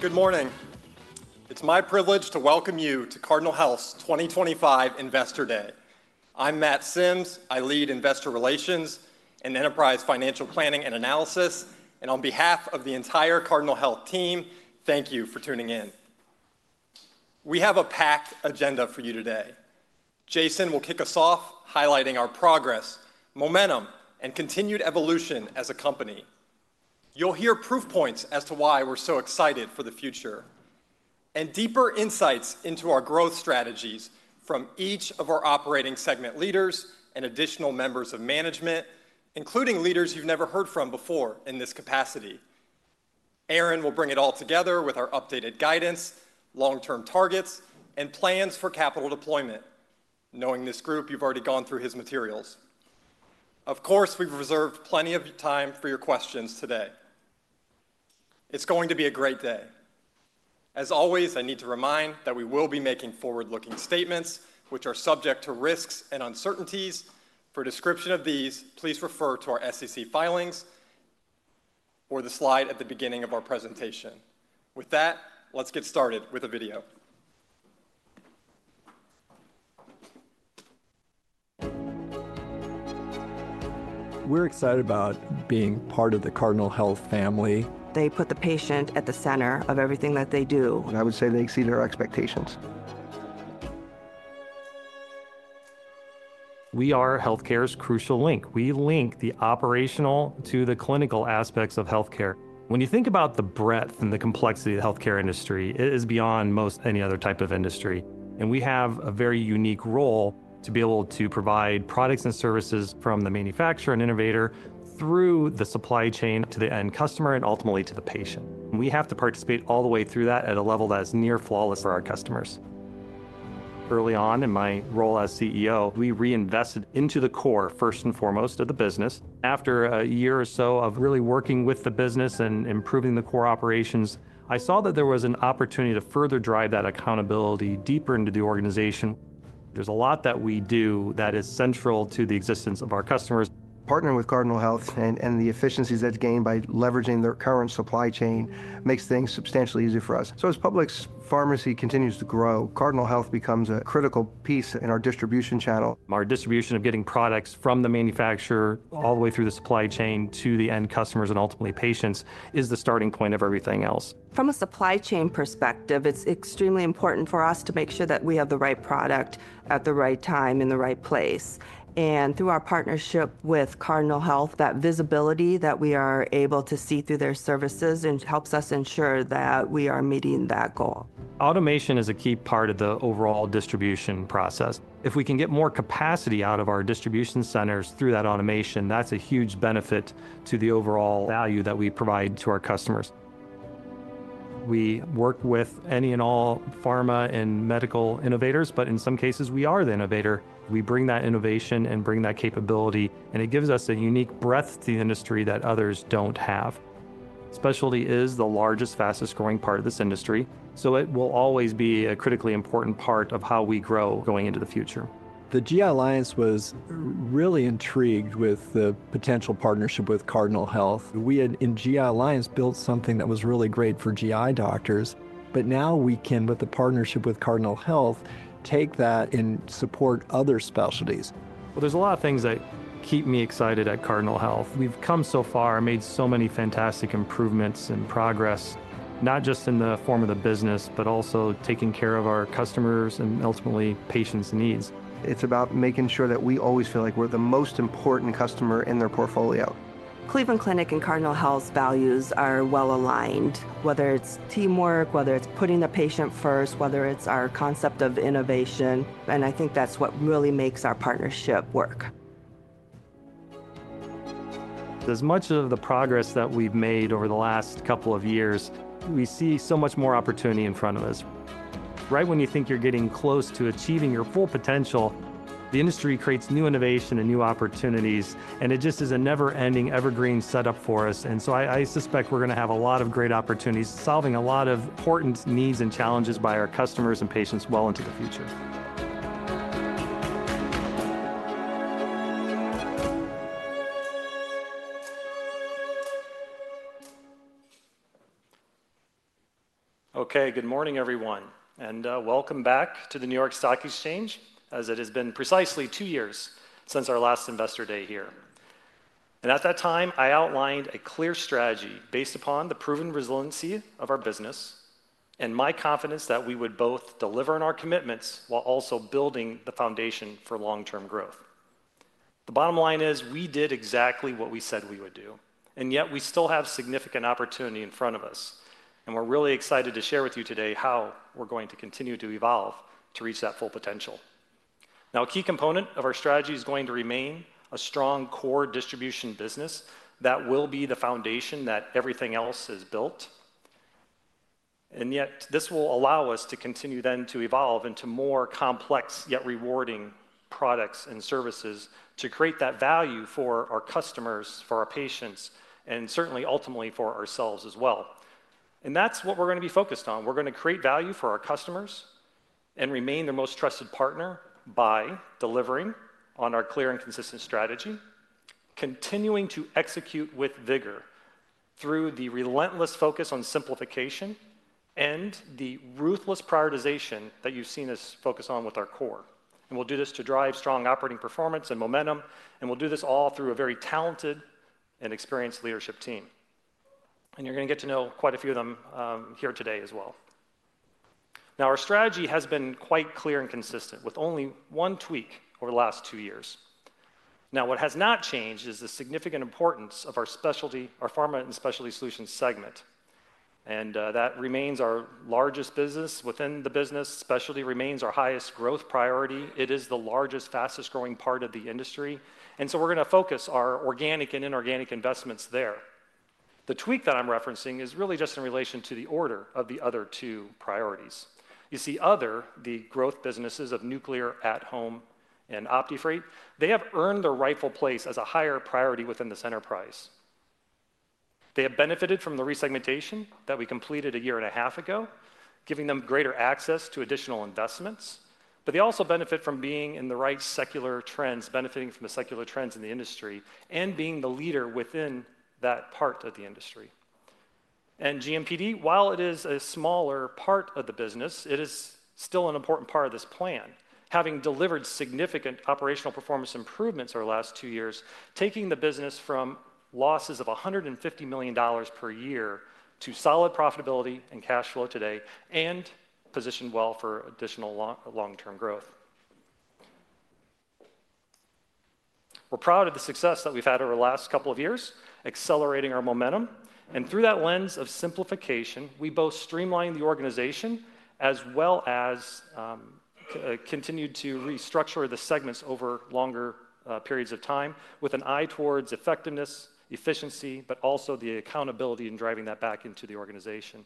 Good morning. It's my privilege to welcome you to Cardinal Health's 2025 Investor Day. I'm Matt Sims. I lead investor relations and enterprise financial planning and analysis. On behalf of the entire Cardinal Health team, thank you for tuning in. We have a packed agenda for you today. Jason will kick us off, highlighting our progress, momentum, and continued evolution as a company. You'll hear proof points as to why we're so excited for the future, and deeper insights into our growth strategies from each of our operating segment leaders and additional members of management, including leaders you've never heard from before in this capacity. Aaron will bring it all together with our updated guidance, long-term targets, and plans for capital deployment. Knowing this group, you've already gone through his materials. Of course, we've reserved plenty of time for your questions today. It's going to be a great day. As always, I need to remind that we will be making forward-looking statements, which are subject to risks and uncertainties. For a description of these, please refer to our SEC filings or the slide at the beginning of our presentation. With that, let's get started with a video. We're excited about being part of the Cardinal Health family. They put the patient at the center of everything that they do. I would say they exceed our expectations. We are healthcare's crucial link. We link the operational to the clinical aspects of healthcare. When you think about the breadth and the complexity of the healthcare industry, it is beyond most any other type of industry. We have a very unique role to be able to provide products and services from the manufacturer and innovator through the supply chain to the end customer and ultimately to the patient. We have to participate all the way through that at a level that is near flawless for our customers. Early on in my role as CEO, we reinvested into the core first and foremost of the business. After a year or so of really working with the business and improving the core operations, I saw that there was an opportunity to further drive that accountability deeper into the organization. There's a lot that we do that is central to the existence of our customers. Partnering with Cardinal Health and the efficiencies that's gained by leveraging their current supply chain makes things substantially easier for us. As Publix Pharmacy continues to grow, Cardinal Health becomes a critical piece in our distribution channel. Our distribution of getting products from the manufacturer all the way through the supply chain to the end customers and ultimately patients is the starting point of everything else. From a supply chain perspective, it's extremely important for us to make sure that we have the right product at the right time in the right place. Through our partnership with Cardinal Health, that visibility that we are able to see through their services helps us ensure that we are meeting that goal. Automation is a key part of the overall distribution process. If we can get more capacity out of our distribution centers through that automation, that's a huge benefit to the overall value that we provide to our customers. We work with any and all pharma and medical innovators, but in some cases, we are the innovator. We bring that innovation and bring that capability, and it gives us a unique breadth to the industry that others don't have. Specialty is the largest, fastest growing part of this industry, so it will always be a critically important part of how we grow going into the future. The GI Alliance was really intrigued with the potential partnership with Cardinal Health. We had in GI Alliance built something that was really great for GI doctors, but now we can, with the partnership with Cardinal Health, take that and support other specialties. There is a lot of things that keep me excited at Cardinal Health. We have come so far and made so many fantastic improvements and progress, not just in the form of the business, but also taking care of our customers and ultimately patients' needs. It's about making sure that we always feel like we're the most important customer in their portfolio. Cleveland Clinic and Cardinal Health's values are well aligned, whether it's teamwork, whether it's putting the patient first, whether it's our concept of innovation. I think that's what really makes our partnership work. As much of the progress that we've made over the last couple of years, we see so much more opportunity in front of us. Right when you think you're getting close to achieving your full potential, the industry creates new innovation and new opportunities, and it just is a never-ending evergreen setup for us. I suspect we're going to have a lot of great opportunities solving a lot of important needs and challenges by our customers and patients well into the future. Okay, good morning, everyone, and welcome back to the New York Stock Exchange as it has been precisely two years since our last Investor Day here. At that time, I outlined a clear strategy based upon the proven resiliency of our business and my confidence that we would both deliver on our commitments while also building the foundation for long-term growth. The bottom line is we did exactly what we said we would do, yet we still have significant opportunity in front of us. We are really excited to share with you today how we are going to continue to evolve to reach that full potential. Now, a key component of our strategy is going to remain a strong core distribution business that will be the foundation that everything else is built. Yet this will allow us to continue then to evolve into more complex yet rewarding products and services to create that value for our customers, for our patients, and certainly ultimately for ourselves as well. That is what we are going to be focused on. We are going to create value for our customers and remain their most trusted partner by delivering on our clear and consistent strategy, continuing to execute with vigor through the relentless focus on simplification and the ruthless prioritization that you have seen us focus on with our core. We will do this to drive strong operating performance and momentum, and we will do this all through a very talented and experienced leadership team. You are going to get to know quite a few of them here today as well. Now, our strategy has been quite clear and consistent with only one tweak over the last two years. Now, what has not changed is the significant importance of our specialty, our pharma and specialty solutions segment. That remains our largest business within the business. Specialty remains our highest growth priority. It is the largest, fastest growing part of the industry. We are going to focus our organic and inorganic investments there. The tweak that I'm referencing is really just in relation to the order of the other two priorities. You see, the growth businesses of nuclear, at-home, and OptiFreight, they have earned their rightful place as a higher priority within this enterprise. They have benefited from the resegmentation that we completed a year and a half ago, giving them greater access to additional investments. They also benefit from being in the right secular trends, benefiting from the secular trends in the industry and being the leader within that part of the industry. GMPD, while it is a smaller part of the business, is still an important part of this plan, having delivered significant operational performance improvements over the last two years, taking the business from losses of $150 million per year to solid profitability and cash flow today and positioned well for additional long-term growth. We are proud of the success that we have had over the last couple of years, accelerating our momentum. Through that lens of simplification, we both streamlined the organization as well as continued to restructure the segments over longer periods of time with an eye towards effectiveness, efficiency, but also the accountability in driving that back into the organization.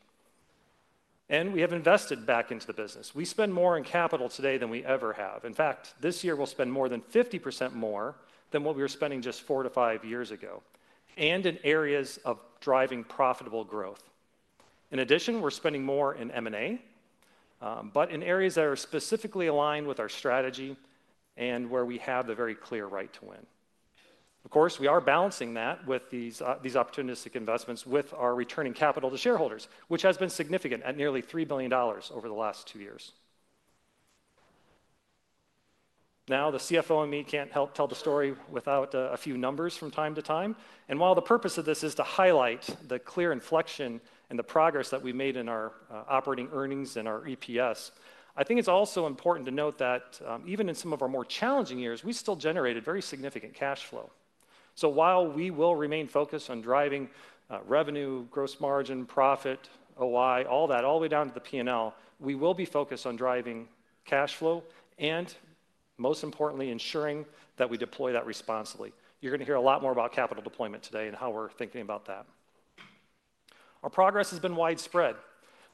We have invested back into the business. We spend more in capital today than we ever have. In fact, this year we'll spend more than 50% more than what we were spending just four to five years ago and in areas of driving profitable growth. In addition, we're spending more in M&A, but in areas that are specifically aligned with our strategy and where we have the very clear right to win. Of course, we are balancing that with these opportunistic investments with our returning capital to shareholders, which has been significant at nearly $3 billion over the last two years. Now, the CFO in me can't help tell the story without a few numbers from time to time. While the purpose of this is to highlight the clear inflection and the progress that we've made in our operating earnings and our EPS, I think it's also important to note that even in some of our more challenging years, we still generated very significant cash flow. While we will remain focused on driving revenue, gross margin, profit, OI, all that, all the way down to the P&L, we will be focused on driving cash flow and, most importantly, ensuring that we deploy that responsibly. You're going to hear a lot more about capital deployment today and how we're thinking about that. Our progress has been widespread.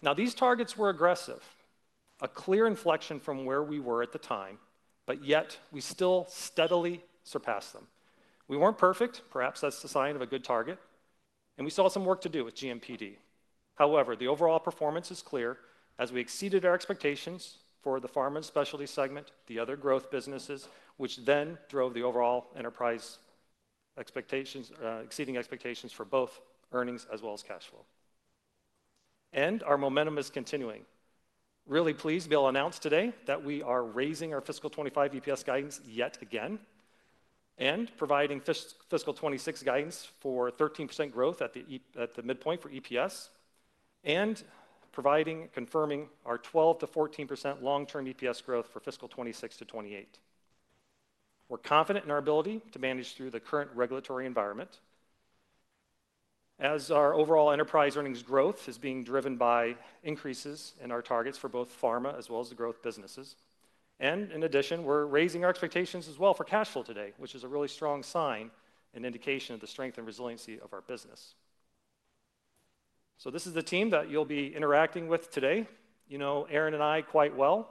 Now, these targets were aggressive, a clear inflection from where we were at the time, but yet we still steadily surpassed them. We weren't perfect. Perhaps that's the sign of a good target. We saw some work to do with GMPD. However, the overall performance is clear as we exceeded our expectations for the pharma and specialty segment, the other growth businesses, which then drove the overall enterprise exceeding expectations for both earnings as well as cash flow. Our momentum is continuing. Really pleased to be able to announce today that we are raising our fiscal 2025 EPS guidance yet again and providing fiscal 2026 guidance for 13% growth at the midpoint for EPS and confirming our 12-14% long-term EPS growth for fiscal 2026 to 2028. We're confident in our ability to manage through the current regulatory environment as our overall enterprise earnings growth is being driven by increases in our targets for both pharma as well as the growth businesses. In addition, we're raising our expectations as well for cash flow today, which is a really strong sign and indication of the strength and resiliency of our business. This is the team that you'll be interacting with today. You know Aaron and I quite well.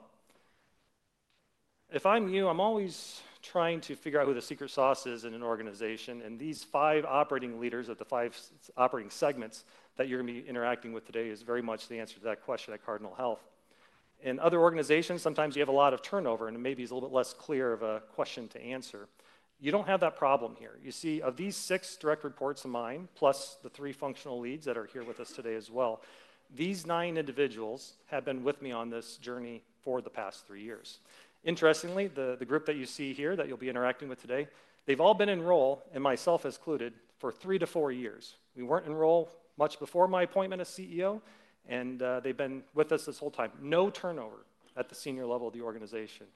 If I'm you, I'm always trying to figure out who the secret sauce is in an organization. These five operating leaders at the five operating segments that you're going to be interacting with today is very much the answer to that question at Cardinal Health. In other organizations, sometimes you have a lot of turnover and it may be a little bit less clear of a question to answer. You don't have that problem here. You see, of these six direct reports of mine, plus the three functional leads that are here with us today as well, these nine individuals have been with me on this journey for the past three years. Interestingly, the group that you see here that you'll be interacting with today, they've all been enrolled and myself excluded for three to four years. We weren't enrolled much before my appointment as CEO, and they've been with us this whole time. No turnover at the senior level of the organization.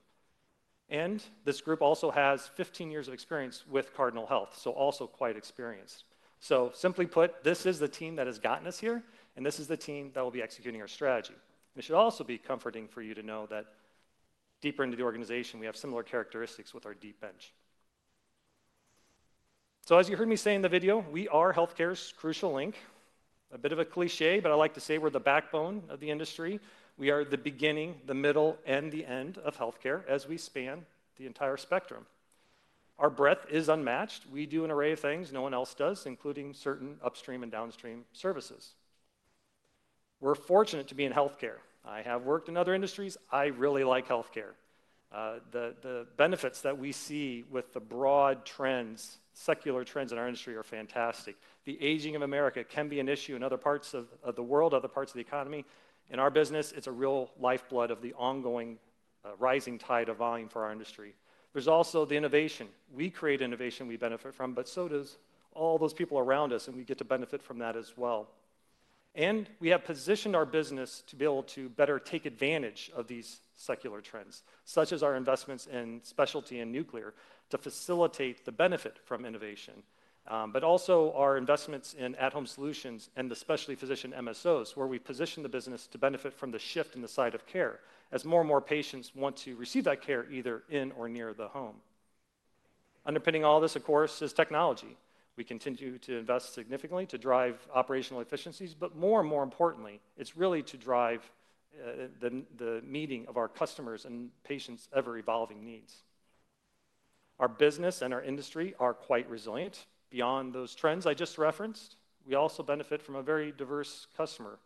This group also has 15 years of experience with Cardinal Health, so also quite experienced. Simply put, this is the team that has gotten us here, and this is the team that will be executing our strategy. It should also be comforting for you to know that deeper into the organization, we have similar characteristics with our deep bench. As you heard me say in the video, we are healthcare's crucial link. A bit of a cliché, but I like to say we're the backbone of the industry. We are the beginning, the middle, and the end of healthcare as we span the entire spectrum. Our breadth is unmatched. We do an array of things no one else does, including certain upstream and downstream services. We're fortunate to be in healthcare. I have worked in other industries. I really like healthcare. The benefits that we see with the broad trends, secular trends in our industry are fantastic. The aging of America can be an issue in other parts of the world, other parts of the economy. In our business, it's a real lifeblood of the ongoing rising tide of volume for our industry. There's also the innovation. We create innovation we benefit from, but so do all those people around us, and we get to benefit from that as well. We have positioned our business to be able to better take advantage of these secular trends, such as our investments in specialty and nuclear to facilitate the benefit from innovation, but also our investments in at-home solutions and the specialty physician MSOs where we position the business to benefit from the shift in the site of care as more and more patients want to receive that care either in or near the home. Underpinning all this, of course, is technology. We continue to invest significantly to drive operational efficiencies, but more and more importantly, it's really to drive the meeting of our customers' and patients' ever-evolving needs. Our business and our industry are quite resilient beyond those trends I just referenced. We also benefit from a very diverse customer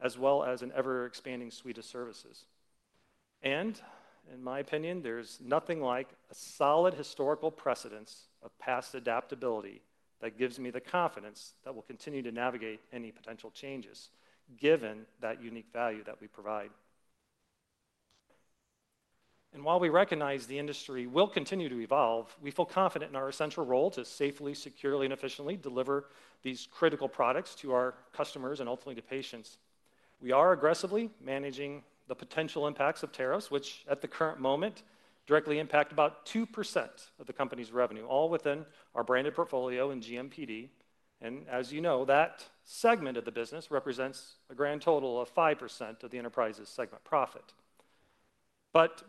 as well as an ever-expanding suite of services. In my opinion, there's nothing like a solid historical precedence of past adaptability that gives me the confidence that we'll continue to navigate any potential changes given that unique value that we provide. While we recognize the industry will continue to evolve, we feel confident in our essential role to safely, securely, and efficiently deliver these critical products to our customers and ultimately to patients. We are aggressively managing the potential impacts of tariffs, which at the current moment directly impact about 2% of the company's revenue, all within our branded portfolio and GMPD. As you know, that segment of the business represents a grand total of 5% of the enterprise's segment profit.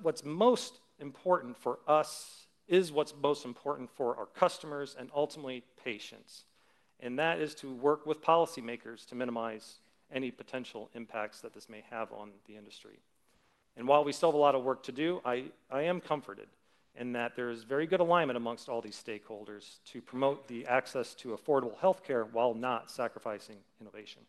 What's most important for us is what's most important for our customers and ultimately patients. That is to work with policymakers to minimize any potential impacts that this may have on the industry. While we still have a lot of work to do, I am comforted in that there is very good alignment amongst all these stakeholders to promote the access to affordable healthcare while not sacrificing innovation.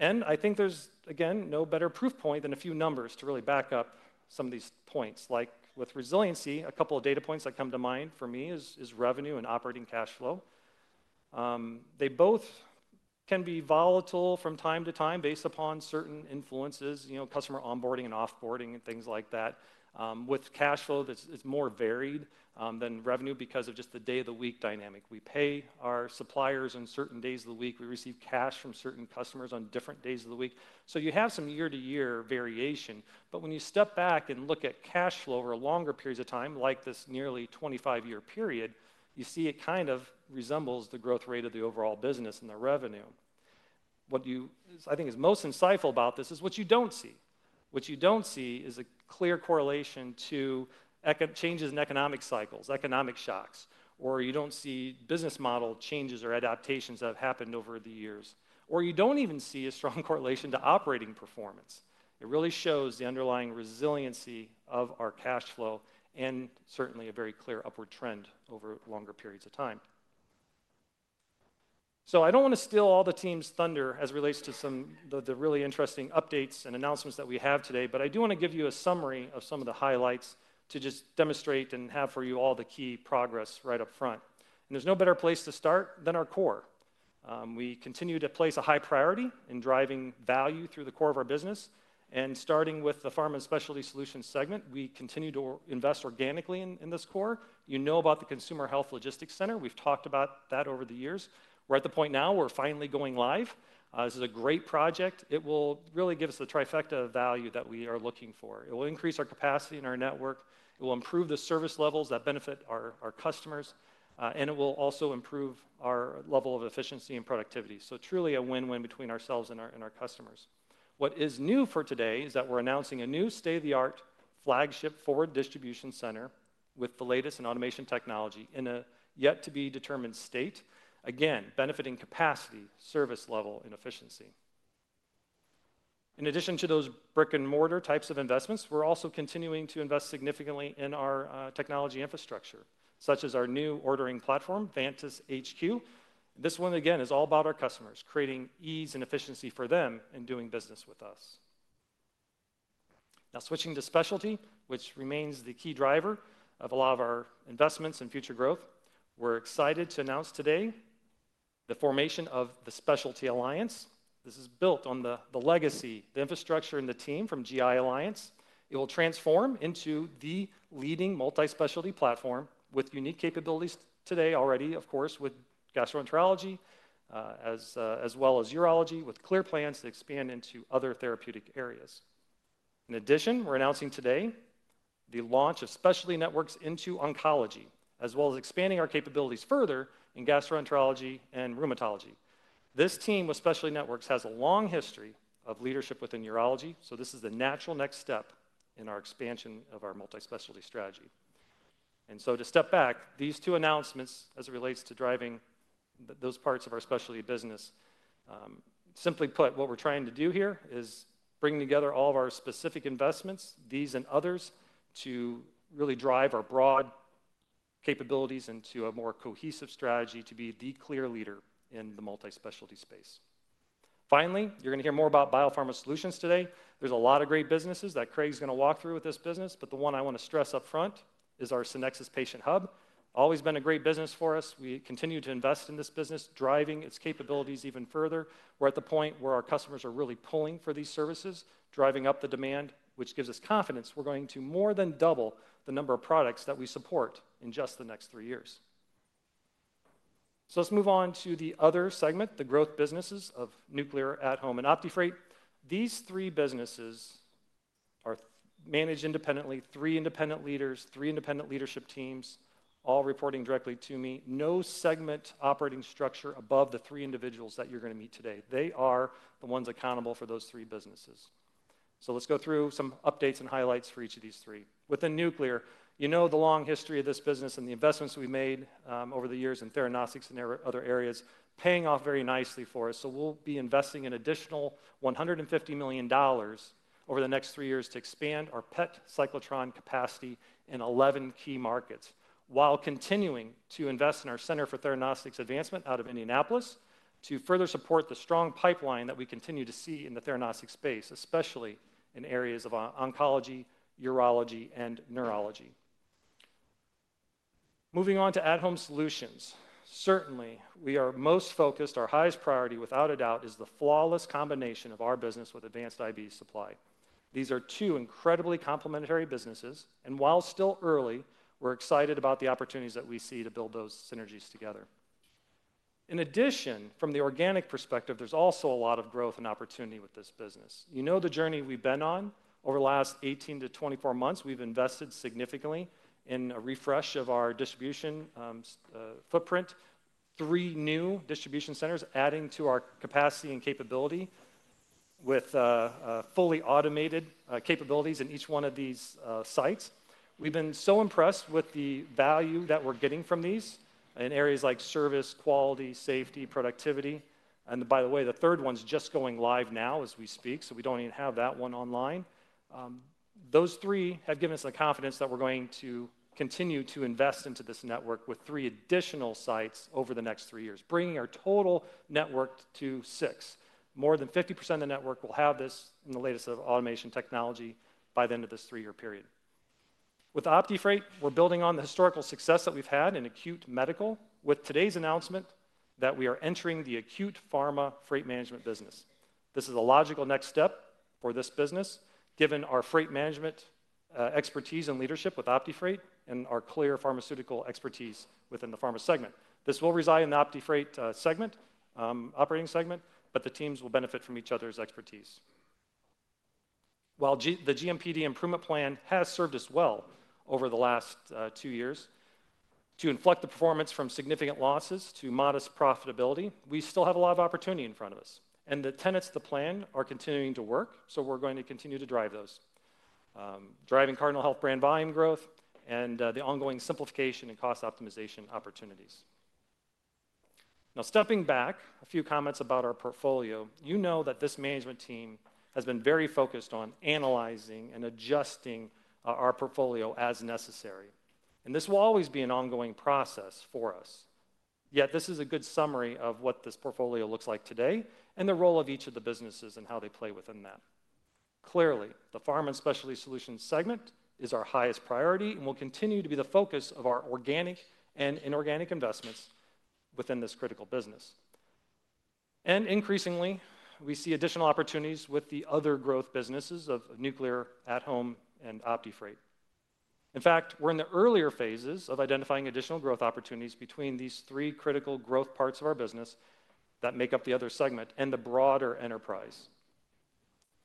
I think there's, again, no better proof point than a few numbers to really back up some of these points. Like with resiliency, a couple of data points that come to mind for me is revenue and operating cash flow. They both can be volatile from time to time based upon certain influences, customer onboarding and offboarding and things like that. With cash flow, it's more varied than revenue because of just the day of the week dynamic. We pay our suppliers on certain days of the week. We receive cash from certain customers on different days of the week. You have some year-to-year variation. When you step back and look at cash flow over longer periods of time, like this nearly 25-year period, you see it kind of resembles the growth rate of the overall business and the revenue. What I think is most insightful about this is what you do not see. What you do not see is a clear correlation to changes in economic cycles, economic shocks, or you do not see business model changes or adaptations that have happened over the years. You do not even see a strong correlation to operating performance. It really shows the underlying resiliency of our cash flow and certainly a very clear upward trend over longer periods of time. I don't want to steal all the team's thunder as it relates to some of the really interesting updates and announcements that we have today, but I do want to give you a summary of some of the highlights to just demonstrate and have for you all the key progress right up front. There's no better place to start than our core. We continue to place a high priority in driving value through the core of our business. Starting with the pharma and specialty solutions segment, we continue to invest organically in this core. You know about the Consumer Health Logistics Center. We've talked about that over the years. We're at the point now where we're finally going live. This is a great project. It will really give us the trifecta of value that we are looking for. It will increase our capacity and our network. It will improve the service levels that benefit our customers. It will also improve our level of efficiency and productivity. Truly a win-win between ourselves and our customers. What is new for today is that we're announcing a new state-of-the-art flagship forward distribution center with the latest in automation technology in a yet-to-be-determined state, again, benefiting capacity, service level, and efficiency. In addition to those brick-and-mortar types of investments, we're also continuing to invest significantly in our technology infrastructure, such as our new ordering platform, Vantis HQ. This one, again, is all about our customers, creating ease and efficiency for them in doing business with us. Now, switching to specialty, which remains the key driver of a lot of our investments and future growth, we're excited to announce today the formation of the Specialty Alliance. This is built on the legacy, the infrastructure, and the team from GI Alliance. It will transform into the leading multi-specialty platform with unique capabilities today already, of course, with gastroenterology, as well as urology, with clear plans to expand into other therapeutic areas. In addition, we're announcing today the launch of Specialty Networks into oncology, as well as expanding our capabilities further in gastroenterology and rheumatology. This team with Specialty Networks has a long history of leadership within urology, so this is the natural next step in our expansion of our multi-specialty strategy. To step back, these two announcements as it relates to driving those parts of our specialty business. Simply put, what we're trying to do here is bring together all of our specific investments, these and others, to really drive our broad capabilities into a more cohesive strategy to be the clear leader in the multi-specialty space. Finally, you're going to hear more about biopharma solutions today. There's a lot of great businesses that Craig's going to walk through with this business, but the one I want to stress up front is our Synnexis Patient Hub. Always been a great business for us. We continue to invest in this business, driving its capabilities even further. We're at the point where our customers are really pulling for these services, driving up the demand, which gives us confidence we're going to more than double the number of products that we support in just the next three years. Let's move on to the other segment, the growth businesses of nuclear, at-home, and OptiFreight. These three businesses are managed independently, three independent leaders, three independent leadership teams, all reporting directly to me. No segment operating structure above the three individuals that you're going to meet today. They are the ones accountable for those three businesses. Let's go through some updates and highlights for each of these three. Within nuclear, you know the long history of this business and the investments we've made over the years in theranostics and other areas paying off very nicely for us. We will be investing an additional $150 million over the next three years to expand our PET cyclotron capacity in 11 key markets while continuing to invest in our Center for Theranostics Advancement out of Indianapolis to further support the strong pipeline that we continue to see in the theranostics space, especially in areas of oncology, urology, and neurology. Moving on to at-home solutions, certainly we are most focused. Our highest priority, without a doubt, is the flawless combination of our business with Advanced IV Supply. These are two incredibly complementary businesses. And while still early, we're excited about the opportunities that we see to build those synergies together. In addition, from the organic perspective, there's also a lot of growth and opportunity with this business. You know the journey we've been on. Over the last 18 to 24 months, we've invested significantly in a refresh of our distribution footprint, three new distribution centers adding to our capacity and capability with fully automated capabilities in each one of these sites. We've been so impressed with the value that we're getting from these in areas like service, quality, safety, productivity. By the way, the third one's just going live now as we speak, so we don't even have that one online. Those three have given us the confidence that we're going to continue to invest into this network with three additional sites over the next three years, bringing our total network to six. More than 50% of the network will have this in the latest of automation technology by the end of this three-year period. With OptiFreight, we're building on the historical success that we've had in acute medical with today's announcement that we are entering the acute pharma freight management business. This is a logical next step for this business given our freight management expertise and leadership with OptiFreight and our clear pharmaceutical expertise within the pharma segment. This will reside in the OptiFreight operating segment, but the teams will benefit from each other's expertise. While the GMPD improvement plan has served us well over the last two years to inflect the performance from significant losses to modest profitability, we still have a lot of opportunity in front of us. The tenets of the plan are continuing to work, so we're going to continue to drive those, driving Cardinal Health brand volume growth and the ongoing simplification and cost optimization opportunities. Now, stepping back, a few comments about our portfolio. You know that this management team has been very focused on analyzing and adjusting our portfolio as necessary. This will always be an ongoing process for us. Yet this is a good summary of what this portfolio looks like today and the role of each of the businesses and how they play within that. Clearly, the pharma and specialty solutions segment is our highest priority and will continue to be the focus of our organic and inorganic investments within this critical business. Increasingly, we see additional opportunities with the other growth businesses of nuclear, at-home, and OptiFreight. In fact, we're in the earlier phases of identifying additional growth opportunities between these three critical growth parts of our business that make up the other segment and the broader enterprise.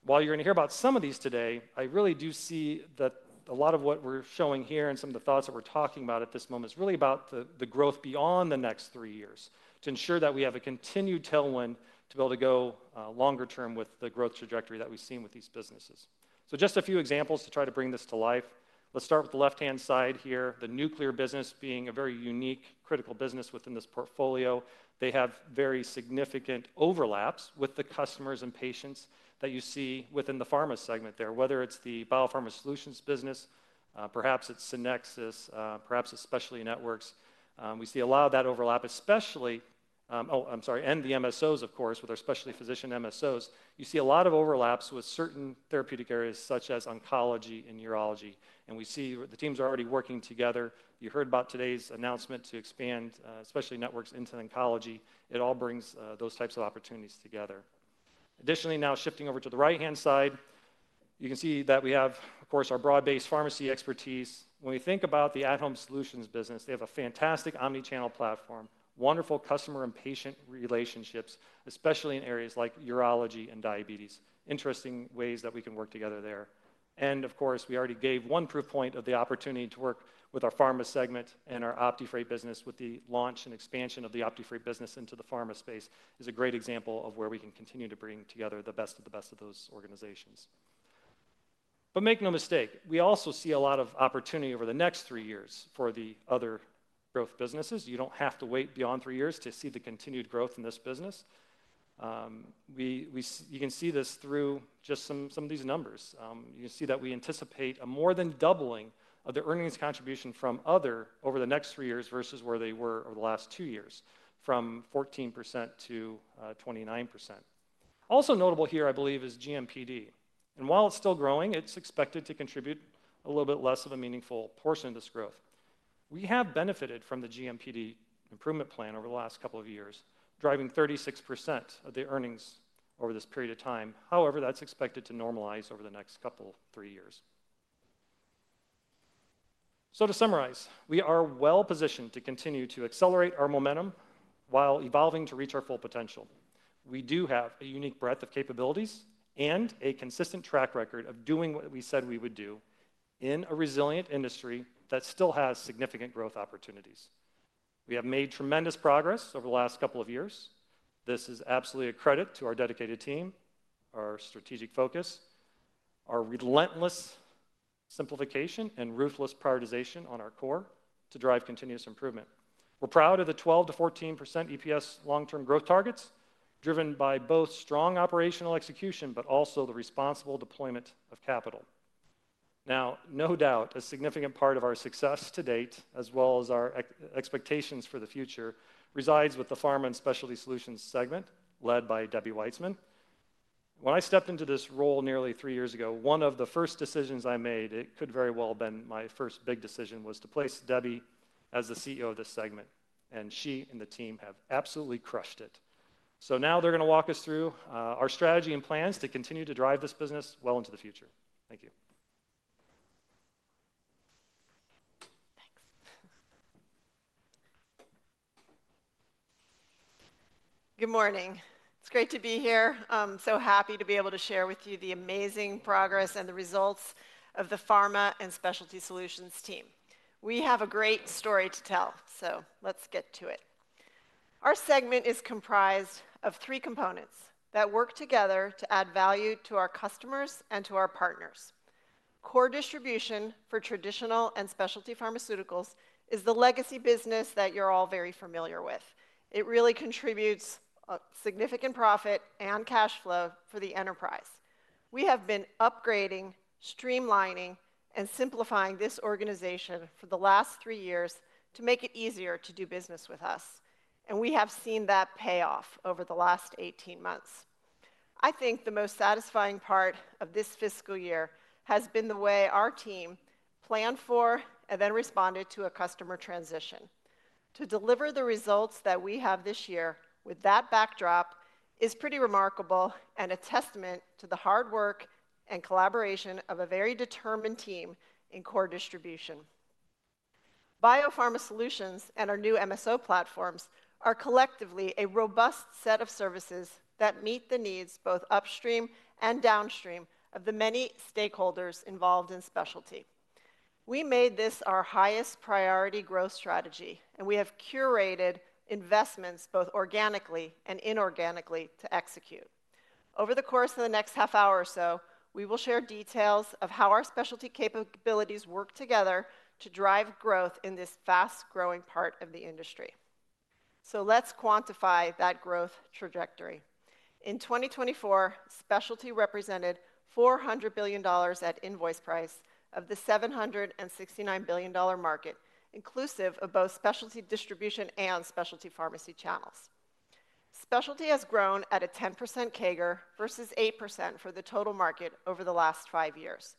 While you're going to hear about some of these today, I really do see that a lot of what we're showing here and some of the thoughts that we're talking about at this moment is really about the growth beyond the next three years to ensure that we have a continued tailwind to be able to go longer term with the growth trajectory that we've seen with these businesses. Just a few examples to try to bring this to life. Let's start with the left-hand side here, the nuclear business being a very unique critical business within this portfolio. They have very significant overlaps with the customers and patients that you see within the pharma segment there, whether it's the biopharma solutions business, perhaps it's Synnexis, perhaps it's Specialty Networks. We see a lot of that overlap, especially—oh, I'm sorry—and the MSOs, of course, with our specialty physician MSOs. You see a lot of overlaps with certain therapeutic areas such as oncology and urology. We see the teams are already working together. You heard about today's announcement to expand Specialty Networks into oncology. It all brings those types of opportunities together. Additionally, now shifting over to the right-hand side, you can see that we have, of course, our broad-based pharmacy expertise. When we think about the at-home solutions business, they have a fantastic omnichannel platform, wonderful customer and patient relationships, especially in areas like urology and diabetes. Interesting ways that we can work together there. Of course, we already gave one proof point of the opportunity to work with our pharma segment and our OptiFreight business with the launch and expansion of the OptiFreight business into the pharma space is a great example of where we can continue to bring together the best of the best of those organizations. Make no mistake, we also see a lot of opportunity over the next three years for the other growth businesses. You do not have to wait beyond three years to see the continued growth in this business. You can see this through just some of these numbers. You can see that we anticipate a more than doubling of the earnings contribution from other over the next three years versus where they were over the last two years, from 14%-29%. Also notable here, I believe, is GMPD. While it is still growing, it is expected to contribute a little bit less of a meaningful portion of this growth. We have benefited from the GMPD improvement plan over the last couple of years, driving 36% of the earnings over this period of time. However, that is expected to normalize over the next couple of three years. To summarize, we are well-positioned to continue to accelerate our momentum while evolving to reach our full potential. We do have a unique breadth of capabilities and a consistent track record of doing what we said we would do in a resilient industry that still has significant growth opportunities. We have made tremendous progress over the last couple of years. This is absolutely a credit to our dedicated team, our strategic focus, our relentless simplification, and ruthless prioritization on our core to drive continuous improvement. We're proud of the 12-14% EPS long-term growth targets driven by both strong operational execution, but also the responsible deployment of capital. Now, no doubt, a significant part of our success to date, as well as our expectations for the future, resides with the pharma and specialty solutions segment led by Debbie Weitzman. When I stepped into this role nearly three years ago, one of the first decisions I made, it could very well have been my first big decision, was to place Debbie as the CEO of this segment. She and the team have absolutely crushed it. Now they're going to walk us through our strategy and plans to continue to drive this business well into the future. Thank you. Thanks. Good morning. It's great to be here. I'm so happy to be able to share with you the amazing progress and the results of the pharma and specialty solutions team. We have a great story to tell, so let's get to it. Our segment is comprised of three components that work together to add value to our customers and to our partners. Core distribution for traditional and specialty pharmaceuticals is the legacy business that you're all very familiar with. It really contributes significant profit and cash flow for the enterprise. We have been upgrading, streamlining, and simplifying this organization for the last three years to make it easier to do business with us. We have seen that pay off over the last 18 months. I think the most satisfying part of this fiscal year has been the way our team planned for and then responded to a customer transition. To deliver the results that we have this year with that backdrop is pretty remarkable and a testament to the hard work and collaboration of a very determined team in core distribution. Biopharma solutions and our new MSO platforms are collectively a robust set of services that meet the needs both upstream and downstream of the many stakeholders involved in specialty. We made this our highest priority growth strategy, and we have curated investments both organically and inorganically to execute. Over the course of the next half hour or so, we will share details of how our specialty capabilities work together to drive growth in this fast-growing part of the industry. Let us quantify that growth trajectory. In 2024, specialty represented $400 billion at invoice price of the $769 billion market, inclusive of both specialty distribution and specialty pharmacy channels. Specialty has grown at a 10% CAGR versus 8% for the total market over the last five years.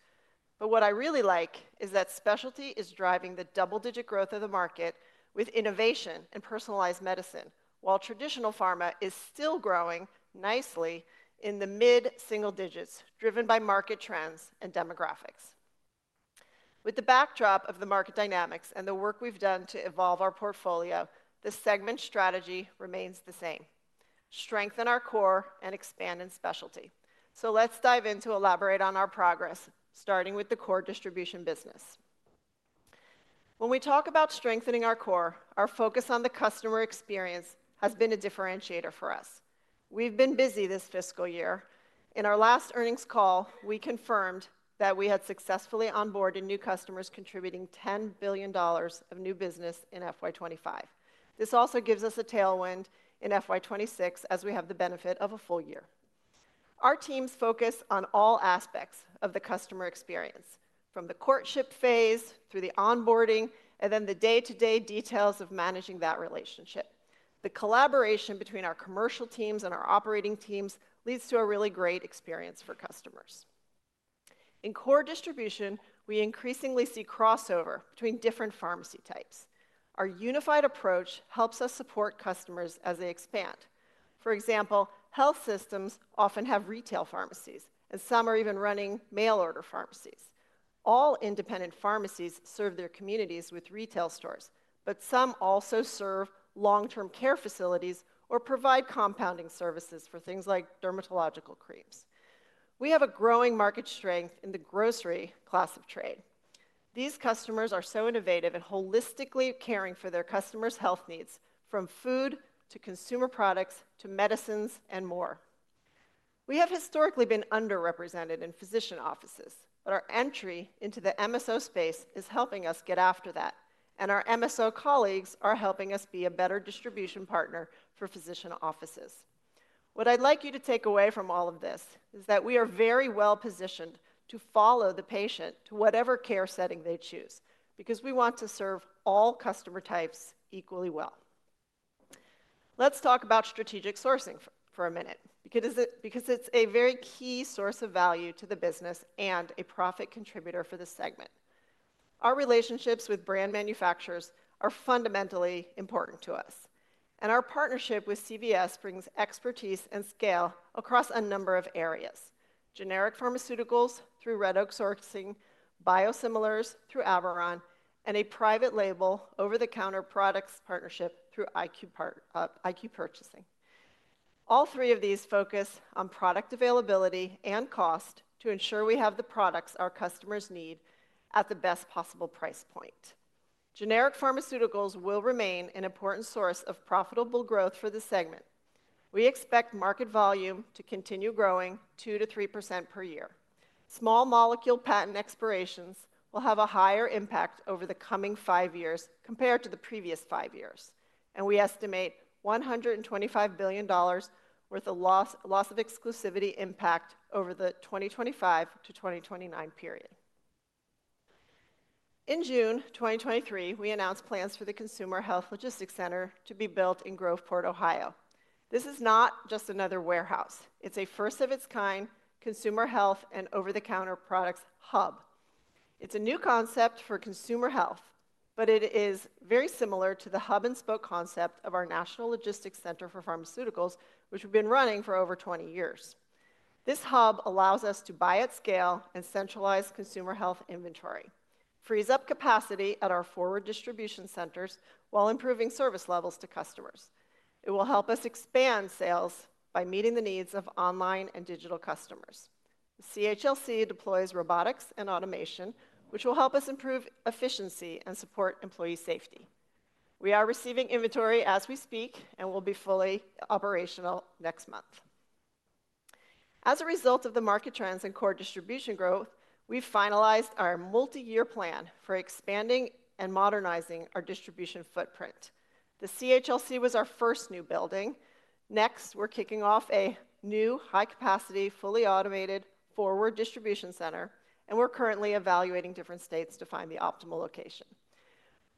What I really like is that specialty is driving the double-digit growth of the market with innovation and personalized medicine, while traditional pharma is still growing nicely in the mid-single digits, driven by market trends and demographics. With the backdrop of the market dynamics and the work we've done to evolve our portfolio, the segment strategy remains the same: strengthen our core and expand in specialty. Let's dive in to elaborate on our progress, starting with the core distribution business. When we talk about strengthening our core, our focus on the customer experience has been a differentiator for us. We've been busy this fiscal year. In our last earnings call, we confirmed that we had successfully onboarded new customers contributing $10 billion of new business in FY25. This also gives us a tailwind in FY26 as we have the benefit of a full year. Our teams focus on all aspects of the customer experience, from the courtship phase through the onboarding and then the day-to-day details of managing that relationship. The collaboration between our commercial teams and our operating teams leads to a really great experience for customers. In core distribution, we increasingly see crossover between different pharmacy types. Our unified approach helps us support customers as they expand. For example, health systems often have retail pharmacies, and some are even running mail-order pharmacies. All independent pharmacies serve their communities with retail stores, but some also serve long-term care facilities or provide compounding services for things like dermatological creams. We have a growing market strength in the grocery class of trade. These customers are so innovative and holistically caring for their customers' health needs, from food to consumer products to medicines and more. We have historically been underrepresented in physician offices, but our entry into the MSO space is helping us get after that. Our MSO colleagues are helping us be a better distribution partner for physician offices. What I'd like you to take away from all of this is that we are very well-positioned to follow the patient to whatever care setting they choose because we want to serve all customer types equally well. Let's talk about strategic sourcing for a minute because it's a very key source of value to the business and a profit contributor for the segment. Our relationships with brand manufacturers are fundamentally important to us. Our partnership with CVS brings expertise and scale across a number of areas: generic pharmaceuticals through Red Oak Sourcing, biosimilars through Averon, and a private label over-the-counter products partnership through IQ Purchasing. All three of these focus on product availability and cost to ensure we have the products our customers need at the best possible price point. Generic pharmaceuticals will remain an important source of profitable growth for the segment. We expect market volume to continue growing 2-3% per year. Small molecule patent expirations will have a higher impact over the coming five years compared to the previous five years. We estimate $125 billion worth of loss of exclusivity impact over the 2025-2029 period. In June 2023, we announced plans for the Consumer Health Logistics Center to be built in Groveport, Ohio. This is not just another warehouse. It's a first-of-its-kind consumer health and over-the-counter products hub. It's a new concept for consumer health, but it is very similar to the hub-and-spoke concept of our National Logistics Center for Pharmaceuticals, which we've been running for over 20 years. This hub allows us to buy at scale and centralize consumer health inventory, frees up capacity at our forward distribution centers while improving service levels to customers. It will help us expand sales by meeting the needs of online and digital customers. CHLC deploys robotics and automation, which will help us improve efficiency and support employee safety. We are receiving inventory as we speak and will be fully operational next month. As a result of the market trends and core distribution growth, we've finalized our multi-year plan for expanding and modernizing our distribution footprint. The CHLC was our first new building. Next, we're kicking off a new high-capacity, fully automated forward distribution center, and we're currently evaluating different states to find the optimal location.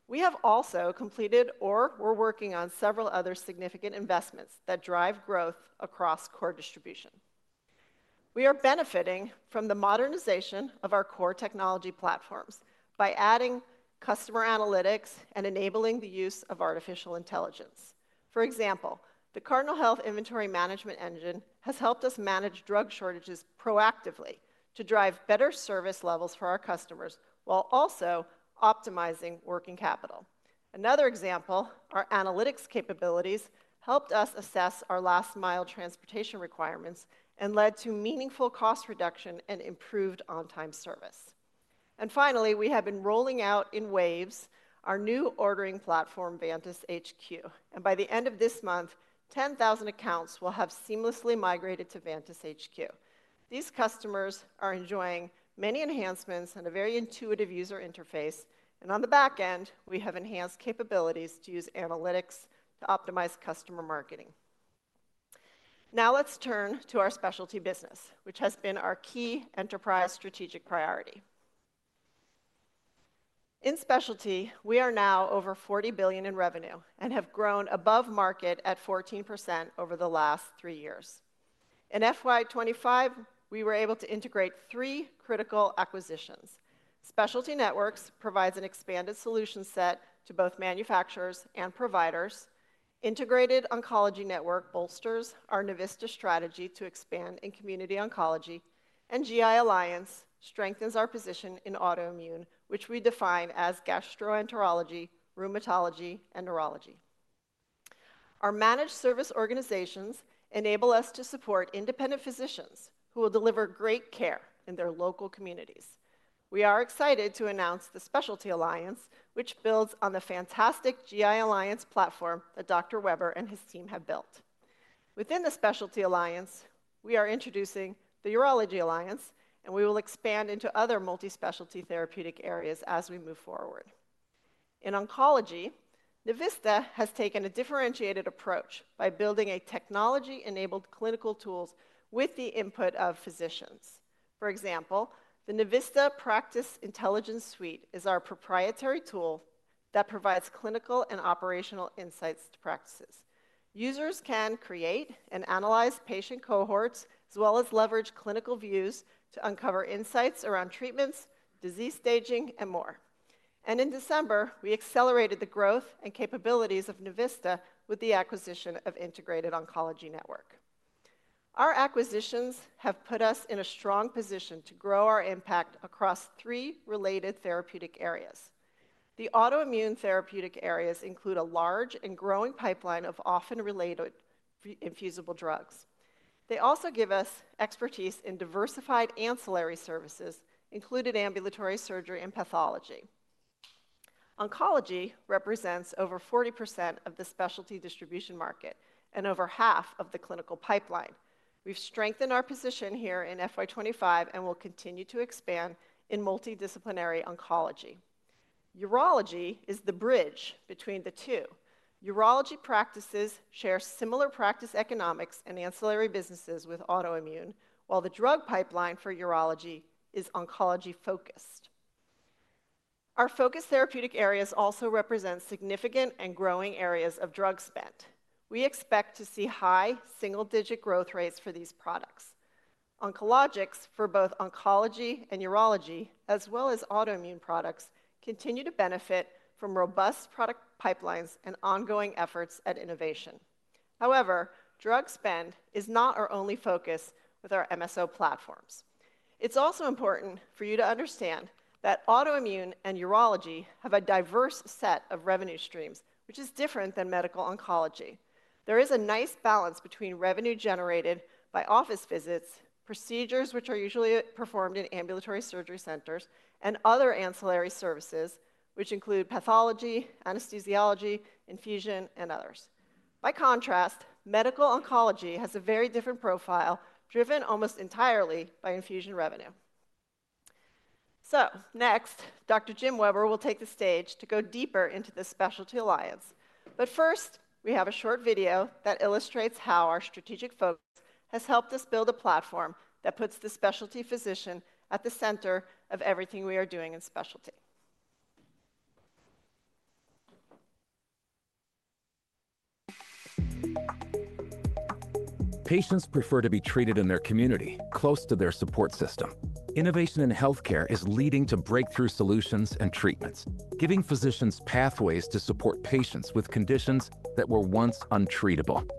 We have also completed or we're working on several other significant investments that drive growth across core distribution. We are benefiting from the modernization of our core technology platforms by adding customer analytics and enabling the use of artificial intelligence. For example, the Cardinal Health Inventory Management Engine has helped us manage drug shortages proactively to drive better service levels for our customers while also optimizing working capital. Another example, our analytics capabilities helped us assess our last-mile transportation requirements and led to meaningful cost reduction and improved on-time service. Finally, we have been rolling out in waves our new ordering platform, Vantis HQ. By the end of this month, 10,000 accounts will have seamlessly migrated to Vantis HQ. These customers are enjoying many enhancements and a very intuitive user interface. On the back end, we have enhanced capabilities to use analytics to optimize customer marketing. Now let's turn to our specialty business, which has been our key enterprise strategic priority. In specialty, we are now over $40 billion in revenue and have grown above market at 14% over the last three years. In fiscal year 2025, we were able to integrate three critical acquisitions. Specialty Networks provides an expanded solution set to both manufacturers and providers. Integrated Oncology Network bolsters our Novista strategy to expand in community oncology. GI Alliance strengthens our position in autoimmune, which we define as gastroenterology, rheumatology, and neurology. Our managed service organizations enable us to support independent physicians who will deliver great care in their local communities. We are excited to announce the Specialty Alliance, which builds on the fantastic GI Alliance platform that Dr. Weber and his team have built. Within the Specialty Alliance, we are introducing the Urology Alliance, and we will expand into other multi-specialty therapeutic areas as we move forward. In oncology, Novista has taken a differentiated approach by building technology-enabled clinical tools with the input of physicians. For example, the Novista Practice Intelligence Suite is our proprietary tool that provides clinical and operational insights to practices. Users can create and analyze patient cohorts, as well as leverage clinical views to uncover insights around treatments, disease staging, and more. In December, we accelerated the growth and capabilities of Novista with the acquisition of Integrated Oncology Network. Our acquisitions have put us in a strong position to grow our impact across three related therapeutic areas. The autoimmune therapeutic areas include a large and growing pipeline of often related infusible drugs. They also give us expertise in diversified ancillary services, including ambulatory surgery and pathology. Oncology represents over 40% of the specialty distribution market and over half of the clinical pipeline. We've strengthened our position here in FY2025 and will continue to expand in multidisciplinary oncology. Urology is the bridge between the two. Urology practices share similar practice economics and ancillary businesses with autoimmune, while the drug pipeline for urology is oncology-focused. Our focus therapeutic areas also represent significant and growing areas of drug spend. We expect to see high single-digit growth rates for these products. Oncologics for both oncology and urology, as well as autoimmune products, continue to benefit from robust product pipelines and ongoing efforts at innovation. However, drug spend is not our only focus with our MSO platforms. It's also important for you to understand that autoimmune and urology have a diverse set of revenue streams, which is different than medical oncology. There is a nice balance between revenue generated by office visits, procedures which are usually performed in ambulatory surgery centers, and other ancillary services, which include pathology, anesthesiology, infusion, and others. By contrast, medical oncology has a very different profile, driven almost entirely by infusion revenue. Next, Dr. Jim Weber will take the stage to go deeper into the Specialty Alliance. First, we have a short video that illustrates how our strategic focus has helped us build a platform that puts the specialty physician at the center of everything we are doing in specialty. Patients prefer to be treated in their community, close to their support system. Innovation in healthcare is leading to breakthrough solutions and treatments, giving physicians pathways to support patients with conditions that were once untreatable.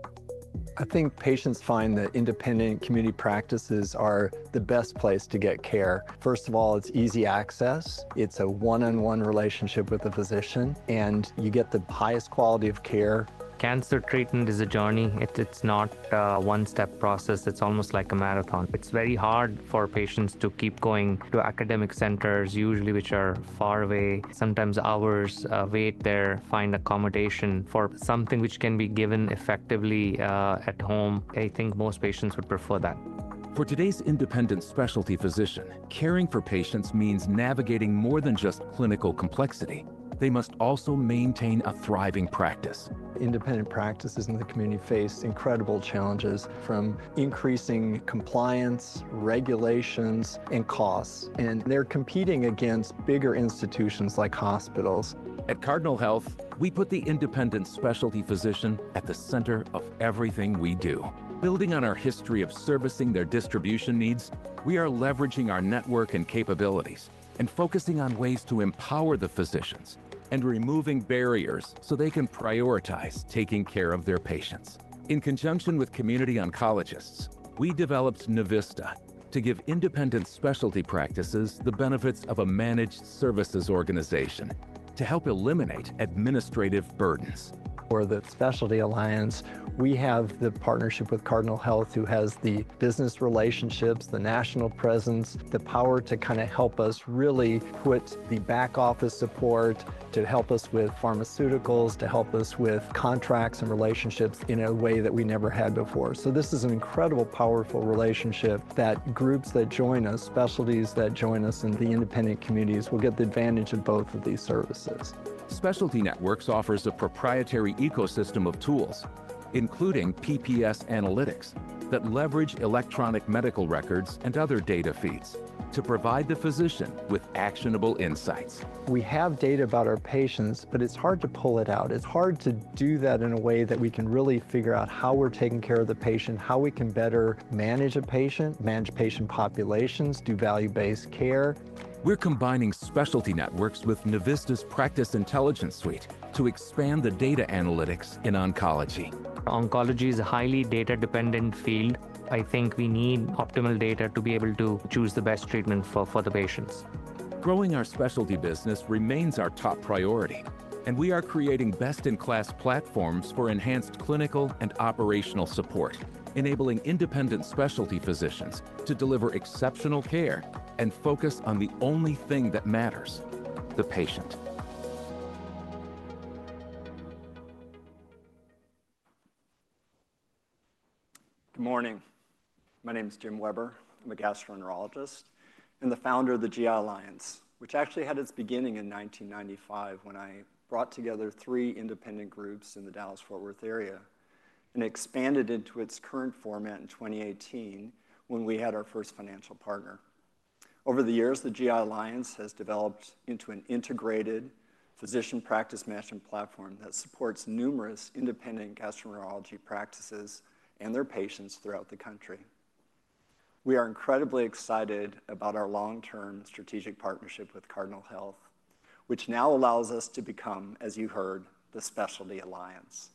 I think patients find that independent community practices are the best place to get care. First of all, it's easy access. It's a one-on-one relationship with the physician, and you get the highest quality of care. Cancer treatment is a journey. It's not a one-step process. It's almost like a marathon. It's very hard for patients to keep going to academic centers, usually which are far away. Sometimes hours wait there, find accommodation for something which can be given effectively at home. I think most patients would prefer that. For today's independent specialty physician, caring for patients means navigating more than just clinical complexity. They must also maintain a thriving practice. Independent practices in the community face incredible challenges from increasing compliance, regulations, and costs. They're competing against bigger institutions like hospitals. At Cardinal Health, we put the independent specialty physician at the center of everything we do. Building on our history of servicing their distribution needs, we are leveraging our network and capabilities and focusing on ways to empower the physicians and removing barriers so they can prioritize taking care of their patients. In conjunction with community oncologists, we developed Novista to give independent specialty practices the benefits of a managed services organization to help eliminate administrative burdens. For the Specialty Alliance, we have the partnership with Cardinal Health, who has the business relationships, the national presence, the power to kind of help us really put the back office support to help us with pharmaceuticals, to help us with contracts and relationships in a way that we never had before. This is an incredible, powerful relationship that groups that join us, specialties that join us, and the independent communities will get the advantage of both of these services. Specialty Networks offers a proprietary ecosystem of tools, including PPS Analytics that leverage electronic medical records and other data feeds to provide the physician with actionable insights. We have data about our patients, but it's hard to pull it out. It's hard to do that in a way that we can really figure out how we're taking care of the patient, how we can better manage a patient, manage patient populations, do value-based care. We're combining Specialty Networks with Novista's Practice Intelligence Suite to expand the data analytics in oncology. Oncology is a highly data-dependent field. I think we need optimal data to be able to choose the best treatment for the patients. Growing our specialty business remains our top priority, and we are creating best-in-class platforms for enhanced clinical and operational support, enabling independent specialty physicians to deliver exceptional care and focus on the only thing that matters: the patient. Good morning. My name is Jim Weber. I'm a gastroenterologist and the founder of the GI Alliance, which actually had its beginning in 1995 when I brought together three independent groups in the Dallas-Fort Worth area and expanded into its current format in 2018 when we had our first financial partner. Over the years, the GI Alliance has developed into an integrated physician practice matching platform that supports numerous independent gastroenterology practices and their patients throughout the country. We are incredibly excited about our long-term strategic partnership with Cardinal Health, which now allows us to become, as you heard, the Specialty Alliance.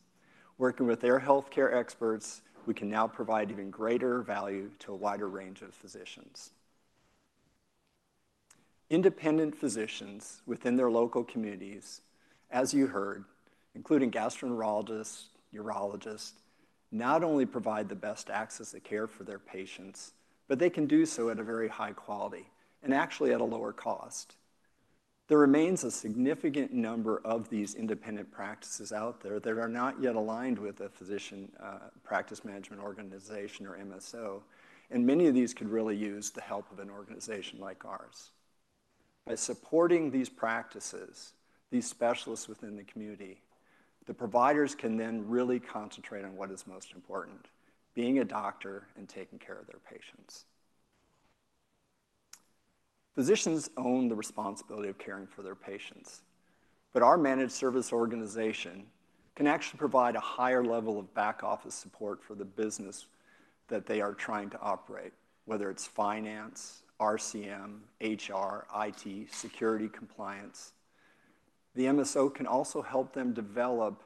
Working with their healthcare experts, we can now provide even greater value to a wider range of physicians. Independent physicians within their local communities, as you heard, including gastroenterologists, urologists, not only provide the best access to care for their patients, but they can do so at a very high quality and actually at a lower cost. There remains a significant number of these independent practices out there that are not yet aligned with a physician practice management organization or MSO. Many of these could really use the help of an organization like ours. By supporting these practices, these specialists within the community, the providers can then really concentrate on what is most important: being a doctor and taking care of their patients. Physicians own the responsibility of caring for their patients, but our managed service organization can actually provide a higher level of back office support for the business that they are trying to operate, whether it's finance, RCM, HR, IT, security, compliance. The MSO can also help them develop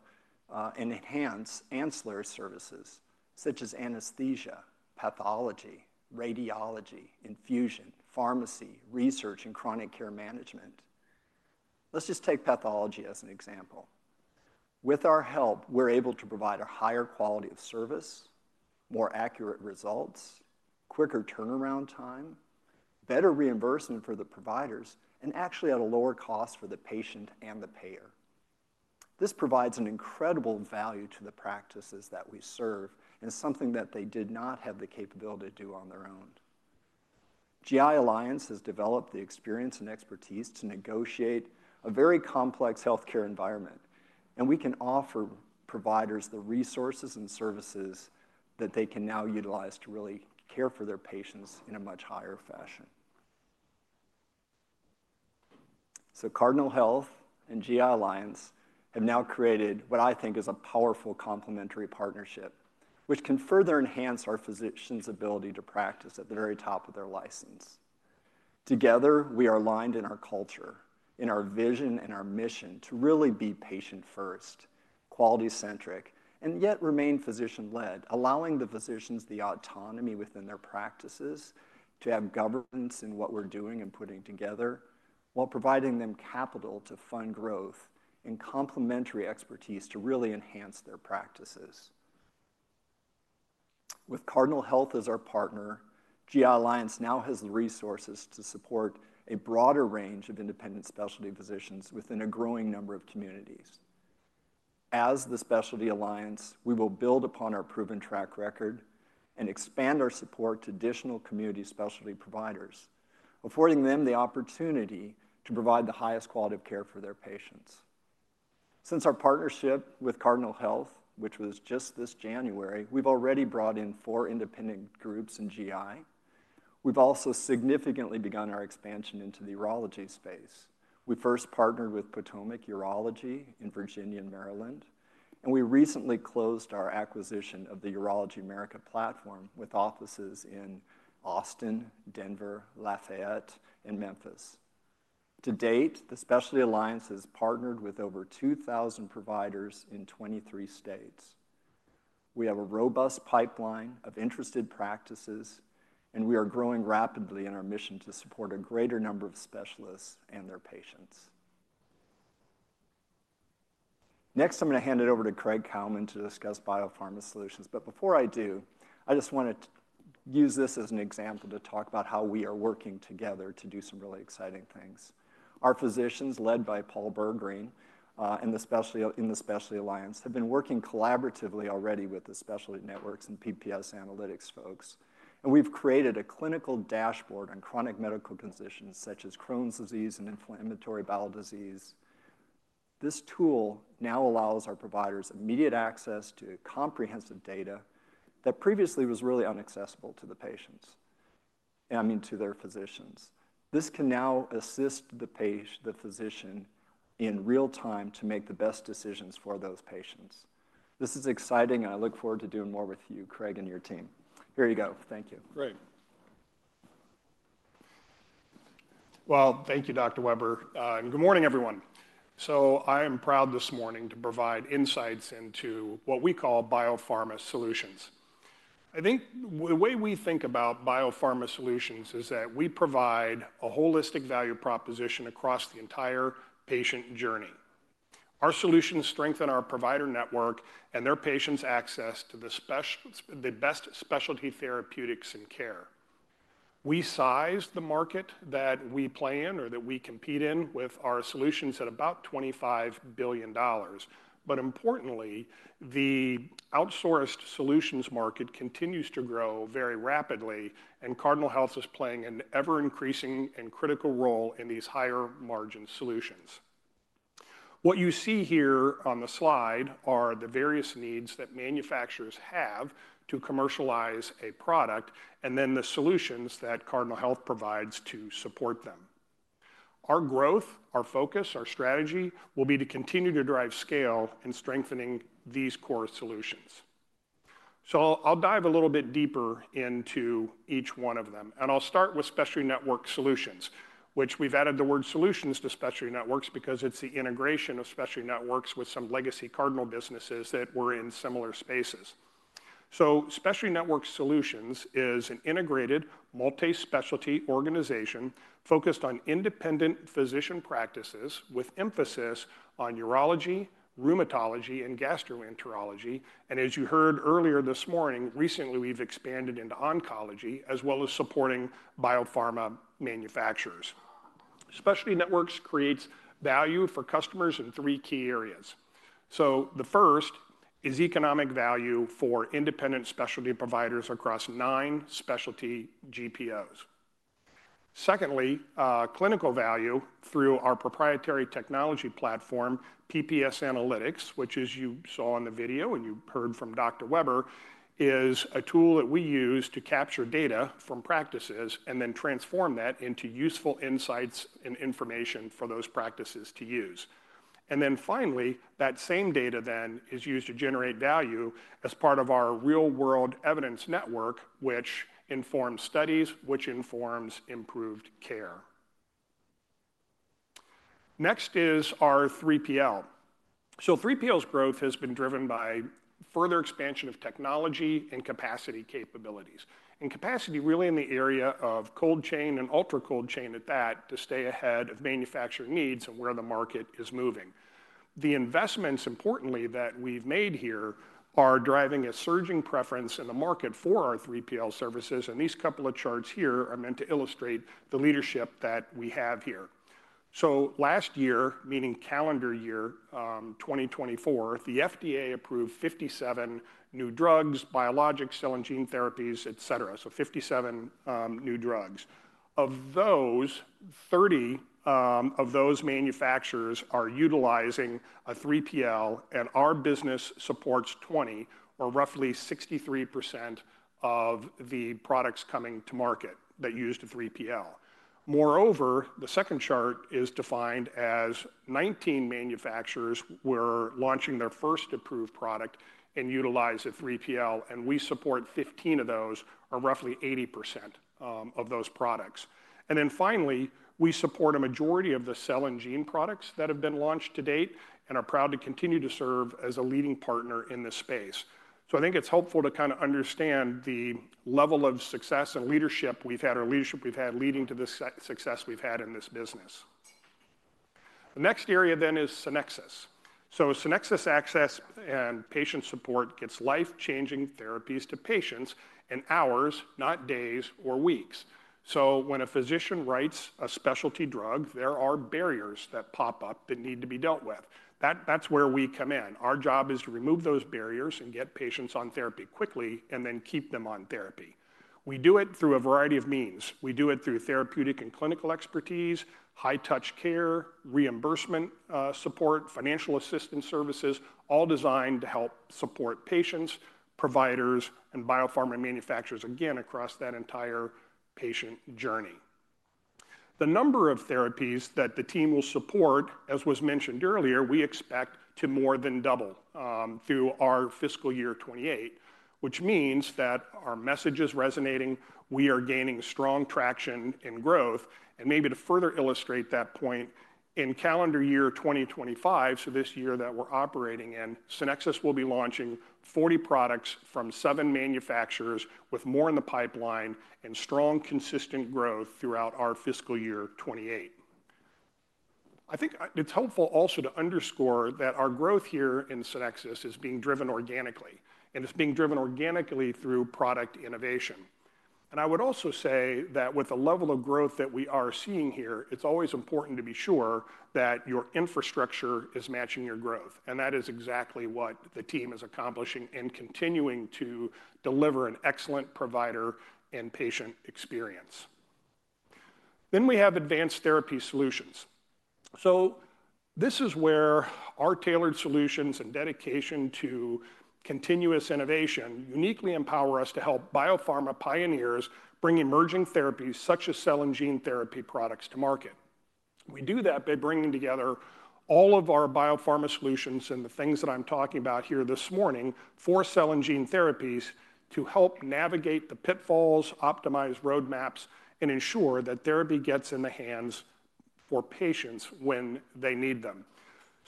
and enhance ancillary services such as anesthesia, pathology, radiology, infusion, pharmacy, research, and chronic care management. Let's just take pathology as an example. With our help, we're able to provide a higher quality of service, more accurate results, quicker turnaround time, better reimbursement for the providers, and actually at a lower cost for the patient and the payer. This provides an incredible value to the practices that we serve and something that they did not have the capability to do on their own. GI Alliance has developed the experience and expertise to negotiate a very complex healthcare environment, and we can offer providers the resources and services that they can now utilize to really care for their patients in a much higher fashion. Cardinal Health and GI Alliance have now created what I think is a powerful complementary partnership, which can further enhance our physicians' ability to practice at the very top of their license. Together, we are aligned in our culture, in our vision, and our mission to really be patient-first, quality-centric, and yet remain physician-led, allowing the physicians the autonomy within their practices to have governance in what we're doing and putting together while providing them capital to fund growth and complementary expertise to really enhance their practices. With Cardinal Health as our partner, GI Alliance now has the resources to support a broader range of independent specialty physicians within a growing number of communities. As the Specialty Alliance, we will build upon our proven track record and expand our support to additional community specialty providers, affording them the opportunity to provide the highest quality of care for their patients. Since our partnership with Cardinal Health, which was just this January, we've already brought in four independent groups in GI. We've also significantly begun our expansion into the urology space. We first partnered with Potomac Urology in Virginia and Maryland, and we recently closed our acquisition of the Urology America platform with offices in Austin, Denver, Lafayette, and Memphis. To date, the Specialty Alliance has partnered with over 2,000 providers in 23 states. We have a robust pipeline of interested practices, and we are growing rapidly in our mission to support a greater number of specialists and their patients. Next, I'm going to hand it over to Craig Cowman to discuss biopharma solutions. Before I do, I just want to use this as an example to talk about how we are working together to do some really exciting things. Our physicians, led by Paul Bergreen in the Specialty Alliance, have been working collaboratively already with the Specialty Networks and PPS Analytics folks. We have created a clinical dashboard on chronic medical conditions such as Crohn's disease and inflammatory bowel disease. This tool now allows our providers immediate access to comprehensive data that previously was really unaccessible to the patients, I mean, to their physicians. This can now assist the physician in real time to make the best decisions for those patients. This is exciting, and I look forward to doing more with you, Craig, and your team. Here you go. Thank you. Great. Thank you, Dr. Weber. Good morning, everyone. I am proud this morning to provide insights into what we call biopharma solutions. I think the way we think about biopharma solutions is that we provide a holistic value proposition across the entire patient journey. Our solutions strengthen our provider network and their patients' access to the best specialty therapeutics and care. We size the market that we play in or that we compete in with our solutions at about $25 billion. Importantly, the outsourced solutions market continues to grow very rapidly, and Cardinal Health is playing an ever-increasing and critical role in these higher-margin solutions. What you see here on the slide are the various needs that manufacturers have to commercialize a product and then the solutions that Cardinal Health provides to support them. Our growth, our focus, our strategy will be to continue to drive scale in strengthening these core solutions. I'll dive a little bit deeper into each one of them. I'll start with Specialty Network Solutions, which we've added the word solutions to Specialty Networks because it's the integration of Specialty Networks with some legacy Cardinal businesses that were in similar spaces. Specialty Network Solutions is an integrated multi-specialty organization focused on independent physician practices with emphasis on urology, rheumatology, and gastroenterology. As you heard earlier this morning, recently we've expanded into oncology as well as supporting biopharma manufacturers. Specialty Networks creates value for customers in three key areas. The first is economic value for independent specialty providers across nine specialty GPOs. Secondly, clinical value through our proprietary technology platform, PPS Analytics, which, as you saw in the video and you heard from Dr. Weber, is a tool that we use to capture data from practices and then transform that into useful insights and information for those practices to use. Finally, that same data then is used to generate value as part of our real-world evidence network, which informs studies, which informs improved care. Next is our 3PL. 3PL's growth has been driven by further expansion of technology and capacity capabilities. Capacity really in the area of cold chain and ultra cold chain at that to stay ahead of manufacturer needs and where the market is moving. The investments, importantly, that we've made here are driving a surging preference in the market for our 3PL services. These couple of charts here are meant to illustrate the leadership that we have here. Last year, meaning calendar year 2024, the FDA approved 57 new drugs, biologics, cell and gene therapies, etc. So 57 new drugs. Of those, 30 of those manufacturers are utilizing a 3PL, and our business supports 20, or roughly 63% of the products coming to market that use the 3PL. Moreover, the second chart is defined as 19 manufacturers were launching their first approved product and utilize a 3PL, and we support 15 of those, or roughly 80% of those products. Finally, we support a majority of the cell and gene products that have been launched to date and are proud to continue to serve as a leading partner in this space. I think it's helpful to kind of understand the level of success and leadership we've had, or leadership we've had leading to the success we've had in this business. The next area then is Synnexis. Synnexis Access and Patient Support gets life-changing therapies to patients in hours, not days or weeks. When a physician writes a specialty drug, there are barriers that pop up that need to be dealt with. That's where we come in. Our job is to remove those barriers and get patients on therapy quickly and then keep them on therapy. We do it through a variety of means. We do it through therapeutic and clinical expertise, high-touch care, reimbursement support, financial assistance services, all designed to help support patients, providers, and biopharma manufacturers, again, across that entire patient journey. The number of therapies that the team will support, as was mentioned earlier, we expect to more than double through our fiscal year 2028, which means that our message is resonating. We are gaining strong traction and growth. Maybe to further illustrate that point, in calendar year 2025, so this year that we're operating in, Synnexis will be launching 40 products from seven manufacturers with more in the pipeline and strong, consistent growth throughout our fiscal year 2028. I think it's helpful also to underscore that our growth here in Synnexis is being driven organically, and it's being driven organically through product innovation. I would also say that with the level of growth that we are seeing here, it's always important to be sure that your infrastructure is matching your growth. That is exactly what the team is accomplishing and continuing to deliver an excellent provider and patient experience. We have advanced therapy solutions. This is where our tailored solutions and dedication to continuous innovation uniquely empower us to help biopharma pioneers bring emerging therapies, such as cell and gene therapy products, to market. We do that by bringing together all of our biopharma solutions and the things that I'm talking about here this morning for cell and gene therapies to help navigate the pitfalls, optimize roadmaps, and ensure that therapy gets in the hands for patients when they need them.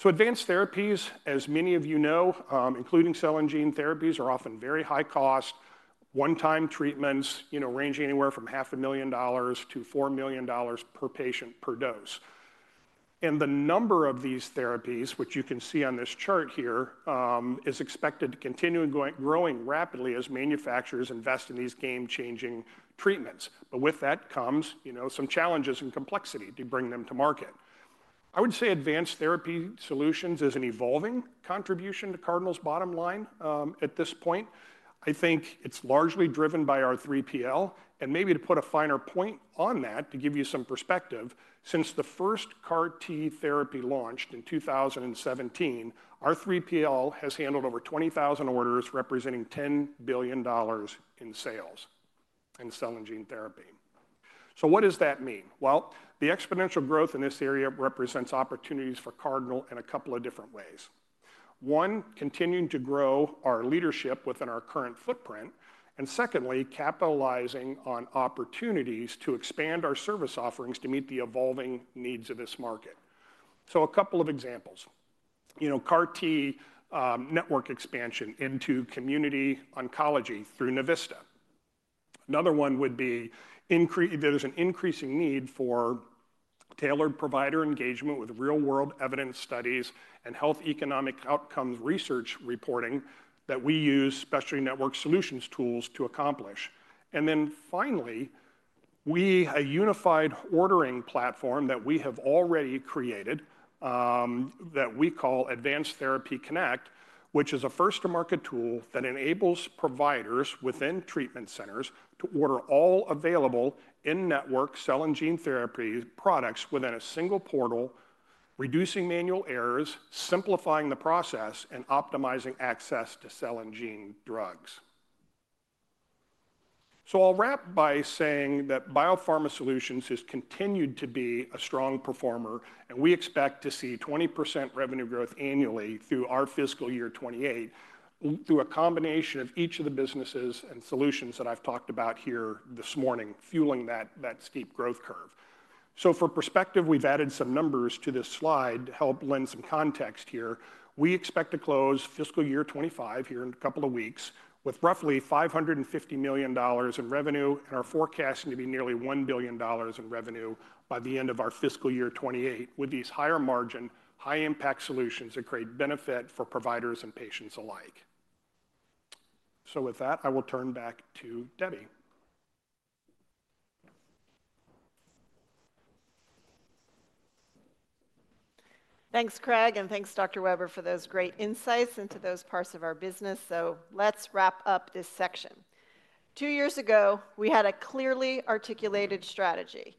Advanced therapies, as many of you know, including cell and gene therapies, are often very high-cost, one-time treatments, ranging anywhere from $500,000-$4 million per patient per dose. The number of these therapies, which you can see on this chart here, is expected to continue growing rapidly as manufacturers invest in these game-changing treatments. With that comes some challenges and complexity to bring them to market. I would say advanced therapy solutions is an evolving contribution to Cardinal Health's bottom line at this point. I think it's largely driven by our 3PL. Maybe to put a finer point on that, to give you some perspective, since the first CAR T therapy launched in 2017, our 3PL has handled over 20,000 orders, representing $10 billion in sales in cell and gene therapy. What does that mean? The exponential growth in this area represents opportunities for Cardinal Health in a couple of different ways. One, continuing to grow our leadership within our current footprint. Secondly, capitalizing on opportunities to expand our service offerings to meet the evolving needs of this market. A couple of examples. CAR T network expansion into community oncology through Novista. Another one would be there's an increasing need for tailored provider engagement with real-world evidence studies and health economic outcomes research reporting that we use Specialty Networks Solutions tools to accomplish. Finally, we have a unified ordering platform that we have already created that we call Advanced Therapy Connect, which is a first-to-market tool that enables providers within treatment centers to order all available in-network cell and gene therapy products within a single portal, reducing manual errors, simplifying the process, and optimizing access to cell and gene drugs. I'll wrap by saying that Biopharma Solutions has continued to be a strong performer, and we expect to see 20% revenue growth annually through our fiscal year 2028 through a combination of each of the businesses and solutions that I've talked about here this morning, fueling that steep growth curve. For perspective, we've added some numbers to this slide to help lend some context here. We expect to close fiscal year 2025 here in a couple of weeks with roughly $550 million in revenue, and our forecast is going to be nearly $1 billion in revenue by the end of our fiscal year 2028 with these higher-margin, high-impact solutions that create benefit for providers and patients alike. With that, I will turn back to Debbie. Thanks, Craig, and thanks, Dr. Weber, for those great insights into those parts of our business. Let's wrap up this section. Two years ago, we had a clearly articulated strategy.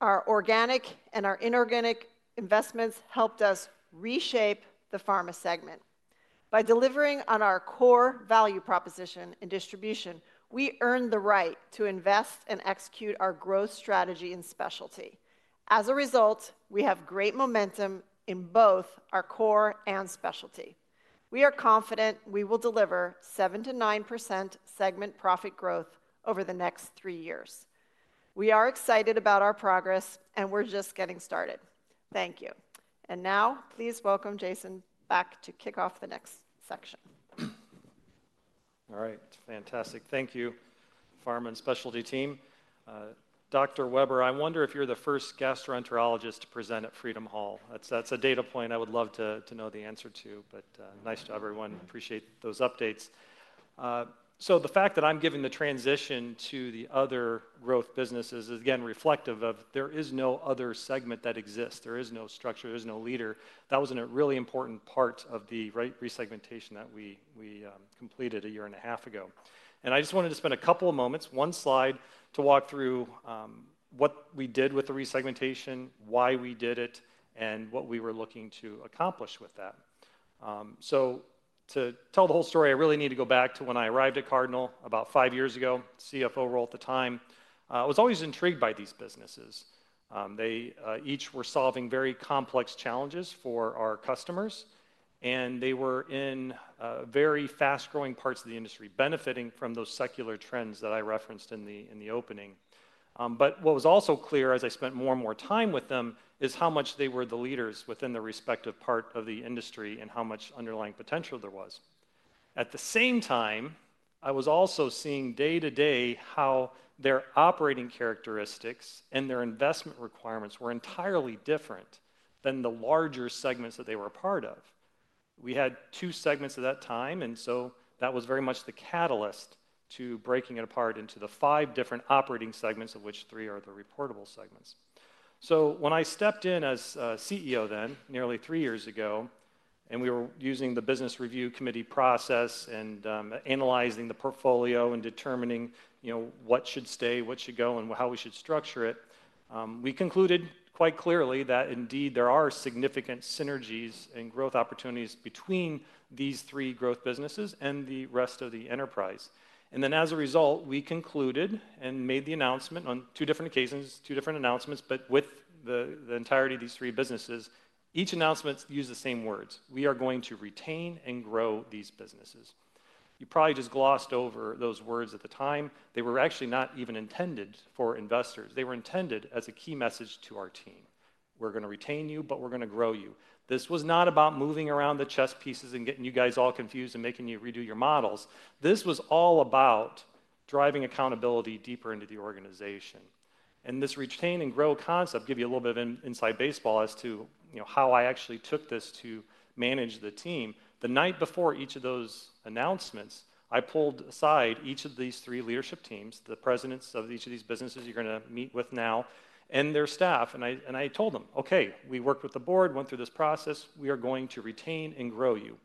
Our organic and our inorganic investments helped us reshape the pharma segment. By delivering on our core value proposition and distribution, we earned the right to invest and execute our growth strategy in specialty. As a result, we have great momentum in both our core and specialty. We are confident we will deliver 7-9% segment profit growth over the next three years. We are excited about our progress, and we're just getting started. Thank you. Now, please welcome Jason back to kick off the next section. All right. Fantastic. Thank you, pharma and specialty team. Dr. Weber, I wonder if you're the first gastroenterologist to present at Freedom Hall. That's a data point I would love to know the answer to, but nice to have everyone. Appreciate those updates. The fact that I'm giving the transition to the other growth businesses is, again, reflective of there is no other segment that exists. There is no structure. There is no leader. That was a really important part of the resegmentation that we completed a year and a half ago. I just wanted to spend a couple of moments, one slide, to walk through what we did with the resegmentation, why we did it, and what we were looking to accomplish with that. To tell the whole story, I really need to go back to when I arrived at Cardinal about five years ago, CFO role at the time. I was always intrigued by these businesses. They each were solving very complex challenges for our customers, and they were in very fast-growing parts of the industry, benefiting from those secular trends that I referenced in the opening. What was also clear as I spent more and more time with them is how much they were the leaders within their respective part of the industry and how much underlying potential there was. At the same time, I was also seeing day to day how their operating characteristics and their investment requirements were entirely different than the larger segments that they were a part of. We had two segments at that time, and that was very much the catalyst to breaking it apart into the five different operating segments, of which three are the reportable segments. When I stepped in as CEO then, nearly three years ago, and we were using the business review committee process and analyzing the portfolio and determining what should stay, what should go, and how we should structure it, we concluded quite clearly that indeed there are significant synergies and growth opportunities between these three growth businesses and the rest of the enterprise. As a result, we concluded and made the announcement on two different occasions, two different announcements, but with the entirety of these three businesses, each announcement used the same words: "We are going to retain and grow these businesses." You probably just glossed over those words at the time. They were actually not even intended for investors. They were intended as a key message to our team. We're going to retain you, but we're going to grow you. This was not about moving around the chess pieces and getting you guys all confused and making you redo your models. This was all about driving accountability deeper into the organization. This retain and grow concept gives you a little bit of inside baseball as to how I actually took this to manage the team. The night before each of those announcements, I pulled aside each of these three leadership teams, the presidents of each of these businesses you're going to meet with now, and their staff. I told them, "Okay, we worked with the board, went through this process. We are going to retain and grow you.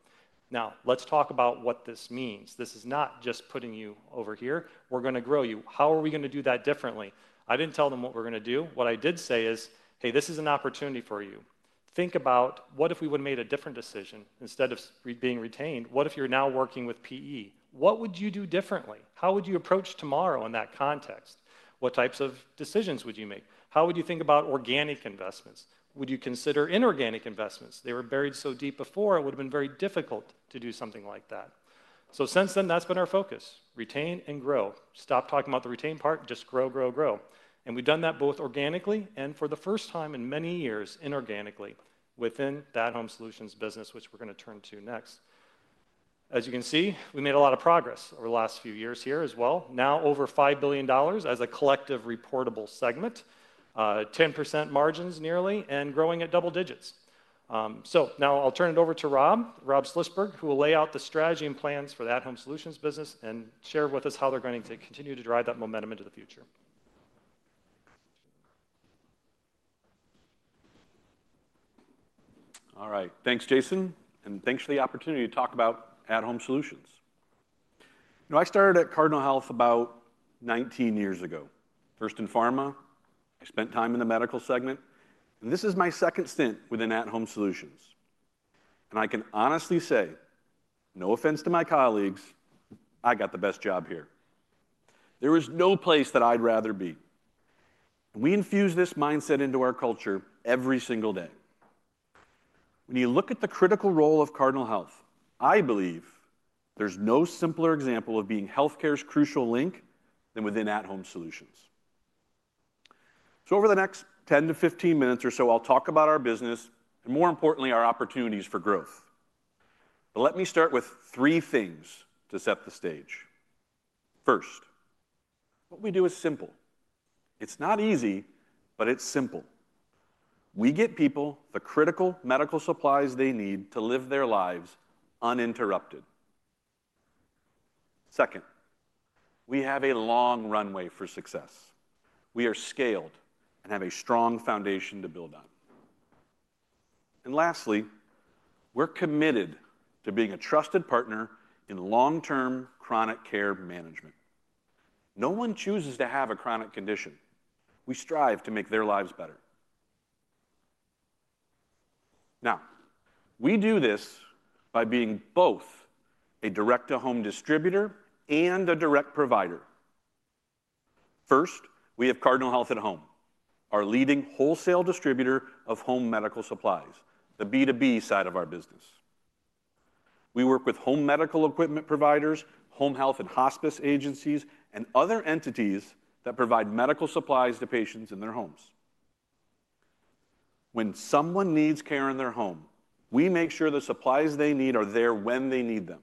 Now, let's talk about what this means. This is not just putting you over here. We're going to grow you. How are we going to do that differently? I didn't tell them what we're going to do. What I did say is, "Hey, this is an opportunity for you. Think about what if we would have made a different decision instead of being retained. What if you're now working with PE? What would you do differently? How would you approach tomorrow in that context? What types of decisions would you make? How would you think about organic investments? Would you consider inorganic investments? They were buried so deep before, it would have been very difficult to do something like that." Since then, that's been our focus: retain and grow. Stop talking about the retain part. Just grow, grow, grow. We have done that both organically and, for the first time in many years, inorganically within that home solutions business, which we are going to turn to next. As you can see, we made a lot of progress over the last few years here as well. Now, over $5 billion as a collective reportable segment, 10% margins nearly, and growing at double digits. I will turn it over to Rob, Rob Schlissberg, who will lay out the strategy and plans for the at-home solutions business and share with us how they are going to continue to drive that momentum into the future. All right. Thanks, Jason. And thanks for the opportunity to talk about at-home solutions. I started at Cardinal Health about 19 years ago, first in pharma. I spent time in the medical segment. And this is my second stint within at-home solutions. I can honestly say, no offense to my colleagues, I got the best job here. There is no place that I'd rather be. We infuse this mindset into our culture every single day. When you look at the critical role of Cardinal Health, I believe there's no simpler example of being healthcare's crucial link than within at-home solutions. Over the next 10-15 minutes or so, I'll talk about our business and, more importantly, our opportunities for growth. Let me start with three things to set the stage. First, what we do is simple. It's not easy, but it's simple. We get people the critical medical supplies they need to live their lives uninterrupted. Second, we have a long runway for success. We are scaled and have a strong foundation to build on. Lastly, we're committed to being a trusted partner in long-term chronic care management. No one chooses to have a chronic condition. We strive to make their lives better. Now, we do this by being both a direct-to-home distributor and a direct provider. First, we have Cardinal Health at Home, our leading wholesale distributor of home medical supplies, the B2B side of our business. We work with home medical equipment providers, home health and hospice agencies, and other entities that provide medical supplies to patients in their homes. When someone needs care in their home, we make sure the supplies they need are there when they need them.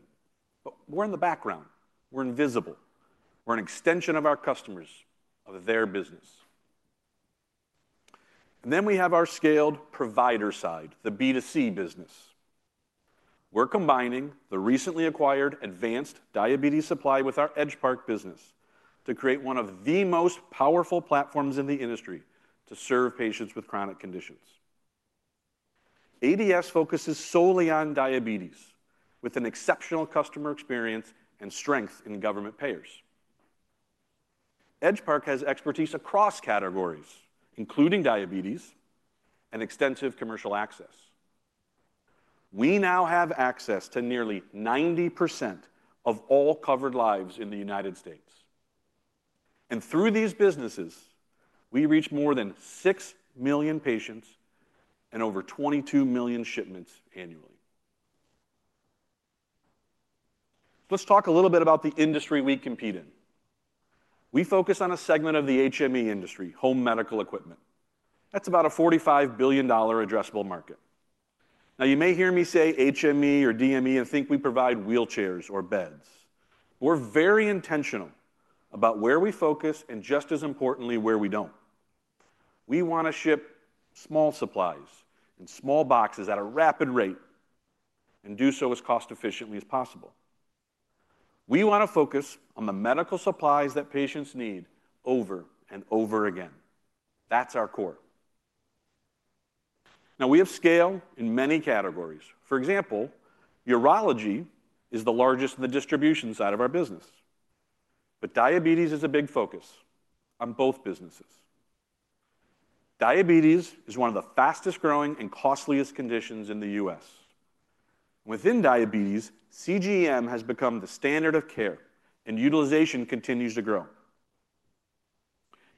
We're in the background. We're invisible. We're an extension of our customers, of their business. We have our scaled provider side, the B2C business. We're combining the recently acquired Advanced Diabetes Supply with our Edgepark business to create one of the most powerful platforms in the industry to serve patients with chronic conditions. ADS focuses solely on diabetes with an exceptional customer experience and strength in government payers. Edgepark has expertise across categories, including diabetes and extensive commercial access. We now have access to nearly 90% of all covered lives in the United States. Through these businesses, we reach more than 6 million patients and over 22 million shipments annually. Let's talk a little bit about the industry we compete in. We focus on a segment of the HME industry, home medical equipment. That's about a $45 billion addressable market. Now, you may hear me say HME or DME and think we provide wheelchairs or beds. We're very intentional about where we focus and, just as importantly, where we don't. We want to ship small supplies in small boxes at a rapid rate and do so as cost-efficiently as possible. We want to focus on the medical supplies that patients need over and over again. That's our core. Now, we have scale in many categories. For example, urology is the largest in the distribution side of our business. Diabetes is a big focus on both businesses. Diabetes is one of the fastest-growing and costliest conditions in the US. Within diabetes, CGM has become the standard of care, and utilization continues to grow.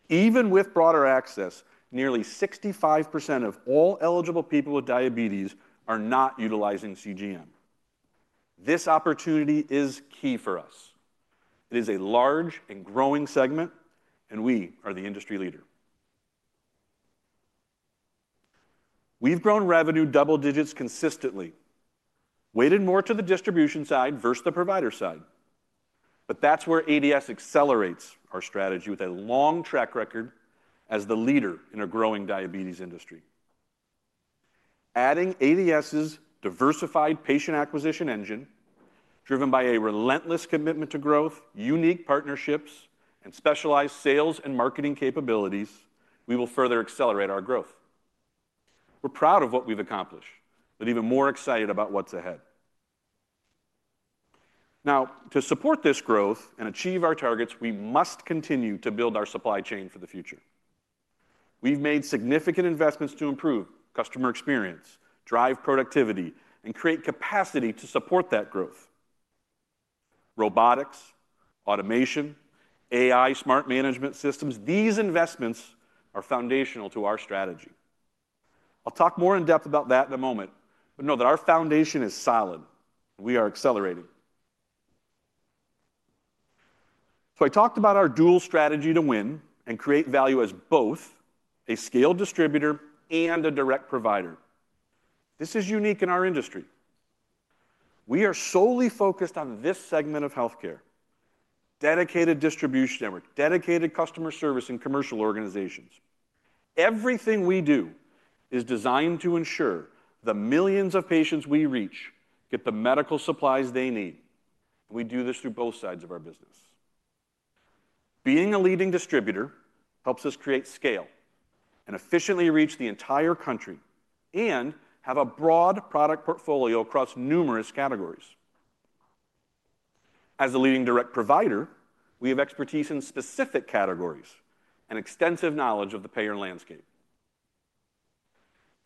Even with broader access, nearly 65% of all eligible people with diabetes are not utilizing CGM. This opportunity is key for us. It is a large and growing segment, and we are the industry leader. We've grown revenue double digits consistently, weighted more to the distribution side versus the provider side. That is where ADS accelerates our strategy with a long track record as the leader in a growing diabetes industry. Adding ADS's diversified patient acquisition engine, driven by a relentless commitment to growth, unique partnerships, and specialized sales and marketing capabilities, we will further accelerate our growth. We're proud of what we've accomplished, but even more excited about what's ahead. Now, to support this growth and achieve our targets, we must continue to build our supply chain for the future. We've made significant investments to improve customer experience, drive productivity, and create capacity to support that growth. Robotics, automation, AI smart management systems, these investments are foundational to our strategy. I'll talk more in depth about that in a moment, but know that our foundation is solid and we are accelerating. I talked about our dual strategy to win and create value as both a scaled distributor and a direct provider. This is unique in our industry. We are solely focused on this segment of healthcare, dedicated distribution network, dedicated customer service in commercial organizations. Everything we do is designed to ensure the millions of patients we reach get the medical supplies they need. We do this through both sides of our business. Being a leading distributor helps us create scale and efficiently reach the entire country and have a broad product portfolio across numerous categories. As a leading direct provider, we have expertise in specific categories and extensive knowledge of the payer landscape.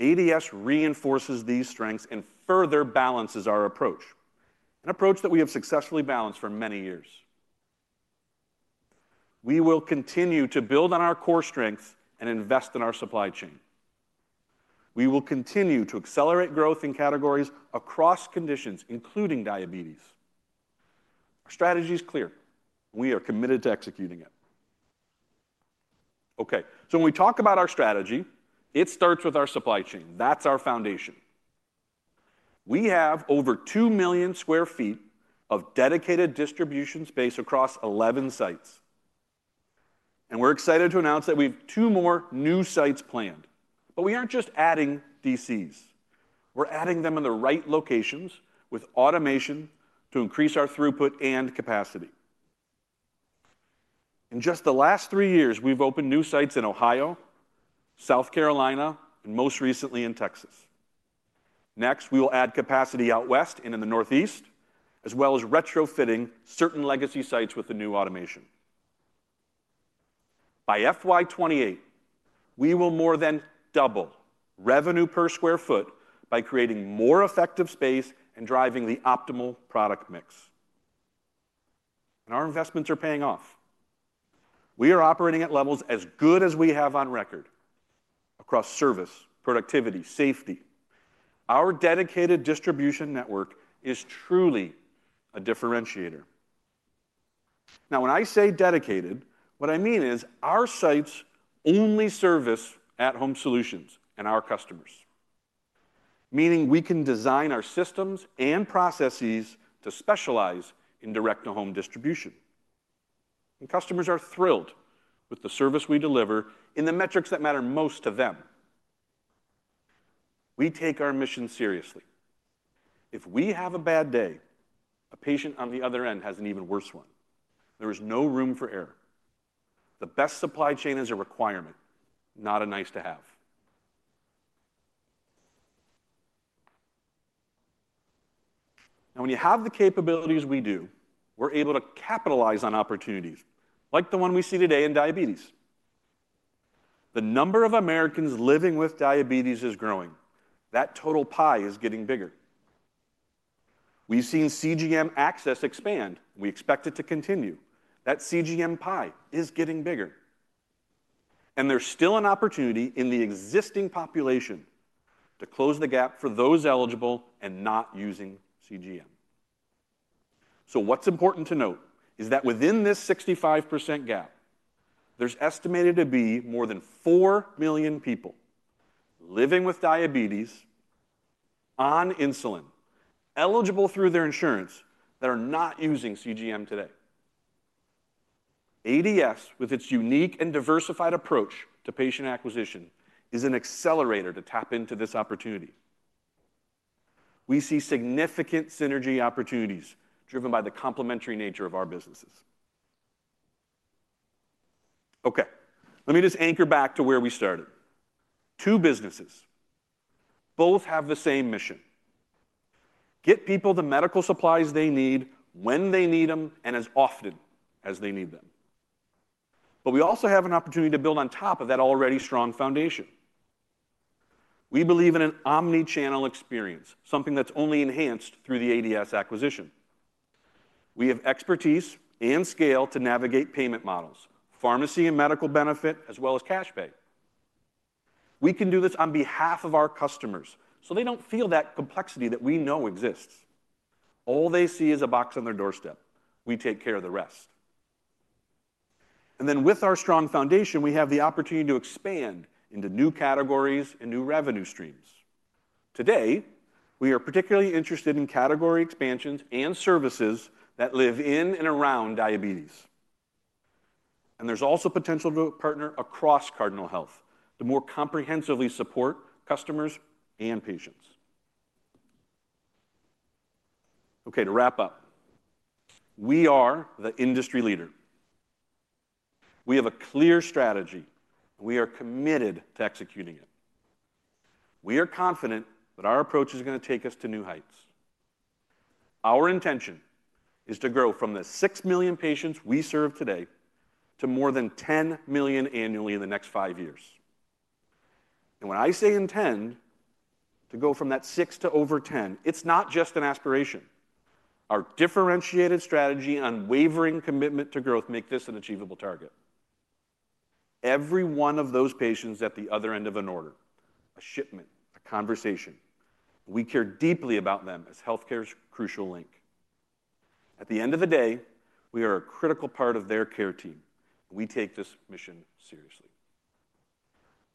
ADS reinforces these strengths and further balances our approach, an approach that we have successfully balanced for many years. We will continue to build on our core strengths and invest in our supply chain. We will continue to accelerate growth in categories across conditions, including diabetes. Our strategy is clear, and we are committed to executing it. Okay, when we talk about our strategy, it starts with our supply chain. That is our foundation. We have over 2 million sq ft of dedicated distribution space across 11 sites. We are excited to announce that we have two more new sites planned. We are not just adding DCs. We are adding them in the right locations with automation to increase our throughput and capacity. In just the last three years, we have opened new sites in Ohio, South Carolina, and most recently in Texas. Next, we will add capacity out west and in the northeast, as well as retrofitting certain legacy sites with the new automation. By FY2028, we will more than double revenue per sq ft by creating more effective space and driving the optimal product mix. Our investments are paying off. We are operating at levels as good as we have on record across service, productivity, safety. Our dedicated distribution network is truly a differentiator. When I say dedicated, what I mean is our sites only service at-home solutions and our customers, meaning we can design our systems and processes to specialize in direct-to-home distribution. Customers are thrilled with the service we deliver in the metrics that matter most to them. We take our mission seriously. If we have a bad day, a patient on the other end has an even worse one. There is no room for error. The best supply chain is a requirement, not a nice-to-have. Now, when you have the capabilities we do, we're able to capitalize on opportunities like the one we see today in diabetes. The number of Americans living with diabetes is growing. That total pie is getting bigger. We've seen CGM access expand, and we expect it to continue. That CGM pie is getting bigger. There's still an opportunity in the existing population to close the gap for those eligible and not using CGM. What's important to note is that within this 65% gap, there's estimated to be more than 4 million people living with diabetes on insulin, eligible through their insurance, that are not using CGM today. ADS, with its unique and diversified approach to patient acquisition, is an accelerator to tap into this opportunity. We see significant synergy opportunities driven by the complementary nature of our businesses. Okay, let me just anchor back to where we started. Two businesses. Both have the same mission: get people the medical supplies they need when they need them and as often as they need them. We also have an opportunity to build on top of that already strong foundation. We believe in an omnichannel experience, something that's only enhanced through the ADS acquisition. We have expertise and scale to navigate payment models, pharmacy and medical benefit, as well as cash pay. We can do this on behalf of our customers so they don't feel that complexity that we know exists. All they see is a box on their doorstep. We take care of the rest. With our strong foundation, we have the opportunity to expand into new categories and new revenue streams. Today, we are particularly interested in category expansions and services that live in and around diabetes. There is also potential to partner across Cardinal Health to more comprehensively support customers and patients. Okay, to wrap up, we are the industry leader. We have a clear strategy, and we are committed to executing it. We are confident that our approach is going to take us to new heights. Our intention is to grow from the 6 million patients we serve today to more than 10 million annually in the next five years. When I say intend to go from that 6 to over 10, it is not just an aspiration. Our differentiated strategy and unwavering commitment to growth make this an achievable target. Every one of those patients at the other end of an order, a shipment, a conversation, we care deeply about them as healthcare's crucial link. At the end of the day, we are a critical part of their care team. We take this mission seriously.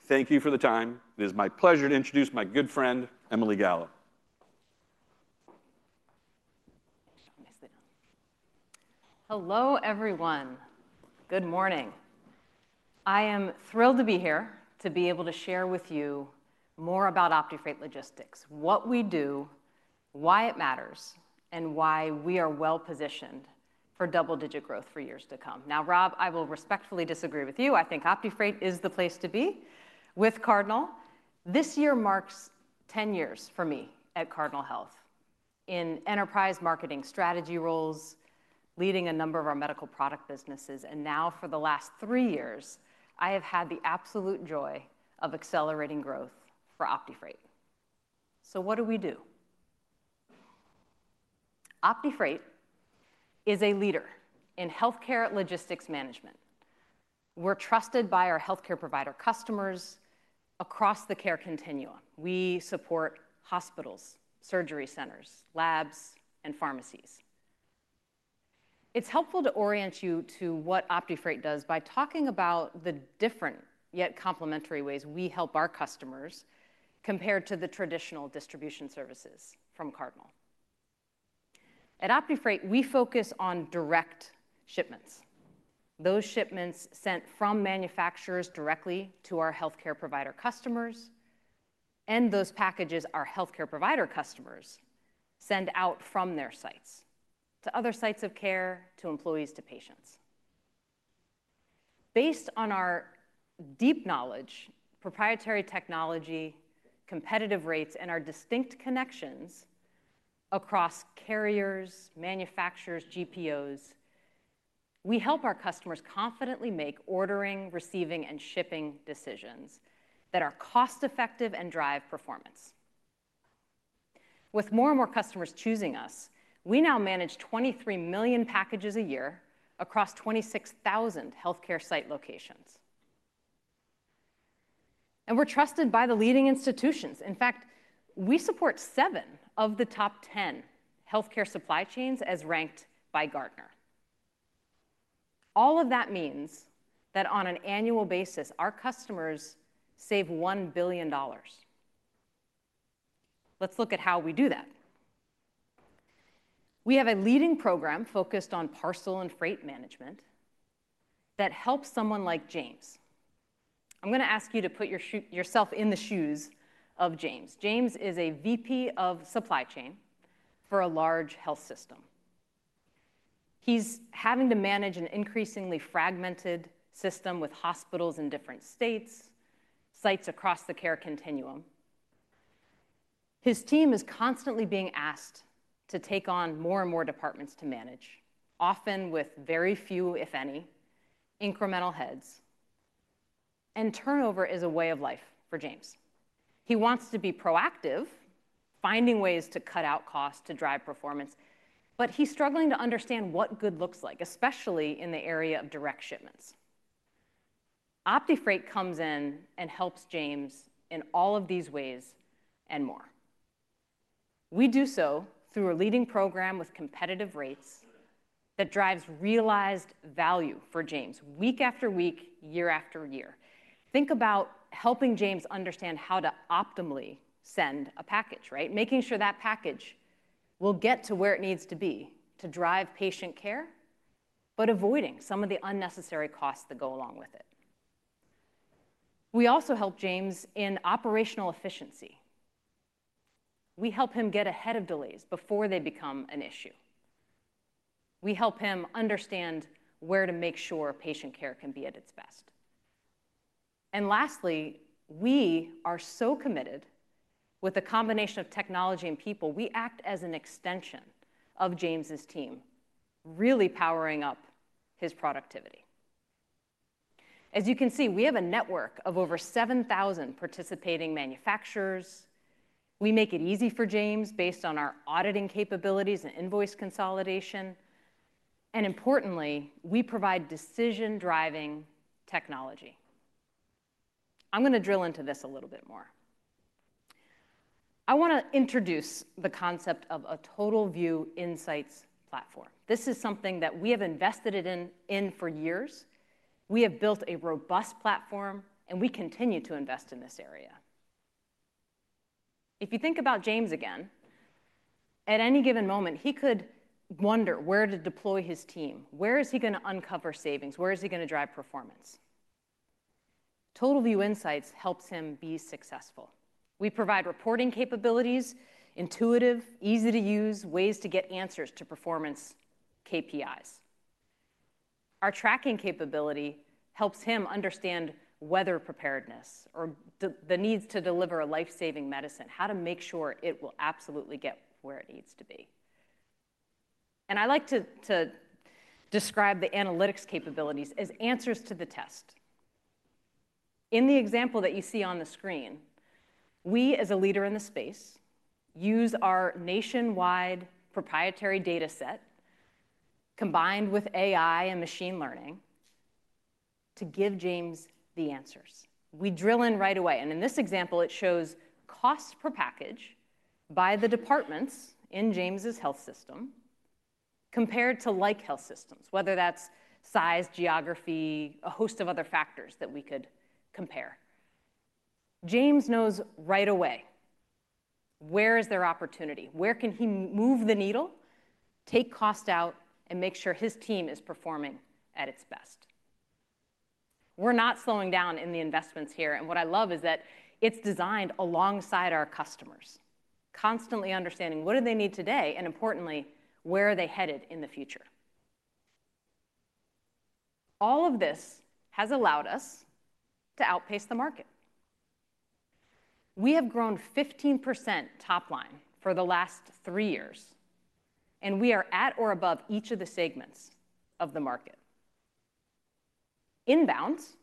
Thank you for the time. It is my pleasure to introduce my good friend, Emily Gallo. Hello everyone. Good morning. I am thrilled to be here to be able to share with you more about OptiFreight Logistics, what we do, why it matters, and why we are well-positioned for double-digit growth for years to come. Now, Rob, I will respectfully disagree with you. I think OptiFreight is the place to be with Cardinal. This year marks 10 years for me at Cardinal Health in enterprise marketing strategy roles, leading a number of our medical product businesses. For the last three years, I have had the absolute joy of accelerating growth for OptiFreight. What do we do? OptiFreight is a leader in healthcare logistics management. We're trusted by our healthcare provider customers across the care continuum. We support hospitals, surgery centers, labs, and pharmacies. It's helpful to orient you to what OptiFreight does by talking about the different yet complementary ways we help our customers compared to the traditional distribution services from Cardinal. At OptiFreight, we focus on direct shipments. Those shipments sent from manufacturers directly to our healthcare provider customers, and those packages our healthcare provider customers send out from their sites to other sites of care, to employees, to patients. Based on our deep knowledge, proprietary technology, competitive rates, and our distinct connections across carriers, manufacturers, GPOs, we help our customers confidently make ordering, receiving, and shipping decisions that are cost-effective and drive performance. With more and more customers choosing us, we now manage 23 million packages a year across 26,000 healthcare site locations. We're trusted by the leading institutions. In fact, we support seven of the top 10 healthcare supply chains as ranked by Gartner. All of that means that on an annual basis, our customers save $1 billion. Let's look at how we do that. We have a leading program focused on parcel and freight management that helps someone like James. I'm going to ask you to put yourself in the shoes of James. James is a VP of supply chain for a large health system. He's having to manage an increasingly fragmented system with hospitals in different states, sites across the care continuum. His team is constantly being asked to take on more and more departments to manage, often with very few, if any, incremental heads. Turnover is a way of life for James. He wants to be proactive, finding ways to cut out costs to drive performance, but he's struggling to understand what good looks like, especially in the area of direct shipments. OptiFreight comes in and helps James in all of these ways and more. We do so through a leading program with competitive rates that drives realized value for James, week after week, year after year. Think about helping James understand how to optimally send a package, right? Making sure that package will get to where it needs to be to drive patient care, but avoiding some of the unnecessary costs that go along with it. We also help James in operational efficiency. We help him get ahead of delays before they become an issue. We help him understand where to make sure patient care can be at its best. Lastly, we are so committed with a combination of technology and people, we act as an extension of James' team, really powering up his productivity. As you can see, we have a network of over 7,000 participating manufacturers. We make it easy for James based on our auditing capabilities and invoice consolidation. Importantly, we provide decision-driving technology. I'm going to drill into this a little bit more. I want to introduce the concept of a total view insights platform. This is something that we have invested in for years. We have built a robust platform, and we continue to invest in this area. If you think about James again, at any given moment, he could wonder where to deploy his team. Where is he going to uncover savings? Where is he going to drive performance? Total view insights helps him be successful. We provide reporting capabilities, intuitive, easy-to-use ways to get answers to performance KPIs. Our tracking capability helps him understand whether preparedness or the needs to deliver a life-saving medicine, how to make sure it will absolutely get where it needs to be. I like to describe the analytics capabilities as answers to the test. In the example that you see on the screen, we as a leader in the space use our nationwide proprietary data set combined with AI and machine learning to give James the answers. We drill in right away. In this example, it shows cost per package by the departments in James' health system compared to like health systems, whether that's size, geography, a host of other factors that we could compare. James knows right away where is there opportunity. Where can he move the needle, take cost out, and make sure his team is performing at its best? We're not slowing down in the investments here. What I love is that it's designed alongside our customers, constantly understanding what do they need today, and importantly, where are they headed in the future? All of this has allowed us to outpace the market. We have grown 15% top line for the last three years, and we are at or above each of the segments of the market. Inbounds,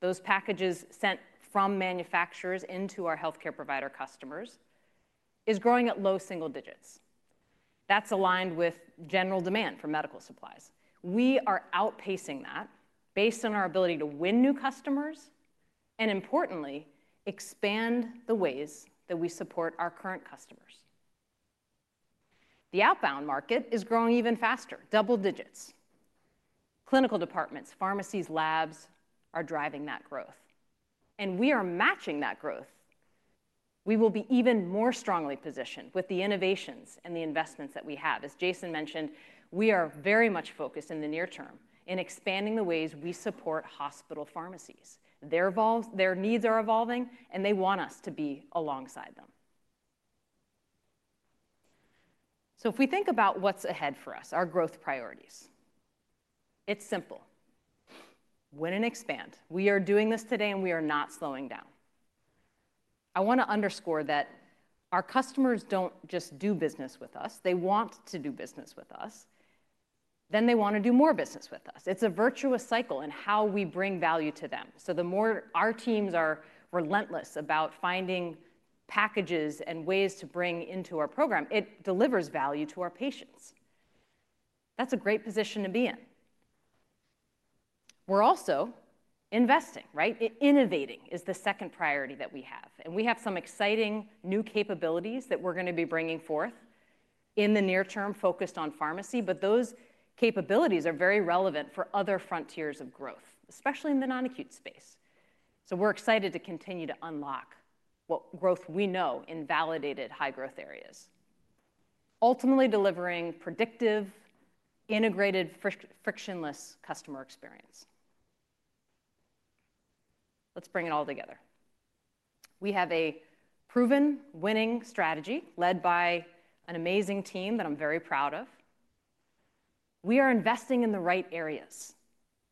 those packages sent from manufacturers into our healthcare provider customers, is growing at low single digits. That's aligned with general demand for medical supplies. We are outpacing that based on our ability to win new customers and, importantly, expand the ways that we support our current customers. The outbound market is growing even faster, double digits. Clinical departments, pharmacies, labs are driving that growth. We are matching that growth. We will be even more strongly positioned with the innovations and the investments that we have. As Jason mentioned, we are very much focused in the near term in expanding the ways we support hospital pharmacies. Their needs are evolving, and they want us to be alongside them. If we think about what's ahead for us, our growth priorities, it's simple. Win and expand. We are doing this today, and we are not slowing down. I want to underscore that our customers don't just do business with us. They want to do business with us. Then they want to do more business with us. It's a virtuous cycle in how we bring value to them. The more our teams are relentless about finding packages and ways to bring into our program, it delivers value to our patients. That's a great position to be in. We're also investing, right? Innovating is the second priority that we have. We have some exciting new capabilities that we're going to be bringing forth in the near term focused on pharmacy. Those capabilities are very relevant for other frontiers of growth, especially in the non-acute space. We're excited to continue to unlock what growth we know in validated high-growth areas, ultimately delivering predictive, integrated, frictionless customer experience. Let's bring it all together. We have a proven winning strategy led by an amazing team that I'm very proud of. We are investing in the right areas.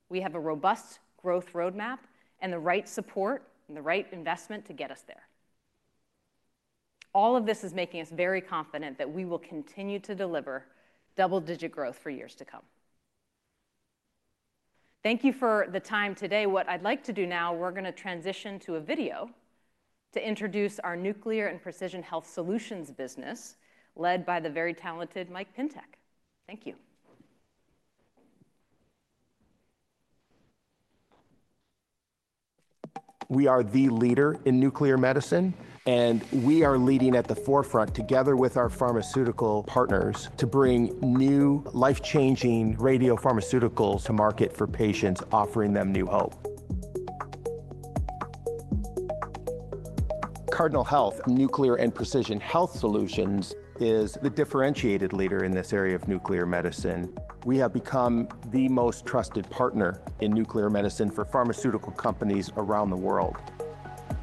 We have a robust growth roadmap and the right support and the right investment to get us there. All of this is making us very confident that we will continue to deliver double-digit growth for years to come. Thank you for the time today. What I'd like to do now, we're going to transition to a video to introduce our nuclear and precision health solutions business led by the very talented Mike Pintech. Thank you. We are the leader in nuclear medicine, and we are leading at the forefront together with our pharmaceutical partners to bring new life-changing radiopharmaceuticals to market for patients, offering them new hope. Cardinal Health Nuclear and Precision Health Solutions is the differentiated leader in this area of nuclear medicine. We have become the most trusted partner in nuclear medicine for pharmaceutical companies around the world.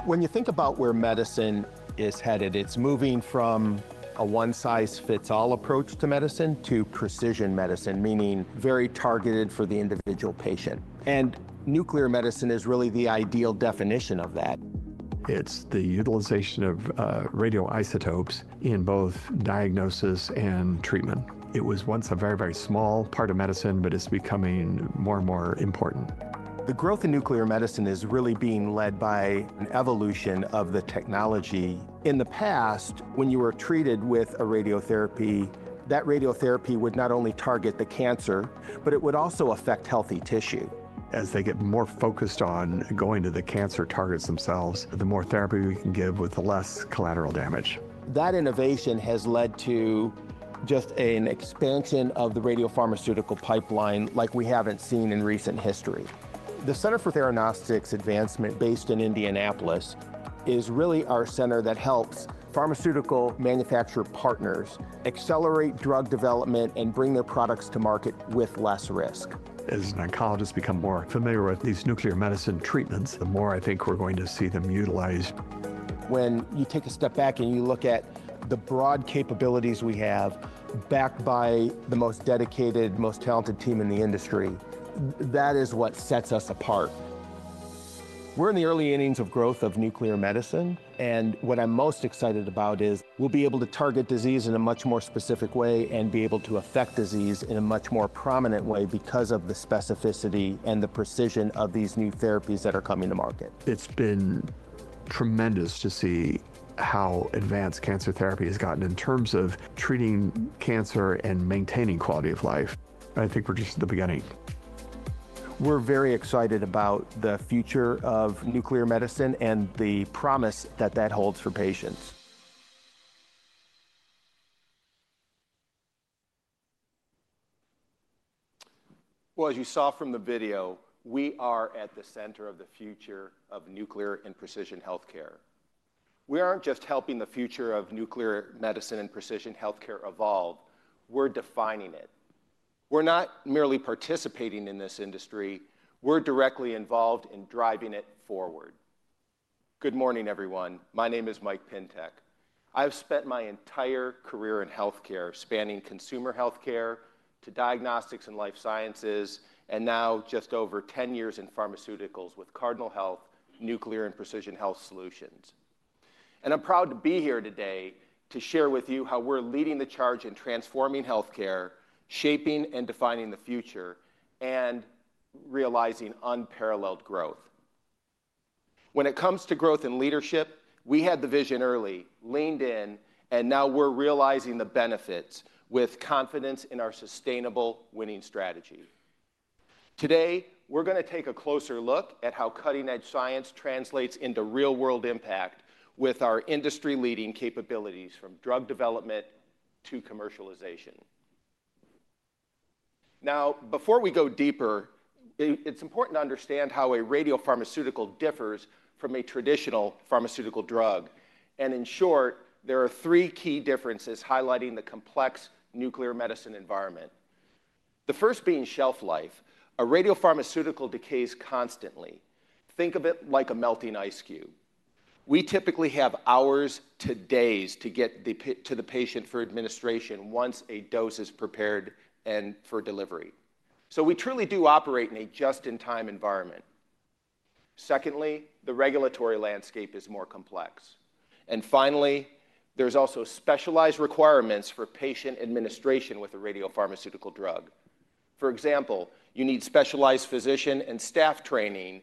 When you think about where medicine is headed, it's moving from a one-size-fits-all approach to medicine to precision medicine, meaning very targeted for the individual patient. Nuclear medicine is really the ideal definition of that. It's the utilization of radioisotopes in both diagnosis and treatment. It was once a very, very small part of medicine, but it's becoming more and more important. The growth in nuclear medicine is really being led by an evolution of the technology. In the past, when you were treated with a radiotherapy, that radiotherapy would not only target the cancer, but it would also affect healthy tissue. As they get more focused on going to the cancer targets themselves, the more therapy we can give with the less collateral damage. That innovation has led to just an expansion of the radiopharmaceutical pipeline like we haven't seen in recent history. The Center for Theranostics Advancement, based in Indianapolis, is really our center that helps pharmaceutical manufacturer partners accelerate drug development and bring their products to market with less risk. As oncologists become more familiar with these nuclear medicine treatments, the more I think we're going to see them utilized. When you take a step back and you look at the broad capabilities we have, backed by the most dedicated, most talented team in the industry, that is what sets us apart. We're in the early innings of growth of nuclear medicine. What I'm most excited about is we'll be able to target disease in a much more specific way and be able to affect disease in a much more prominent way because of the specificity and the precision of these new therapies that are coming to market. It's been tremendous to see how advanced cancer therapy has gotten in terms of treating cancer and maintaining quality of life. I think we're just at the beginning. We're very excited about the future of nuclear medicine and the promise that that holds for patients. As you saw from the video, we are at the center of the future of nuclear and precision healthcare. We aren't just helping the future of nuclear medicine and precision healthcare evolve. We're defining it. We're not merely participating in this industry. We're directly involved in driving it forward. Good morning, everyone. My name is Mike Pintech. I've spent my entire career in healthcare, spanning consumer healthcare to diagnostics and life sciences, and now just over 10 years in pharmaceuticals with Cardinal Health Nuclear and Precision Health Solutions. I'm proud to be here today to share with you how we're leading the charge in transforming healthcare, shaping and defining the future, and realizing unparalleled growth. When it comes to growth and leadership, we had the vision early, leaned in, and now we're realizing the benefits with confidence in our sustainable winning strategy. Today, we're going to take a closer look at how cutting-edge science translates into real-world impact with our industry-leading capabilities from drug development to commercialization. Now, before we go deeper, it's important to understand how a radiopharmaceutical differs from a traditional pharmaceutical drug. In short, there are three key differences highlighting the complex nuclear medicine environment. The first being shelf life. A radiopharmaceutical decays constantly. Think of it like a melting ice cube. We typically have hours to days to get to the patient for administration once a dose is prepared and for delivery. We truly do operate in a just-in-time environment. Secondly, the regulatory landscape is more complex. Finally, there's also specialized requirements for patient administration with a radiopharmaceutical drug. For example, you need specialized physician and staff training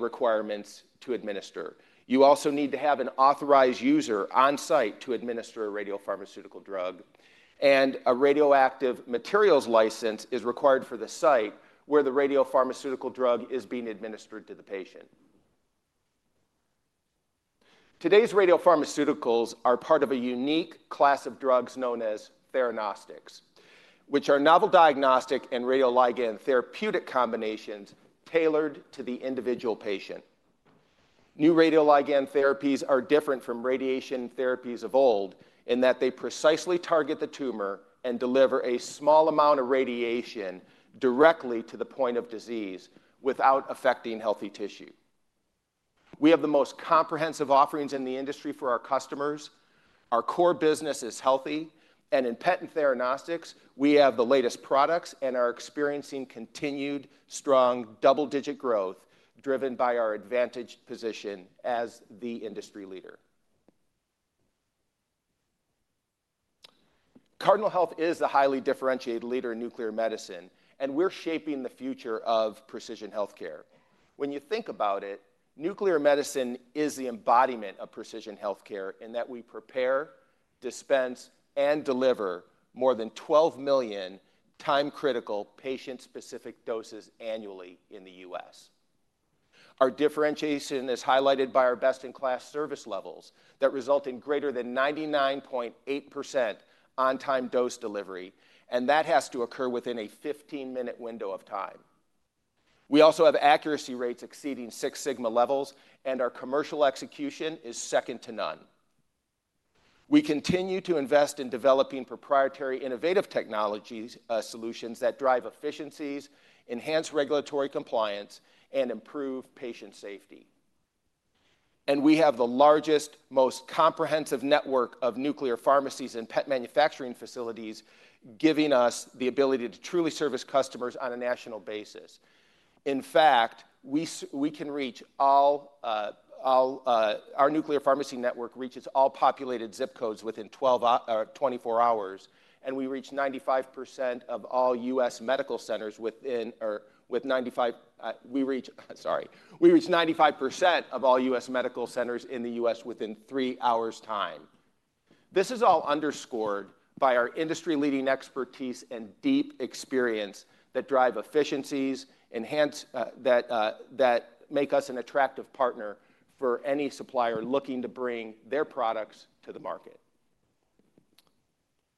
requirements to administer. You also need to have an authorized user on site to administer a radiopharmaceutical drug. A radioactive materials license is required for the site where the radiopharmaceutical drug is being administered to the patient. Today's radiopharmaceuticals are part of a unique class of drugs known as theranostics, which are novel diagnostic and radioligand therapeutic combinations tailored to the individual patient. New radioligand therapies are different from radiation therapies of old in that they precisely target the tumor and deliver a small amount of radiation directly to the point of disease without affecting healthy tissue. We have the most comprehensive offerings in the industry for our customers. Our core business is healthy. In PET and Theranostics, we have the latest products and are experiencing continued strong double-digit growth driven by our advantaged position as the industry leader. Cardinal Health is a highly differentiated leader in nuclear medicine, and we're shaping the future of precision healthcare. When you think about it, nuclear medicine is the embodiment of precision healthcare in that we prepare, dispense, and deliver more than 12 million time-critical patient-specific doses annually in the U.S. Our differentiation is highlighted by our best-in-class service levels that result in greater than 99.8% on-time dose delivery, and that has to occur within a 15-minute window of time. We also have accuracy rates exceeding six sigma levels, and our commercial execution is second to none. We continue to invest in developing proprietary innovative technology solutions that drive efficiencies, enhance regulatory compliance, and improve patient safety. We have the largest, most comprehensive network of nuclear pharmacies and PET manufacturing facilities, giving us the ability to truly service customers on a national basis. In fact, our nuclear pharmacy network reaches all populated zip codes within 24 hours, and we reach 95% of all US medical centers within three hours' time. This is all underscored by our industry-leading expertise and deep experience that drive efficiencies that make us an attractive partner for any supplier looking to bring their products to the market.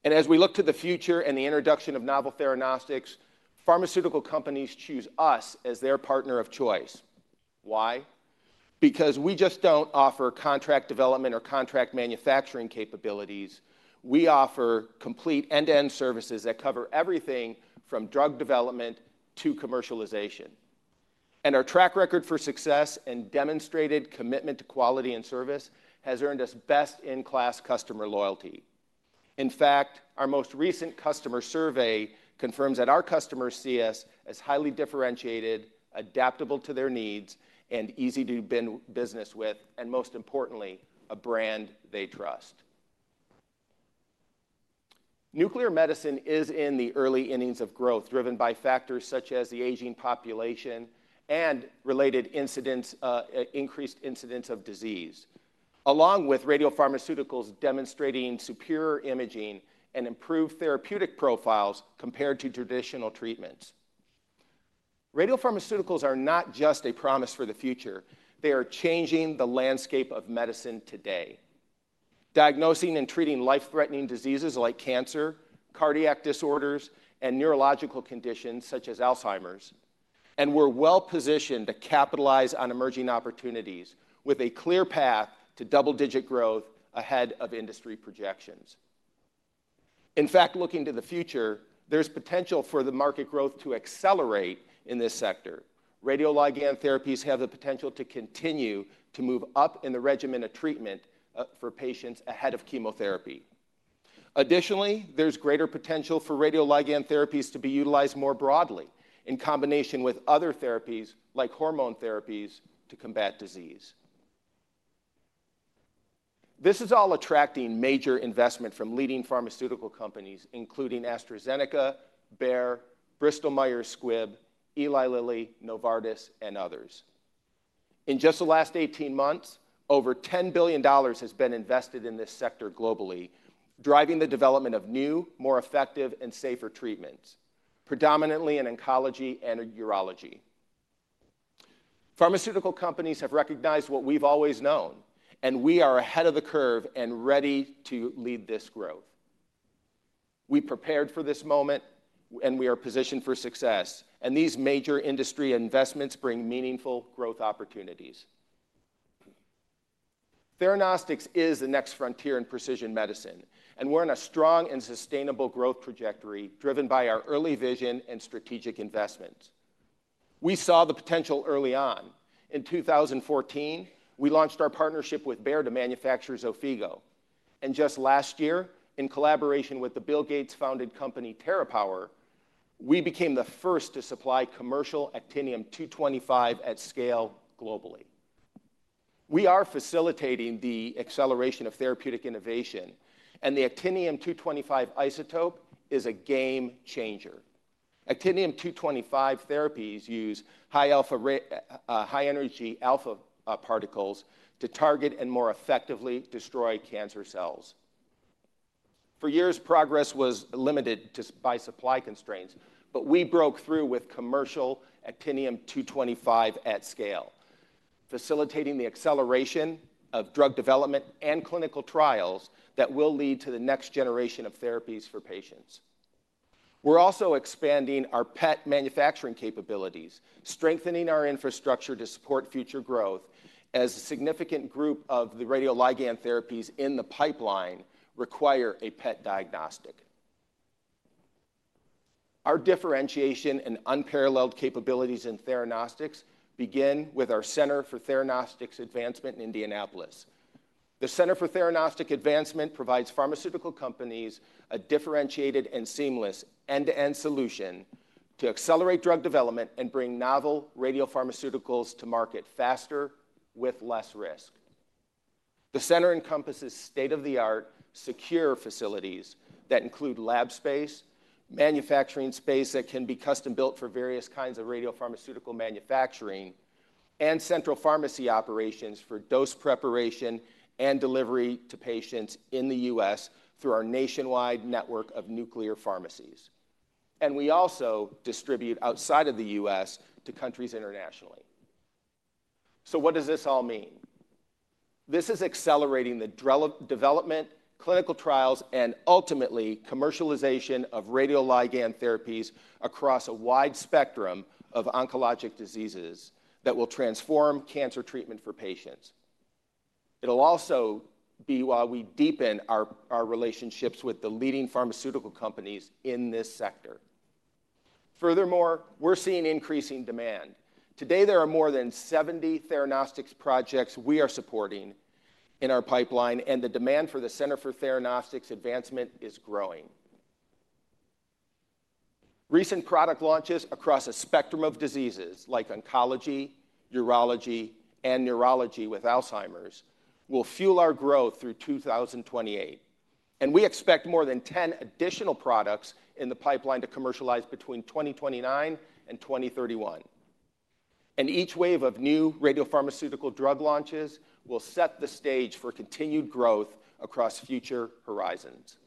As we look to the future and the introduction of novel theranostics, pharmaceutical companies choose us as their partner of choice. Why? Because we just do not offer contract development or contract manufacturing capabilities. We offer complete end-to-end services that cover everything from drug development to commercialization. Our track record for success and demonstrated commitment to quality and service has earned us best-in-class customer loyalty. In fact, our most recent customer survey confirms that our customers see us as highly differentiated, adaptable to their needs, and easy to do business with, and most importantly, a brand they trust. Nuclear medicine is in the early innings of growth, driven by factors such as the aging population and related incidents, increased incidents of disease, along with radiopharmaceuticals demonstrating superior imaging and improved therapeutic profiles compared to traditional treatments. Radiopharmaceuticals are not just a promise for the future. They are changing the landscape of medicine today, diagnosing and treating life-threatening diseases like cancer, cardiac disorders, and neurological conditions such as Alzheimer's. We're well-positioned to capitalize on emerging opportunities with a clear path to double-digit growth ahead of industry projections. In fact, looking to the future, there's potential for the market growth to accelerate in this sector. Radioligand therapies have the potential to continue to move up in the regimen of treatment for patients ahead of chemotherapy. Additionally, there's greater potential for radioligand therapies to be utilized more broadly in combination with other therapies like hormone therapies to combat disease. This is all attracting major investment from leading pharmaceutical companies, including AstraZeneca, Bayer, Bristol-Myers Squibb, Eli Lilly, Novartis, and others. In just the last 18 months, over $10 billion has been invested in this sector globally, driving the development of new, more effective, and safer treatments, predominantly in oncology and urology. Pharmaceutical companies have recognized what we've always known, and we are ahead of the curve and ready to lead this growth. We prepared for this moment, and we are positioned for success. These major industry investments bring meaningful growth opportunities. Theranostics is the next frontier in precision medicine, and we're on a strong and sustainable growth trajectory driven by our early vision and strategic investments. We saw the potential early on. In 2014, we launched our partnership with Bayer to manufacture Xofigo. Just last year, in collaboration with the Bill Gates-founded company, TerraPower, we became the first to supply commercial actinium-225 at scale globally. We are facilitating the acceleration of therapeutic innovation, and the actinium-225 isotope is a game changer. Actinium-225 therapies use high-energy alpha particles to target and more effectively destroy cancer cells. For years, progress was limited by supply constraints, but we broke through with commercial actinium-225 at scale, facilitating the acceleration of drug development and clinical trials that will lead to the next generation of therapies for patients. We're also expanding our PET manufacturing capabilities, strengthening our infrastructure to support future growth as a significant group of the radioligand therapies in the pipeline require a PET diagnostic. Our differentiation and unparalleled capabilities in theranostics begin with our Center for Theranostics Advancement in Indianapolis. The Center for Theranostics Advancement provides pharmaceutical companies a differentiated and seamless end-to-end solution to accelerate drug development and bring novel radiopharmaceuticals to market faster with less risk. The center encompasses state-of-the-art, secure facilities that include lab space, manufacturing space that can be custom-built for various kinds of radiopharmaceutical manufacturing, and central pharmacy operations for dose preparation and delivery to patients in the U.S. through our nationwide network of nuclear pharmacies. We also distribute outside of the U.S. to countries internationally. What does this all mean? This is accelerating the development, clinical trials, and ultimately commercialization of radioligand therapies across a wide spectrum of oncologic diseases that will transform cancer treatment for patients. It will also be while we deepen our relationships with the leading pharmaceutical companies in this sector. Furthermore, we are seeing increasing demand. Today, there are more than 70 theranostics projects we are supporting in our pipeline, and the demand for the Center for Theranostics Advancement is growing. Recent product launches across a spectrum of diseases like oncology, urology, and neurology with Alzheimer's will fuel our growth through 2028. We expect more than 10 additional products in the pipeline to commercialize between 2029 and 2031. Each wave of new radiopharmaceutical drug launches will set the stage for continued growth across future horizons.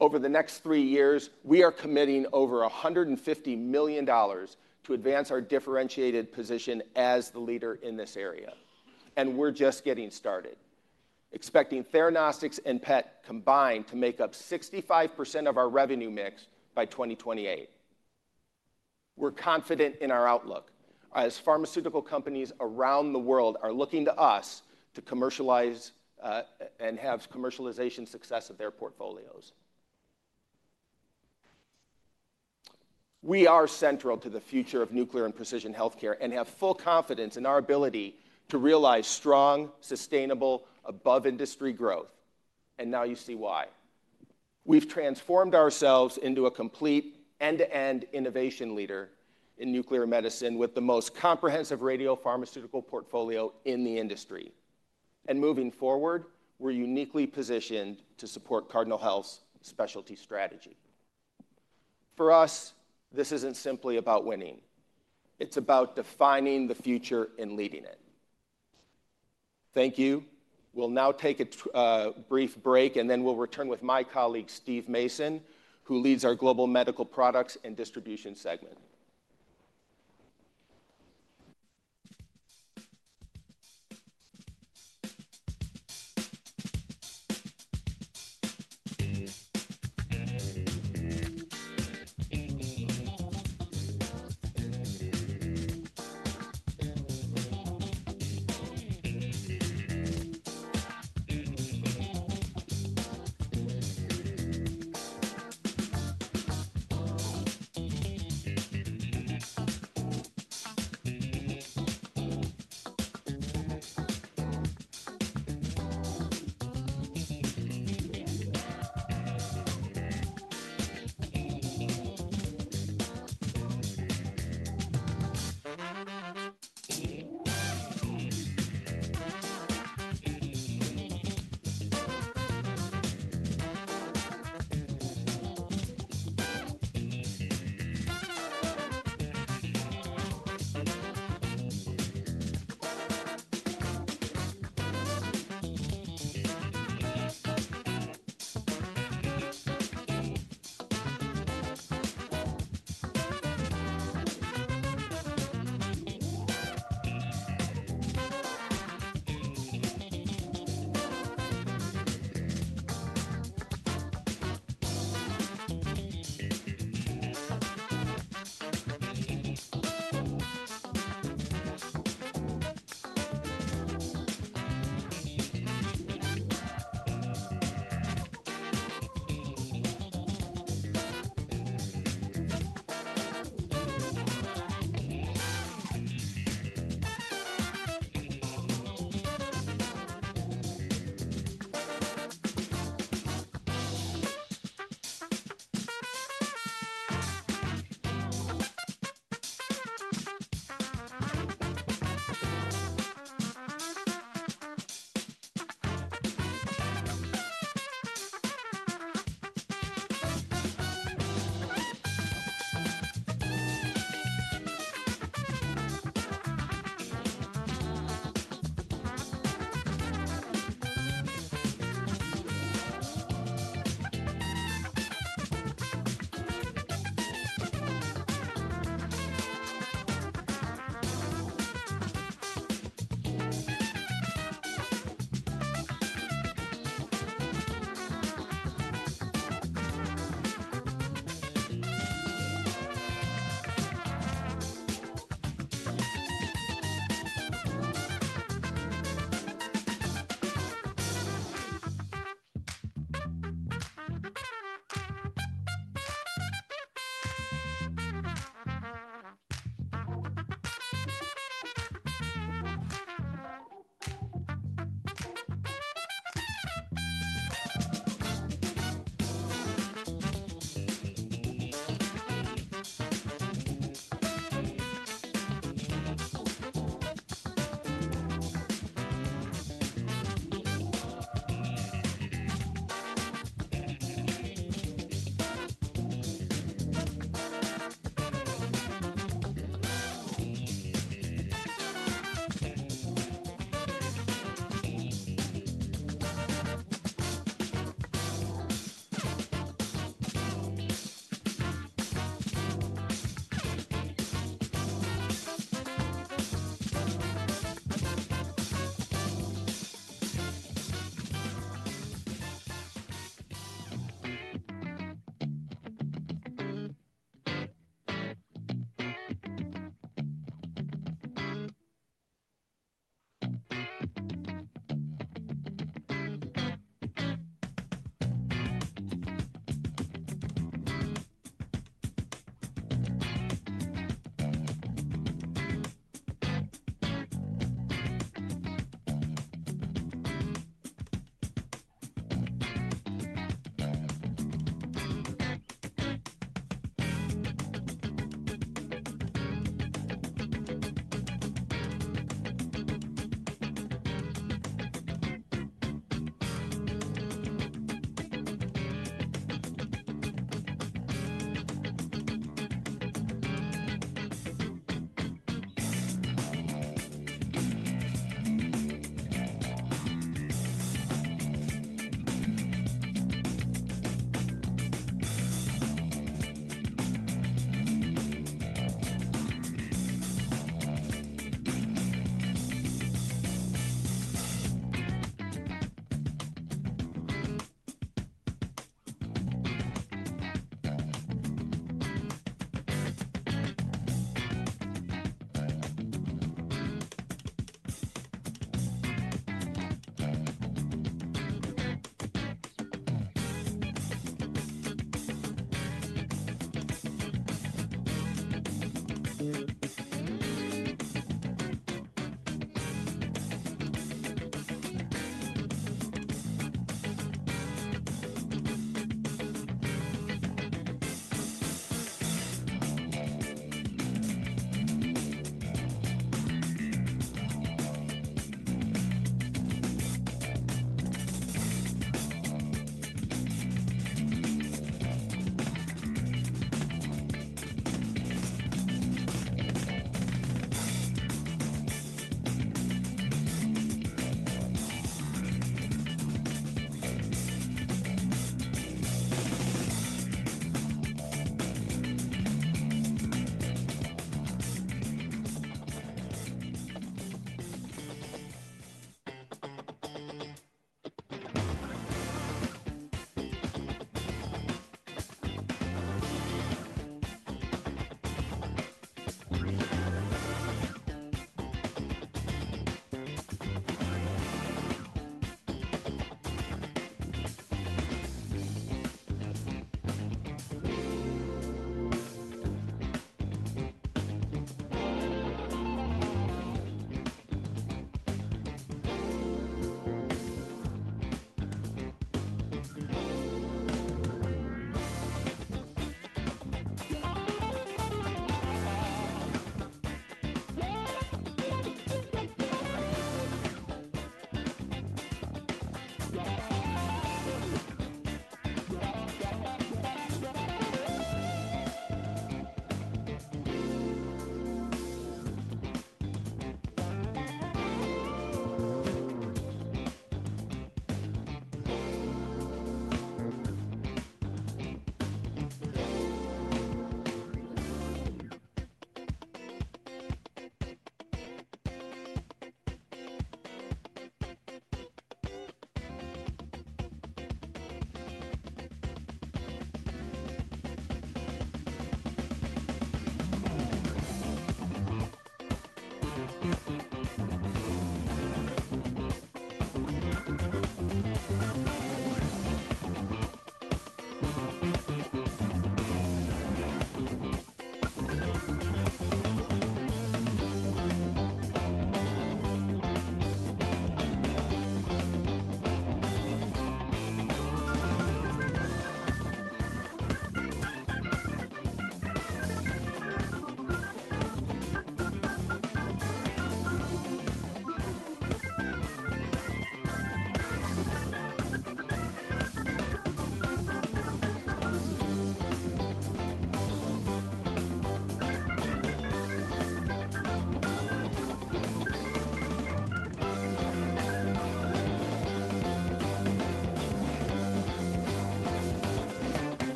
Over the next three years, we are committing over $150 million to advance our differentiated position as the leader in this area. We're just getting started, expecting theranostics and PET combined to make up 65% of our revenue mix by 2028. We're confident in our outlook as pharmaceutical companies around the world are looking to us to commercialize and have commercialization success of their portfolios. We are central to the future of nuclear and precision healthcare and have full confidence in our ability to realize strong, sustainable, above-industry growth. Now you see why. We have transformed ourselves into a complete end-to-end innovation leader in nuclear medicine with the most comprehensive radiopharmaceutical portfolio in the industry. Moving forward, we are uniquely positioned to support Cardinal Health's specialty strategy. For us, this is not simply about winning. It is about defining the future and leading it. Thank you. We will now take a brief break, and then we will return with my colleague, Steve Mason, who leads our global medical products and distribution segment.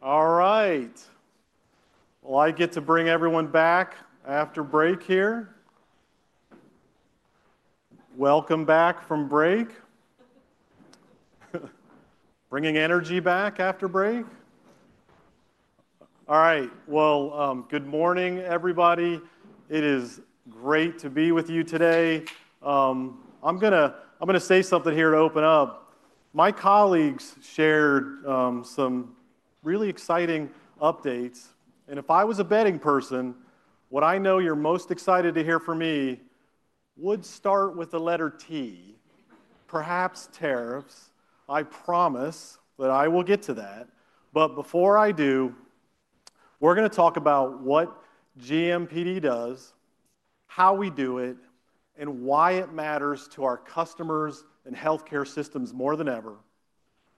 All right. I get to bring everyone back after break here. Welcome back from break. Bringing energy back after break. All right. Good morning, everybody. It is great to be with you today. I am going to say something here to open up. My colleagues shared some really exciting updates. If I was a betting person, what I know you're most excited to hear from me would start with the letter T, perhaps tariffs. I promise that I will get to that. Before I do, we're going to talk about what GMPD does, how we do it, and why it matters to our customers and healthcare systems more than ever.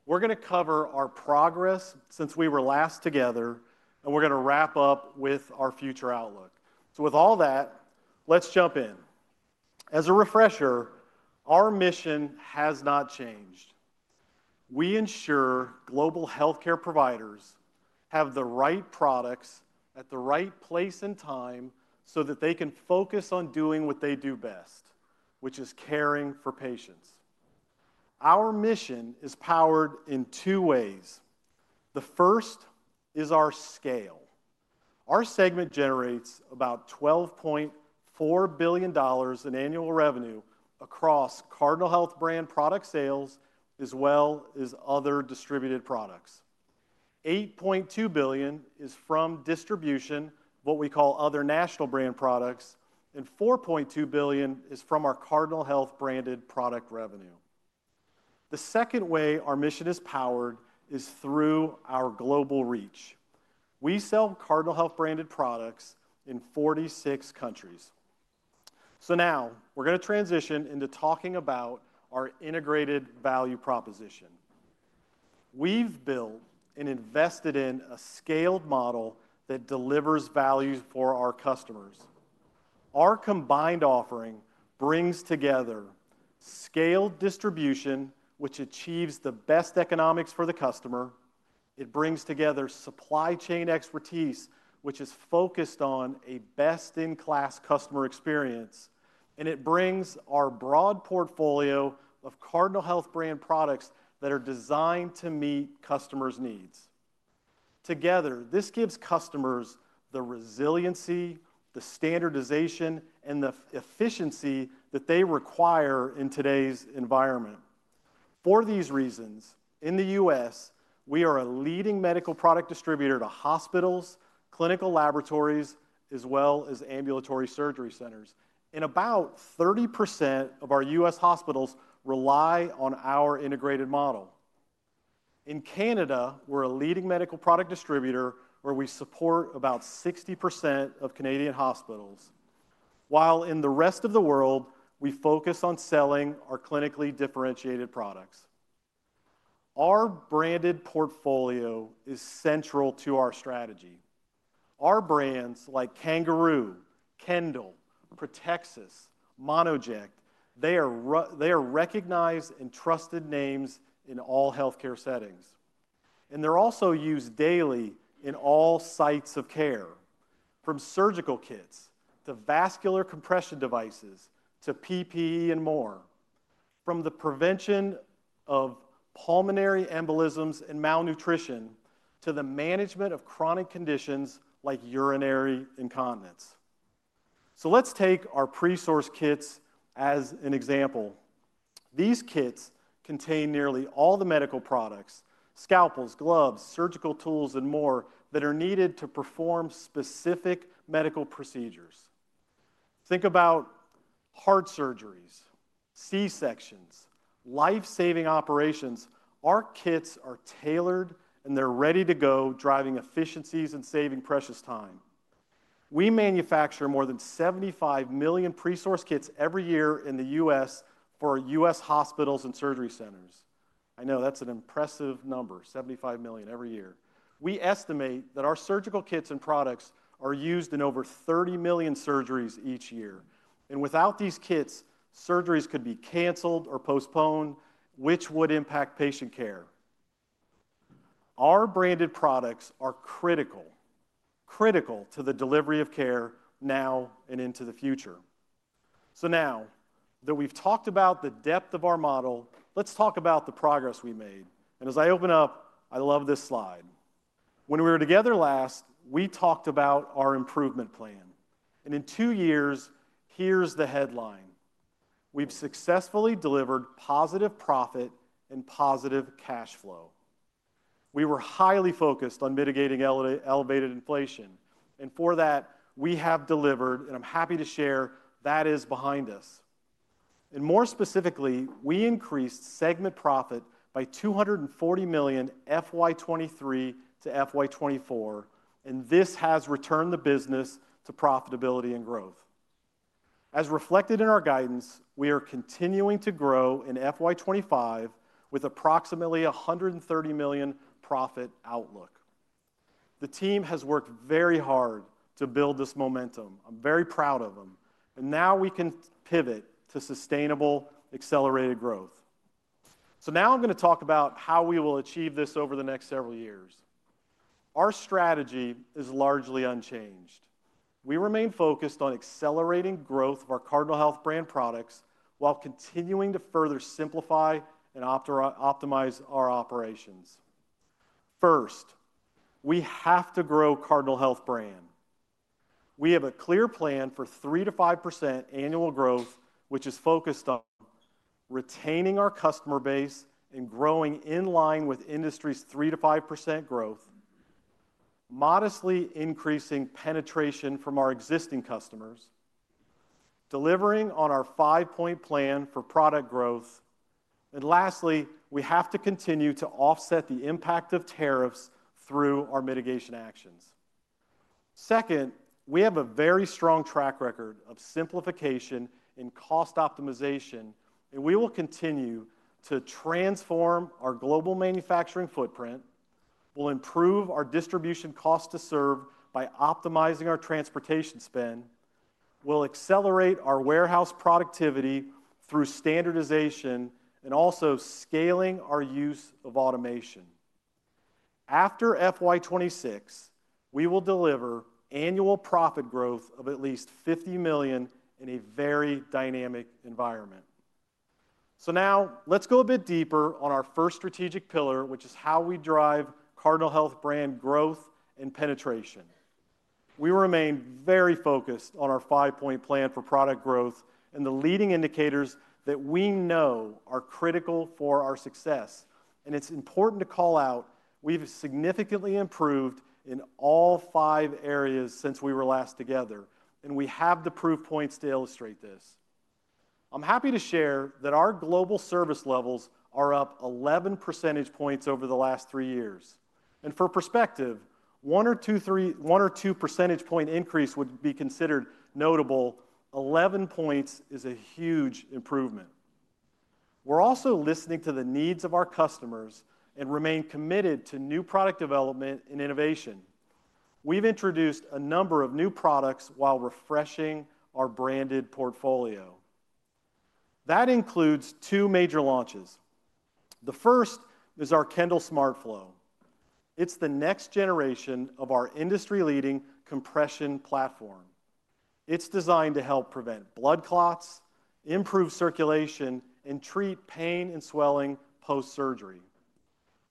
We're going to cover our progress since we were last together, and we're going to wrap up with our future outlook. With all that, let's jump in. As a refresher, our mission has not changed. We ensure global healthcare providers have the right products at the right place and time so that they can focus on doing what they do best, which is caring for patients. Our mission is powered in two ways. The first is our scale. Our segment generates about $12.4 billion in annual revenue across Cardinal Health brand product sales, as well as other distributed products. $8.2 billion is from distribution, what we call other national brand products, and $4.2 billion is from our Cardinal Health branded product revenue. The second way our mission is powered is through our global reach. We sell Cardinal Health branded products in 46 countries. Now we're going to transition into talking about our integrated value proposition. We've built and invested in a scaled model that delivers value for our customers. Our combined offering brings together scaled distribution, which achieves the best economics for the customer. It brings together supply chain expertise, which is focused on a best-in-class customer experience. It brings our broad portfolio of Cardinal Health brand products that are designed to meet customers' needs. Together, this gives customers the resiliency, the standardization, and the efficiency that they require in today's environment. For these reasons, in the U.S., we are a leading medical product distributor to hospitals, clinical laboratories, as well as ambulatory surgery centers. About 30% of our U.S. hospitals rely on our integrated model. In Canada, we're a leading medical product distributor where we support about 60% of Canadian hospitals. While in the rest of the world, we focus on selling our clinically differentiated products. Our branded portfolio is central to our strategy. Our brands like Kangaroo, Kendall, Protexus, Monoject, they are recognized and trusted names in all healthcare settings. They're also used daily in all sites of care, from surgical kits to vascular compression devices to PPE and more, from the prevention of pulmonary embolisms and malnutrition to the management of chronic conditions like urinary incontinence. Let's take our pre-source kits as an example. These kits contain nearly all the medical products: scalpels, gloves, surgical tools, and more that are needed to perform specific medical procedures. Think about heart surgeries, C-sections, life-saving operations. Our kits are tailored, and they're ready to go, driving efficiencies and saving precious time. We manufacture more than 75 million pre-source kits every year in the U.S. for U.S. hospitals and surgery centers. I know that's an impressive number, 75 million every year. We estimate that our surgical kits and products are used in over 30 million surgeries each year. Without these kits, surgeries could be canceled or postponed, which would impact patient care. Our branded products are critical, critical to the delivery of care now and into the future. Now that we've talked about the depth of our model, let's talk about the progress we made. As I open up, I love this slide. When we were together last, we talked about our improvement plan. In two years, here is the headline. We have successfully delivered positive profit and positive cash flow. We were highly focused on mitigating elevated inflation. For that, we have delivered, and I am happy to share that is behind us. More specifically, we increased segment profit by $240 million FY2023-FY2024. This has returned the business to profitability and growth. As reflected in our guidance, we are continuing to grow in FY2025 with approximately $130 million profit outlook. The team has worked very hard to build this momentum. I am very proud of them. Now we can pivot to sustainable accelerated growth. I am going to talk about how we will achieve this over the next several years. Our strategy is largely unchanged. We remain focused on accelerating growth of our Cardinal Health brand products while continuing to further simplify and optimize our operations. First, we have to grow Cardinal Health brand. We have a clear plan for 3-5% annual growth, which is focused on retaining our customer base and growing in line with industry's 3-5% growth, modestly increasing penetration from our existing customers, delivering on our five-point plan for product growth. Lastly, we have to continue to offset the impact of tariffs through our mitigation actions. Second, we have a very strong track record of simplification and cost optimization. We will continue to transform our global manufacturing footprint. We will improve our distribution cost to serve by optimizing our transportation spend. We will accelerate our warehouse productivity through standardization and also scaling our use of automation. After FY2026, we will deliver annual profit growth of at least $50 million in a very dynamic environment. Now let's go a bit deeper on our first strategic pillar, which is how we drive Cardinal Health brand growth and penetration. We remain very focused on our five-point plan for product growth and the leading indicators that we know are critical for our success. It's important to call out we've significantly improved in all five areas since we were last together. We have the proof points to illustrate this. I'm happy to share that our global service levels are up 11% points over the last three years. For perspective, one or two percentage point increase would be considered notable. 11 points is a huge improvement. We're also listening to the needs of our customers and remain committed to new product development and innovation. We've introduced a number of new products while refreshing our branded portfolio. That includes two major launches. The first is our Kendall SmartFlow. It's the next generation of our industry-leading compression platform. It's designed to help prevent blood clots, improve circulation, and treat pain and swelling post-surgery.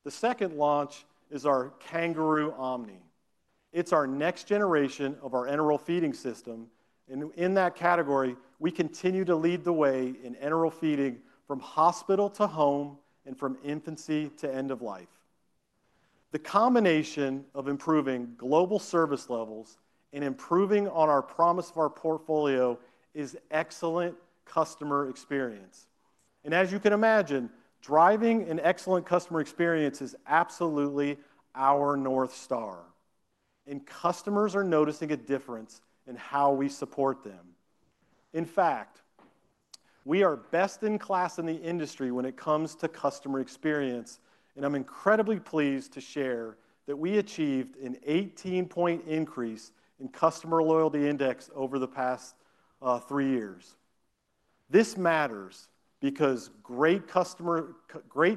The second launch is our Kangaroo Omni. It's our next generation of our enteral feeding system. In that category, we continue to lead the way in enteral feeding from hospital to home and from infancy to end of life. The combination of improving global service levels and improving on our promise of our portfolio is excellent customer experience. As you can imagine, driving an excellent customer experience is absolutely our North Star. Customers are noticing a difference in how we support them. In fact, we are best in class in the industry when it comes to customer experience. I'm incredibly pleased to share that we achieved an 18 percentage point increase in customer loyalty index over the past three years. This matters because great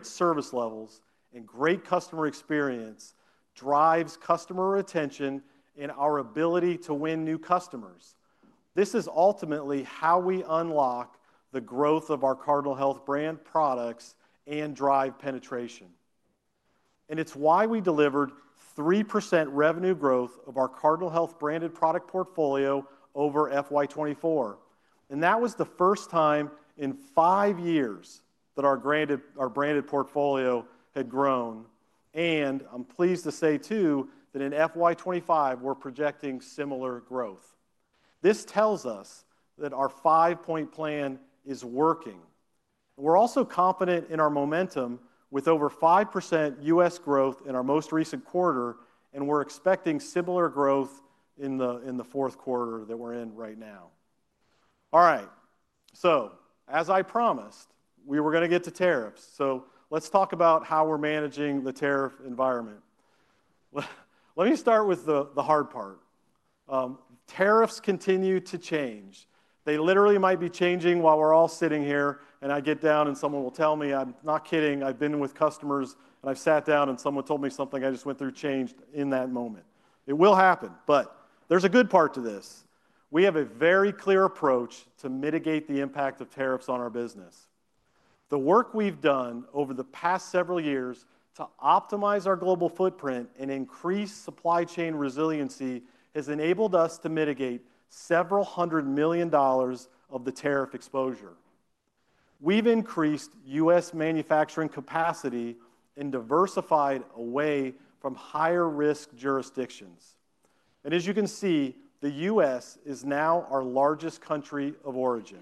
service levels and great customer experience drive customer retention and our ability to win new customers. This is ultimately how we unlock the growth of our Cardinal Health brand products and drive penetration. It's why we delivered 3% revenue growth of our Cardinal Health branded product portfolio over FY2024. That was the first time in five years that our branded portfolio had grown. I'm pleased to say too that in FY2025, we're projecting similar growth. This tells us that our five-point plan is working. We're also confident in our momentum with over 5% US growth in our most recent quarter. We're expecting similar growth in the fourth quarter that we're in right now. All right. As I promised, we were going to get to tariffs. Let's talk about how we're managing the tariff environment. Let me start with the hard part. Tariffs continue to change. They literally might be changing while we're all sitting here. I get down and someone will tell me, "I'm not kidding. I've been with customers and I've sat down and someone told me something I just went through changed in that moment." It will happen. There is a good part to this. We have a very clear approach to mitigate the impact of tariffs on our business. The work we've done over the past several years to optimize our global footprint and increase supply chain resiliency has enabled us to mitigate several hundred million dollars of the tariff exposure. We've increased U.S. manufacturing capacity and diversified away from higher-risk jurisdictions. As you can see, the U.S. is now our largest country of origin.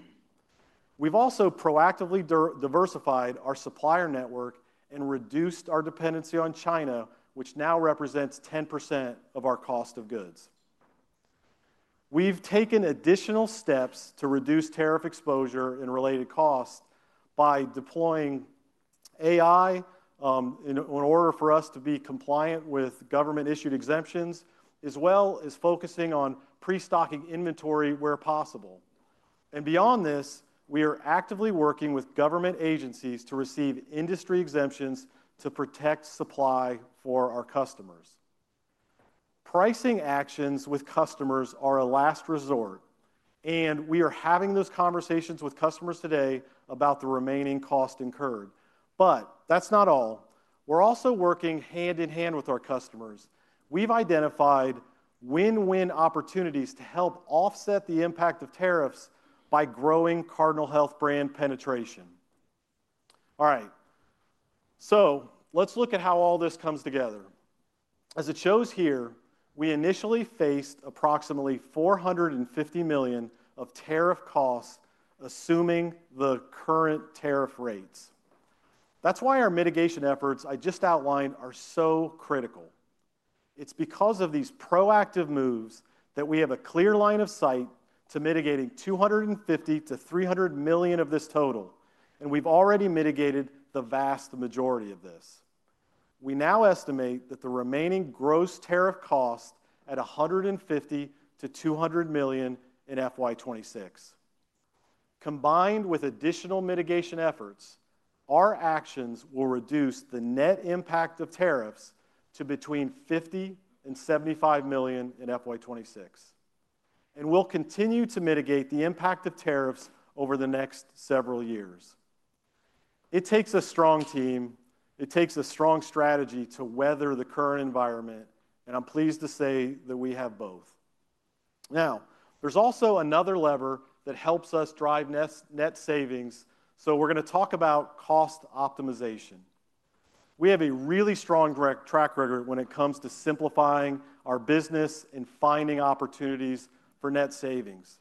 We have also proactively diversified our supplier network and reduced our dependency on China, which now represents 10% of our cost of goods. We have taken additional steps to reduce tariff exposure and related costs by deploying AI in order for us to be compliant with government-issued exemptions, as well as focusing on pre-stocking inventory where possible. Beyond this, we are actively working with government agencies to receive industry exemptions to protect supply for our customers. Pricing actions with customers are a last resort. We are having those conversations with customers today about the remaining cost incurred. That is not all. We are also working hand in hand with our customers. We have identified win-win opportunities to help offset the impact of tariffs by growing Cardinal Health brand penetration. All right. Let's look at how all this comes together. As it shows here, we initially faced approximately $450 million of tariff costs assuming the current tariff rates. That's why our mitigation efforts I just outlined are so critical. It's because of these proactive moves that we have a clear line of sight to mitigating $250-$300 million of this total. We've already mitigated the vast majority of this. We now estimate that the remaining gross tariff cost is $150-$200 million in FY2026. Combined with additional mitigation efforts, our actions will reduce the net impact of tariffs to between $50-$75 million in FY2026. We'll continue to mitigate the impact of tariffs over the next several years. It takes a strong team. It takes a strong strategy to weather the current environment. I'm pleased to say that we have both. Now, there's also another lever that helps us drive net savings. We're going to talk about cost optimization. We have a really strong track record when it comes to simplifying our business and finding opportunities for net savings.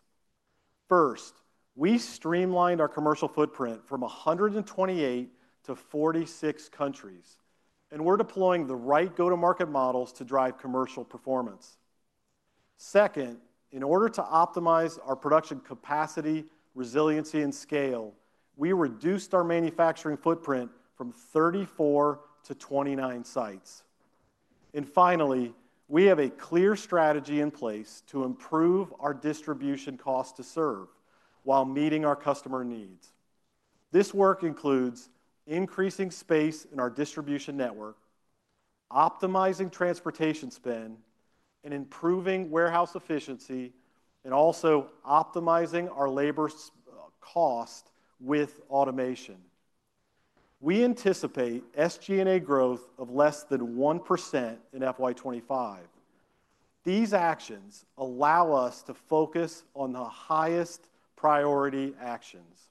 First, we streamlined our commercial footprint from 128-46 countries. We're deploying the right go-to-market models to drive commercial performance. Second, in order to optimize our production capacity, resiliency, and scale, we reduced our manufacturing footprint from 34-29 sites. Finally, we have a clear strategy in place to improve our distribution cost to serve while meeting our customer needs. This work includes increasing space in our distribution network, optimizing transportation spend, improving warehouse efficiency, and also optimizing our labor cost with automation. We anticipate SG&A growth of less than 1% in FY2025. These actions allow us to focus on the highest priority actions.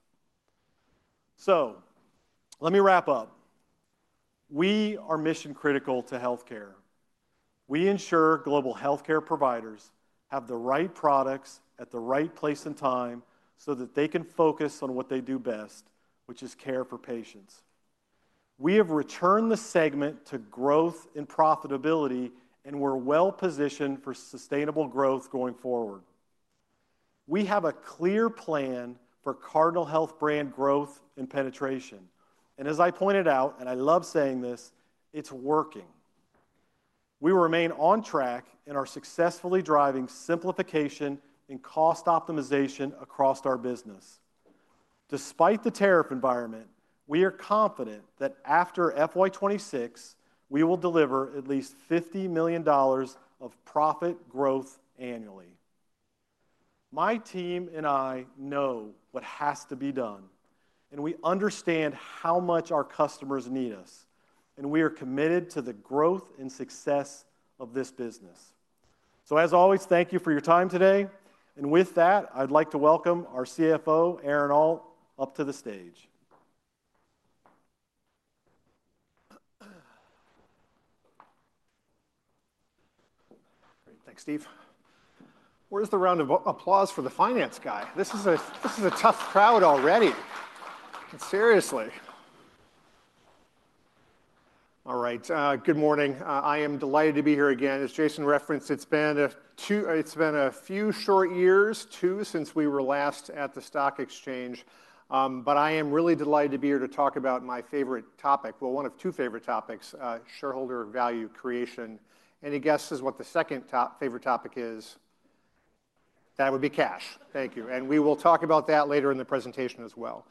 Let me wrap up. We are mission-critical to healthcare. We ensure global healthcare providers have the right products at the right place and time so that they can focus on what they do best, which is care for patients. We have returned the segment to growth and profitability, and we're well-positioned for sustainable growth going forward. We have a clear plan for Cardinal Health brand growth and penetration. As I pointed out, and I love saying this, it's working. We remain on track and are successfully driving simplification and cost optimization across our business. Despite the tariff environment, we are confident that after FY2026, we will deliver at least $50 million of profit growth annually. My team and I know what has to be done. We understand how much our customers need us. We are committed to the growth and success of this business. As always, thank you for your time today. With that, I'd like to welcome our CFO, Aaron Alt, up to the stage. Thanks, Steve. Where's the round of applause for the finance guy? This is a tough crowd already. Seriously. All right. Good morning. I am delighted to be here again. As Jason referenced, it's been a few short years, too, since we were last at the stock exchange. I am really delighted to be here to talk about my favorite topic. One of two favorite topics, shareholder value creation. Any guesses what the second favorite topic is? That would be cash. Thank you. We will talk about that later in the presentation as well.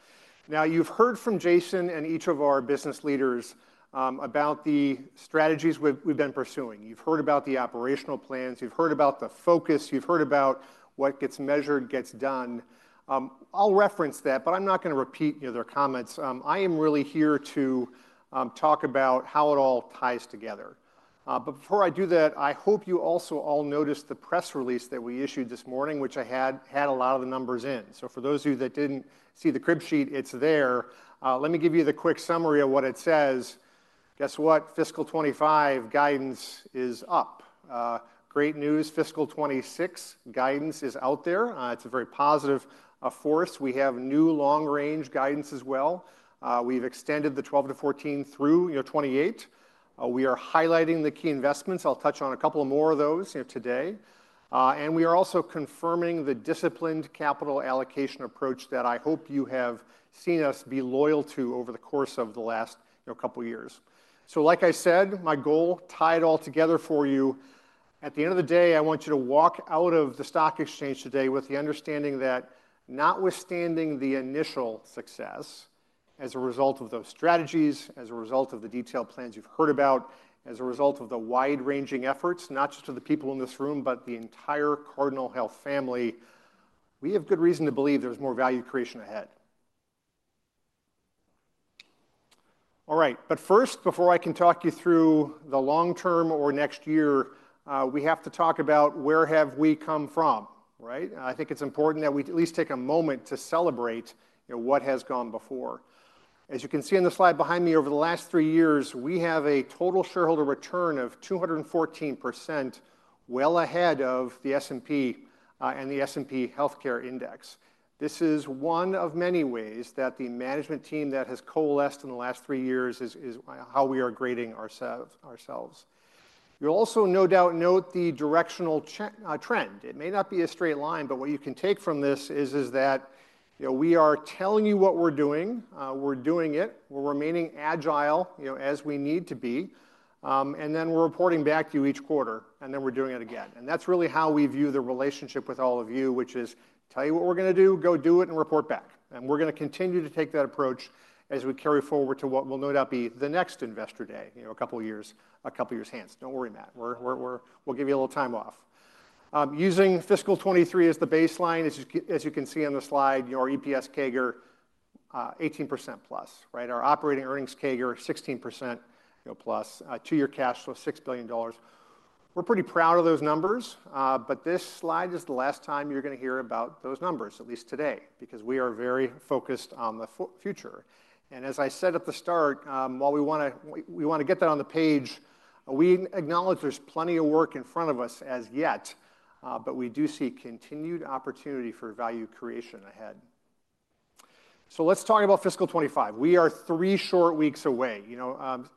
Now, you've heard from Jason and each of our business leaders about the strategies we've been pursuing. You've heard about the operational plans. You've heard about the focus. You've heard about what gets measured, gets done. I'll reference that, but I'm not going to repeat their comments. I am really here to talk about how it all ties together. Before I do that, I hope you also all noticed the press release that we issued this morning, which had a lot of the numbers in it. For those of you that didn't see the crib sheet, it's there. Let me give you the quick summary of what it says. Guess what? Fiscal 2025 guidance is up. Great news. Fiscal 2026 guidance is out there. It's a very positive force. We have new long-range guidance as well. We've extended the 12%-14% through 2028. We are highlighting the key investments. I'll touch on a couple more of those today. We are also confirming the disciplined capital allocation approach that I hope you have seen us be loyal to over the course of the last couple of years. Like I said, my goal tied all together for you. At the end of the day, I want you to walk out of the stock exchange today with the understanding that notwithstanding the initial success as a result of those strategies, as a result of the detailed plans you have heard about, as a result of the wide-ranging efforts, not just to the people in this room, but the entire Cardinal Health family, we have good reason to believe there is more value creation ahead. All right. First, before I can talk you through the long term or next year, we have to talk about where have we come from, right? I think it's important that we at least take a moment to celebrate what has gone before. As you can see on the slide behind me, over the last three years, we have a total shareholder return of 214% well ahead of the S&P and the S&P Healthcare Index. This is one of many ways that the management team that has coalesced in the last three years is how we are grading ourselves. You'll also no doubt note the directional trend. It may not be a straight line, but what you can take from this is that we are telling you what we're doing. We're doing it. We're remaining agile as we need to be. Then we're reporting back to you each quarter. Then we're doing it again. That is really how we view the relationship with all of you, which is tell you what we are going to do, go do it, and report back. We are going to continue to take that approach as we carry forward to what will no doubt be the next investor day in a couple of years. A couple of years' hands. Do not worry, Matt. We will give you a little time off. Using fiscal 2023 as the baseline, as you can see on the slide, our EPS CAGR, 18% plus, right? Our operating earnings CAGR, 16% plus to your cash flow, $6 billion. We are pretty proud of those numbers. This slide is the last time you are going to hear about those numbers, at least today, because we are very focused on the future. As I said at the start, while we want to get that on the page, we acknowledge there's plenty of work in front of us as yet, but we do see continued opportunity for value creation ahead. Let's talk about fiscal 2025. We are three short weeks away.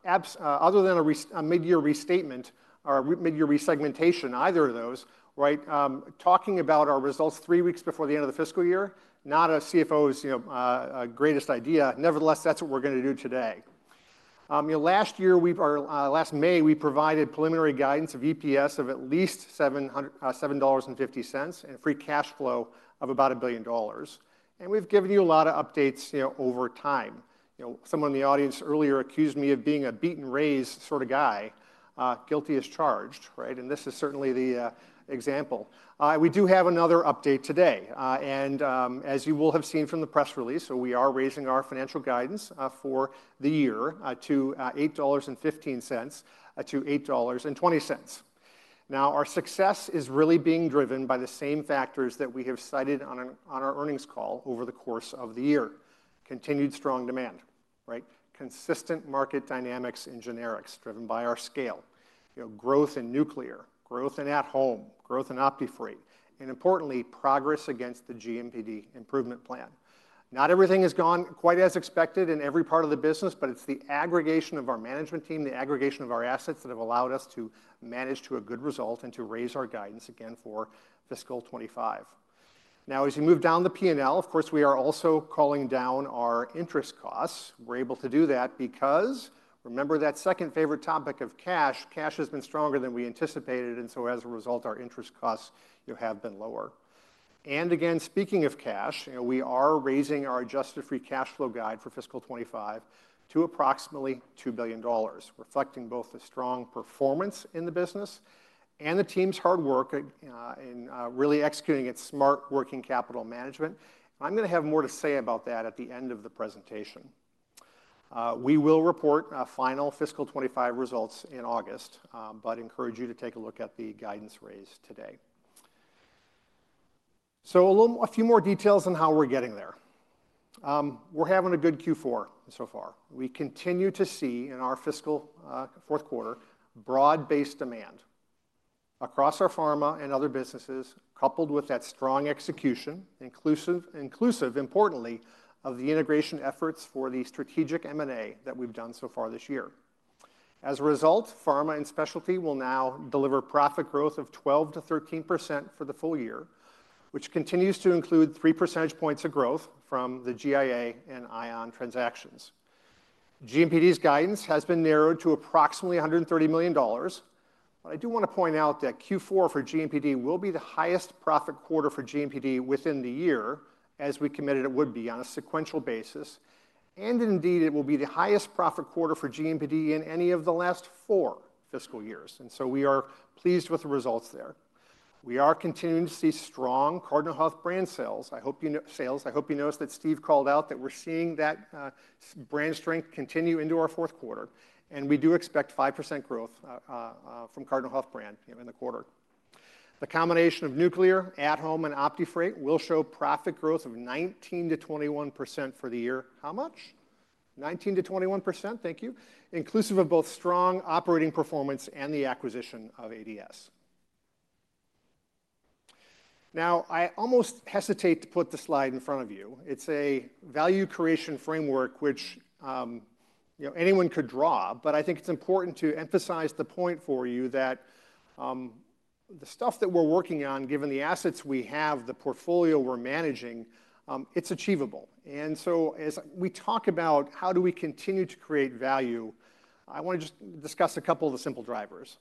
Other than a mid-year restatement or mid-year resegmentation, either of those, right? Talking about our results three weeks before the end of the fiscal year, not a CFO's greatest idea. Nevertheless, that's what we're going to do today. Last year, last May, we provided preliminary guidance of EPS of at least $7.50 and free cash flow of about $1 billion. We've given you a lot of updates over time. Someone in the audience earlier accused me of being a beaten-raised sort of guy, guilty as charged, right? This is certainly the example. We do have another update today. As you will have seen from the press release, we are raising our financial guidance for the year to $8.15-$8.20. Now, our success is really being driven by the same factors that we have cited on our earnings call over the course of the year: continued strong demand, right? Consistent market dynamics and generics driven by our scale, growth in nuclear, growth in at-home, growth in OptiFreight, and importantly, progress against the GMPD improvement plan. Not everything has gone quite as expected in every part of the business, but it is the aggregation of our management team, the aggregation of our assets that have allowed us to manage to a good result and to raise our guidance again for fiscal 2025. Now, as you move down the P&L, of course, we are also calling down our interest costs. We're able to do that because, remember that second favorite topic of cash, cash has been stronger than we anticipated. As a result, our interest costs have been lower. Again, speaking of cash, we are raising our adjusted free cash flow guide for fiscal 2025 to approximately $2 billion, reflecting both the strong performance in the business and the team's hard work in really executing its smart working capital management. I'm going to have more to say about that at the end of the presentation. We will report final fiscal 2025 results in August, but encourage you to take a look at the guidance raise today. A few more details on how we're getting there. We're having a good Q4 so far. We continue to see in our fiscal fourth quarter broad-based demand across our pharma and other businesses, coupled with that strong execution, inclusive, importantly, of the integration efforts for the strategic M&A that we've done so far this year. As a result, pharma and specialty will now deliver profit growth of 12-13% for the full year, which continues to include three percentage points of growth from the GI Alliance and Integrated Oncology Network transactions. GMPD's guidance has been narrowed to approximately $130 million. I do want to point out that Q4 for GMPD will be the highest profit quarter for GMPD within the year, as we committed it would be on a sequential basis. It will be the highest profit quarter for GMPD in any of the last four fiscal years. We are pleased with the results there. We are continuing to see strong Cardinal Health brand sales. I hope you know sales. I hope you noticed that Steve called out that we're seeing that brand strength continue into our fourth quarter. We do expect 5% growth from Cardinal Health brand in the quarter. The combination of nuclear, at-home, and OptiFreight will show profit growth of 19-21% for the year. How much? 19-21%. Thank you. Inclusive of both strong operating performance and the acquisition of ADS. Now, I almost hesitate to put the slide in front of you. It's a value creation framework, which anyone could draw. I think it's important to emphasize the point for you that the stuff that we're working on, given the assets we have, the portfolio we're managing, it's achievable. As we talk about how do we continue to create value, I want to just discuss a couple of the simple drivers.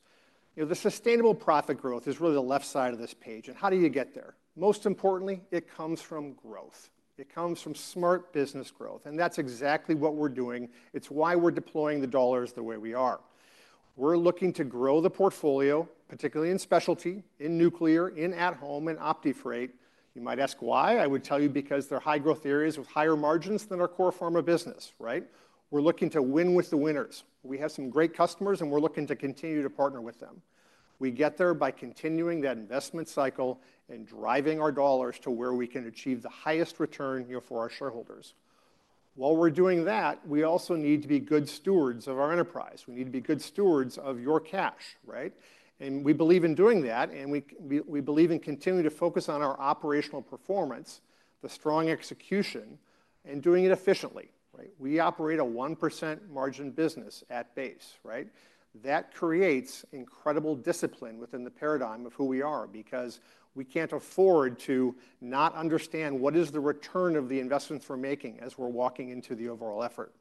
The sustainable profit growth is really the left side of this page. How do you get there? Most importantly, it comes from growth. It comes from smart business growth. That's exactly what we're doing. It's why we're deploying the dollars the way we are. We're looking to grow the portfolio, particularly in specialty, in nuclear, in at-home, and OptiFreight. You might ask why. I would tell you because they're high-growth areas with higher margins than our core pharma business, right? We're looking to win with the winners. We have some great customers, and we're looking to continue to partner with them. We get there by continuing that investment cycle and driving our dollars to where we can achieve the highest return for our shareholders. While we're doing that, we also need to be good stewards of our enterprise. We need to be good stewards of your cash, right? We believe in doing that. We believe in continuing to focus on our operational performance, the strong execution, and doing it efficiently, right? We operate a 1% margin business at base, right? That creates incredible discipline within the paradigm of who we are because we can't afford to not understand what is the return of the investments we're making as we're walking into the overall effort.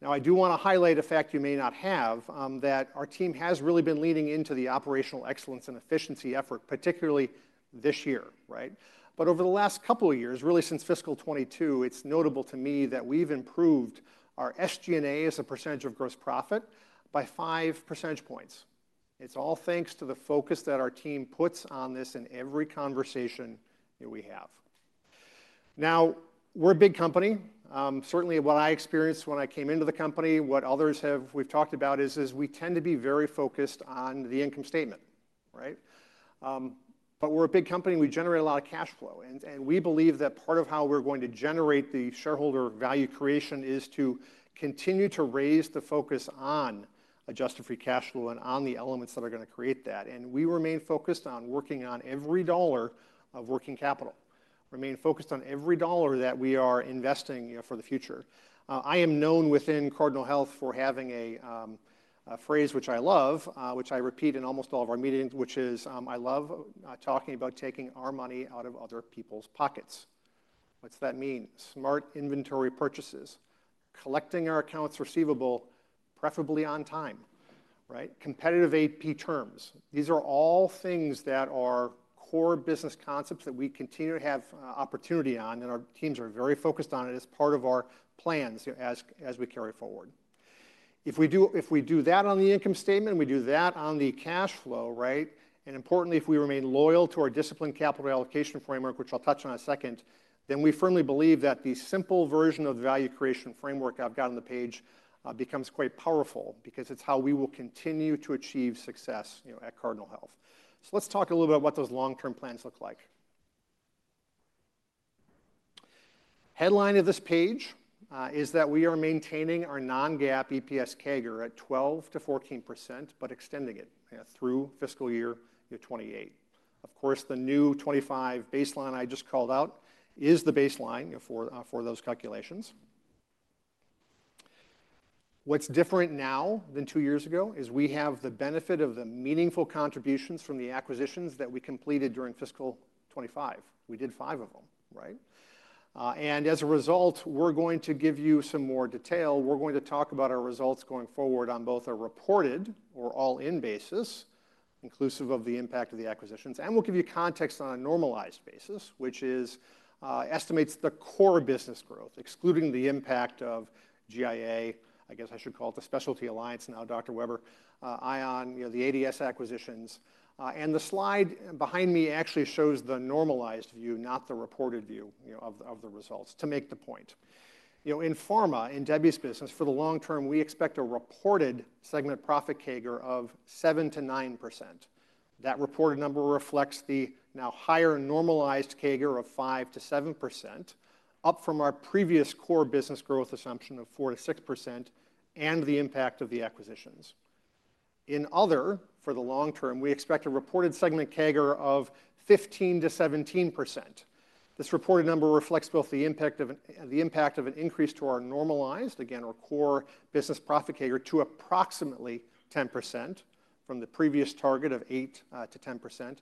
Now, I do want to highlight a fact you may not have that our team has really been leaning into the operational excellence and efficiency effort, particularly this year, right? Over the last couple of years, really since fiscal 2022, it's notable to me that we've improved our SG&A as a percentage of gross profit by five percentage points. It's all thanks to the focus that our team puts on this in every conversation we have. Now, we're a big company. Certainly, what I experienced when I came into the company, what others have we've talked about is we tend to be very focused on the income statement, right? We're a big company. We generate a lot of cash flow. We believe that part of how we're going to generate the shareholder value creation is to continue to raise the focus on adjusted free cash flow and on the elements that are going to create that. We remain focused on working on every dollar of working capital, remain focused on every dollar that we are investing for the future. I am known within Cardinal Health for having a phrase which I love, which I repeat in almost all of our meetings, which is I love talking about taking our money out of other people's pockets. What's that mean? Smart inventory purchases, collecting our accounts receivable, preferably on time, right? Competitive AP terms. These are all things that are core business concepts that we continue to have opportunity on, and our teams are very focused on it as part of our plans as we carry forward. If we do that on the income statement, we do that on the cash flow, right? Importantly, if we remain loyal to our disciplined capital allocation framework, which I'll touch on in a second, then we firmly believe that the simple version of the value creation framework I've got on the page becomes quite powerful because it's how we will continue to achieve success at Cardinal Health. Let's talk a little bit about what those long-term plans look like. The headline of this page is that we are maintaining our non-GAAP EPS CAGR at 12-14%, but extending it through fiscal year 2028. Of course, the new 2025 baseline I just called out is the baseline for those calculations. What's different now than two years ago is we have the benefit of the meaningful contributions from the acquisitions that we completed during fiscal 2025. We did five of them, right? As a result, we're going to give you some more detail. We're going to talk about our results going forward on both a reported or all-in basis, inclusive of the impact of the acquisitions. We'll give you context on a normalized basis, which estimates the core business growth, excluding the impact of GI Alliance, I guess I should call it the Specialty Alliance now, Dr. Weber, ION, the ADS acquisitions. The slide behind me actually shows the normalized view, not the reported view of the results, to make the point. In pharma, in Debbie's business, for the long term, we expect a reported segment profit CAGR of 7-9%. That reported number reflects the now higher normalized CAGR of 5-7%, up from our previous core business growth assumption of 4-6% and the impact of the acquisitions. In other, for the long term, we expect a reported segment CAGR of 15-17%. This reported number reflects both the impact of an increase to our normalized, again, our core business profit CAGR to approximately 10% from the previous target of 8-10%,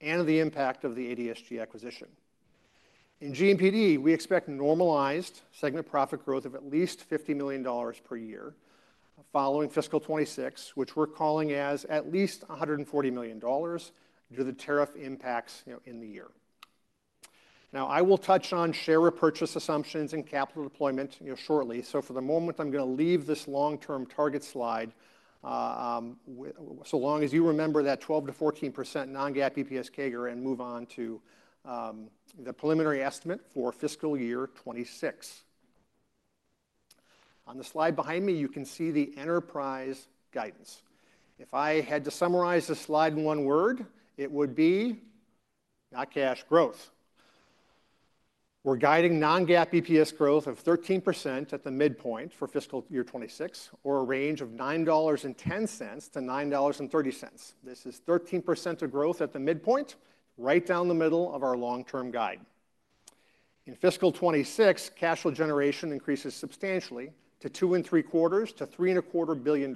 and the impact of the ADSG acquisition. In GMPD, we expect normalized segment profit growth of at least $50 million per year following fiscal 2026, which we're calling as at least $140 million due to the tariff impacts in the year. Now, I will touch on share repurchase assumptions and capital deployment shortly. For the moment, I'm going to leave this long-term target slide so long as you remember that 12-14% non-GAAP EPS CAGR and move on to the preliminary estimate for fiscal year 2026. On the slide behind me, you can see the enterprise guidance. If I had to summarize the slide in one word, it would be not cash growth. We're guiding non-GAAP EPS growth of 13% at the midpoint for fiscal year 2026, or a range of $9.10-$9.30. This is 13% of growth at the midpoint, right down the middle of our long-term guide. In fiscal 2026, cash flow generation increases substantially to $2.75 billion-$3.25 billion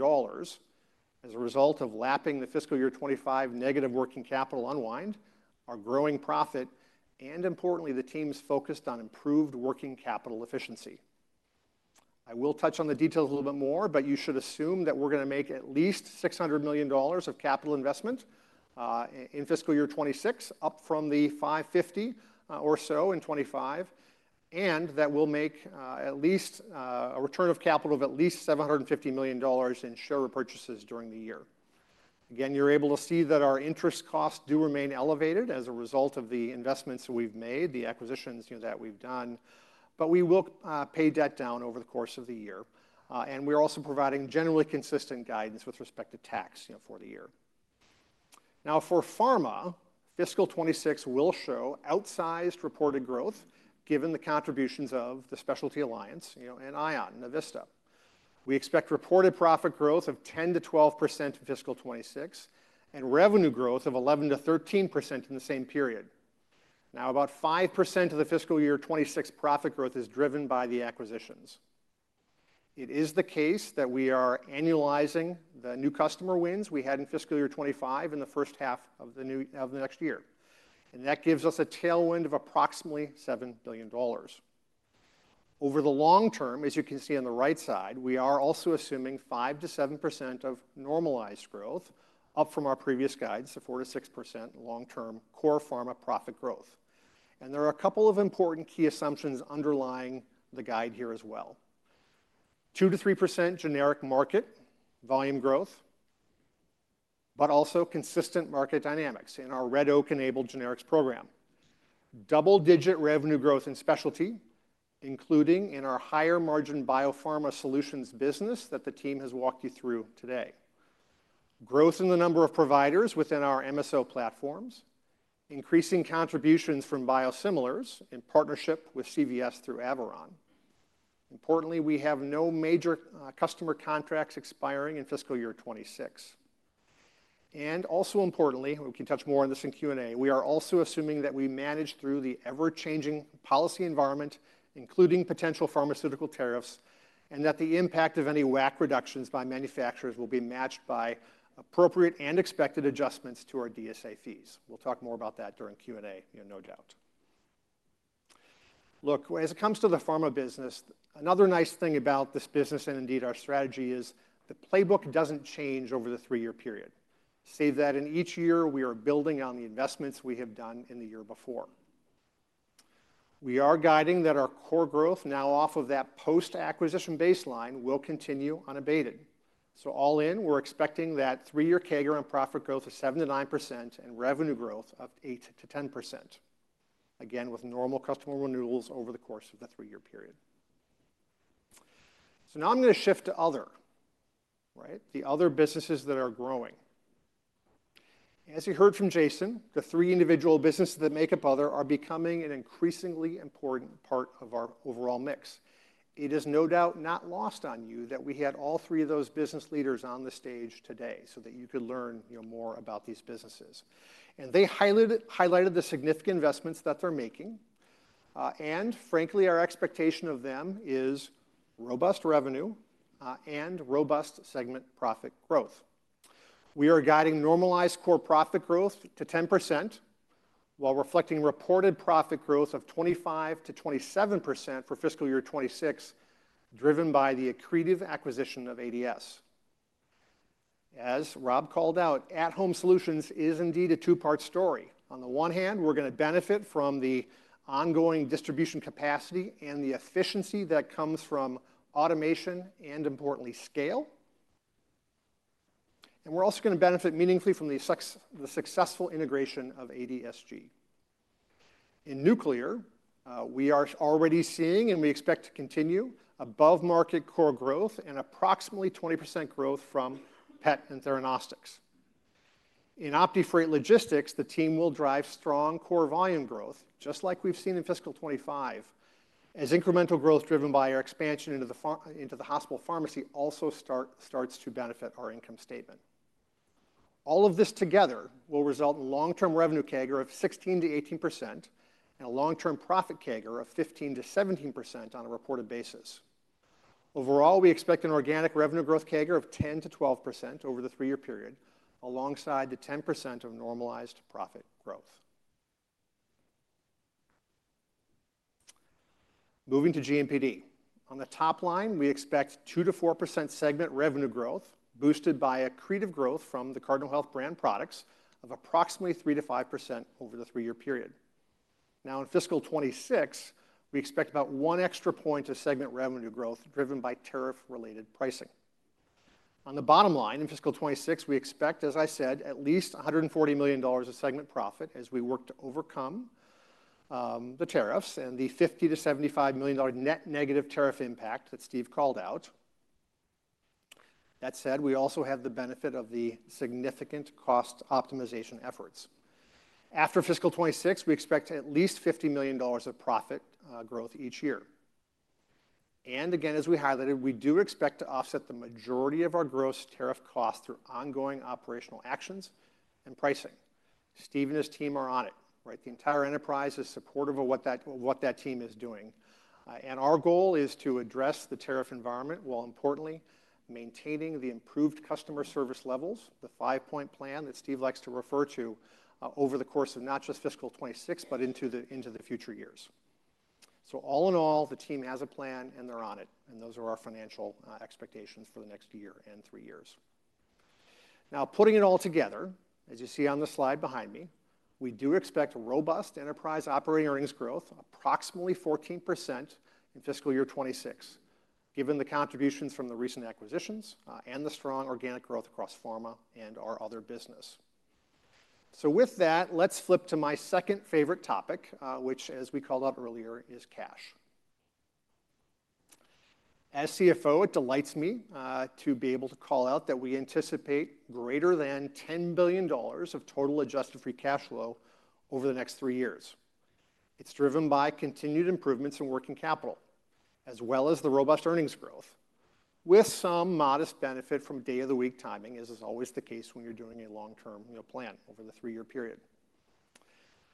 as a result of lapping the fiscal year 2025 negative working capital unwind, our growing profit, and importantly, the team's focus on improved working capital efficiency. I will touch on the details a little bit more, but you should assume that we're going to make at least $600 million of capital investment in fiscal year 2026, up from the $550 million or so in 2025, and that we'll make at least a return of capital of at least $750 million in share repurchases during the year. Again, you're able to see that our interest costs do remain elevated as a result of the investments we've made, the acquisitions that we've done. We will pay debt down over the course of the year. We're also providing generally consistent guidance with respect to tax for the year. Now, for pharma, fiscal 2026 will show outsized reported growth given the contributions of the Specialty Alliance and ION and Vista. We expect reported profit growth of 10-12% in fiscal 2026 and revenue growth of 11-13% in the same period. About 5% of the fiscal year 2026 profit growth is driven by the acquisitions. It is the case that we are annualizing the new customer wins we had in fiscal year 2025 in the first half of the next year. That gives us a tailwind of approximately $7 billion. Over the long term, as you can see on the right side, we are also assuming 5-7% of normalized growth, up from our previous guidance of 4-6% long-term core pharma profit growth. There are a couple of important key assumptions underlying the guide here as well. 2-3% generic market volume growth, but also consistent market dynamics in our Red Oak-enabled generics program. Double-digit revenue growth in specialty, including in our higher margin biopharma solutions business that the team has walked you through today. Growth in the number of providers within our MSO platforms, increasing contributions from biosimilars in partnership with CVS through Averon. Importantly, we have no major customer contracts expiring in fiscal year 2026. Also importantly, we can touch more on this in Q&A, we are also assuming that we manage through the ever-changing policy environment, including potential pharmaceutical tariffs, and that the impact of any WAC reductions by manufacturers will be matched by appropriate and expected adjustments to our DSA fees. We'll talk more about that during Q&A, no doubt. Look, as it comes to the pharma business, another nice thing about this business and indeed our strategy is the playbook does not change over the three-year period. Say that in each year, we are building on the investments we have done in the year before. We are guiding that our core growth now off of that post-acquisition baseline will continue unabated. All in, we're expecting that three-year CAGR and profit growth of 7-9% and revenue growth of 8-10%, again, with normal customer renewals over the course of the three-year period. Now I'm going to shift to other, right? The other businesses that are growing. As you heard from Jason, the three individual businesses that make up other are becoming an increasingly important part of our overall mix. It is no doubt not lost on you that we had all three of those business leaders on the stage today so that you could learn more about these businesses. They highlighted the significant investments that they're making. Frankly, our expectation of them is robust revenue and robust segment profit growth. We are guiding normalized core profit growth to 10% while reflecting reported profit growth of 25-27% for fiscal year 2026, driven by the accretive acquisition of ADS. As Rob called out, At Home Solutions is indeed a two-part story. On the one hand, we're going to benefit from the ongoing distribution capacity and the efficiency that comes from automation and, importantly, scale. We're also going to benefit meaningfully from the successful integration of ADS. In nuclear, we are already seeing and we expect to continue above-market core growth and approximately 20% growth from PET and theranostics. In OptiFreight Logistics, the team will drive strong core volume growth, just like we've seen in fiscal 2025, as incremental growth driven by our expansion into the hospital pharmacy also starts to benefit our income statement. All of this together will result in long-term revenue CAGR of 16-18% and a long-term profit CAGR of 15-17% on a reported basis. Overall, we expect an organic revenue growth CAGR of 10-12% over the three-year period, alongside the 10% of normalized profit growth. Moving to GMPD. On the top line, we expect 2-4% segment revenue growth, boosted by accretive growth from the Cardinal Health brand products of approximately 3-5% over the three-year period. Now, in fiscal 2026, we expect about one extra point of segment revenue growth driven by tariff-related pricing. On the bottom line, in fiscal 2026, we expect, as I said, at least $140 million of segment profit as we work to overcome the tariffs and the $50-75 million net negative tariff impact that Steve called out. That said, we also have the benefit of the significant cost optimization efforts. After fiscal 2026, we expect at least $50 million of profit growth each year. Again, as we highlighted, we do expect to offset the majority of our gross tariff costs through ongoing operational actions and pricing. Steve and his team are on it, right? The entire enterprise is supportive of what that team is doing. Our goal is to address the tariff environment while, importantly, maintaining the improved customer service levels, the five-point plan that Steve likes to refer to over the course of not just fiscal 2026, but into the future years. All in all, the team has a plan and they're on it. Those are our financial expectations for the next year and three years. Now, putting it all together, as you see on the slide behind me, we do expect robust enterprise operating earnings growth, approximately 14% in fiscal year 2026, given the contributions from the recent acquisitions and the strong organic growth across pharma and our other business. With that, let's flip to my second favorite topic, which, as we called out earlier, is cash. As CFO, it delights me to be able to call out that we anticipate greater than $10 billion of total adjusted free cash flow over the next three years. It's driven by continued improvements in working capital, as well as the robust earnings growth, with some modest benefit from day-of-the-week timing, as is always the case when you're doing a long-term plan over the three-year period.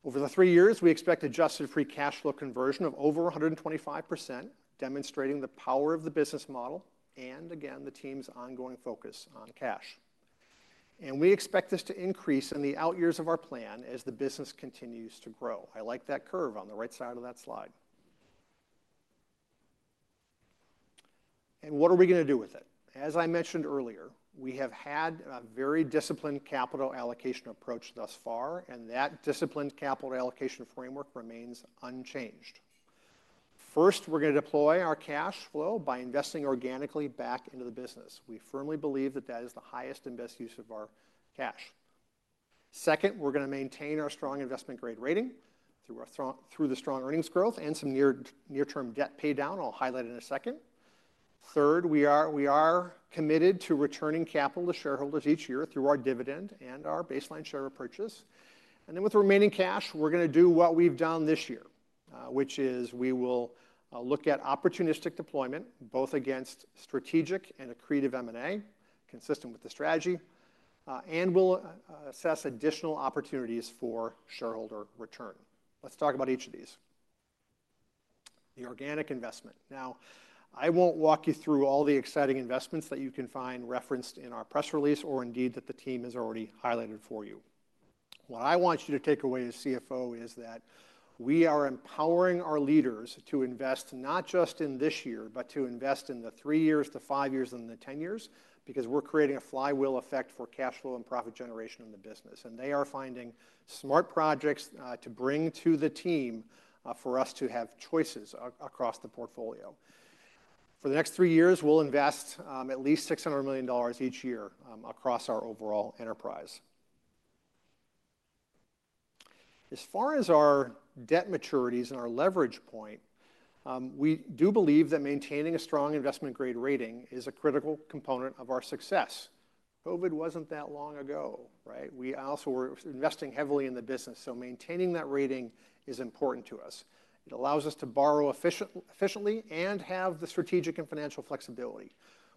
Over the three years, we expect adjusted free cash flow conversion of over 125%, demonstrating the power of the business model and, again, the team's ongoing focus on cash. We expect this to increase in the out years of our plan as the business continues to grow. I like that curve on the right side of that slide. What are we going to do with it? As I mentioned earlier, we have had a very disciplined capital allocation approach thus far, and that disciplined capital allocation framework remains unchanged. First, we're going to deploy our cash flow by investing organically back into the business. We firmly believe that that is the highest and best use of our cash. Second, we're going to maintain our strong investment grade rating through the strong earnings growth and some near-term debt paydown. I'll highlight it in a second. Third, we are committed to returning capital to shareholders each year through our dividend and our baseline share repurchase. With the remaining cash, we are going to do what we have done this year, which is we will look at opportunistic deployment, both against strategic and accretive M&A, consistent with the strategy, and we will assess additional opportunities for shareholder return. Let's talk about each of these. The organic investment. Now, I will not walk you through all the exciting investments that you can find referenced in our press release or indeed that the team has already highlighted for you. What I want you to take away as CFO is that we are empowering our leaders to invest not just in this year, but to invest in the three years, the five years, and the ten years because we are creating a flywheel effect for cash flow and profit generation in the business. They are finding smart projects to bring to the team for us to have choices across the portfolio. For the next three years, we'll invest at least $600 million each year across our overall enterprise. As far as our debt maturities and our leverage point, we do believe that maintaining a strong investment grade rating is a critical component of our success. COVID was not that long ago, right? We also were investing heavily in the business. Maintaining that rating is important to us. It allows us to borrow efficiently and have the strategic and financial flexibility.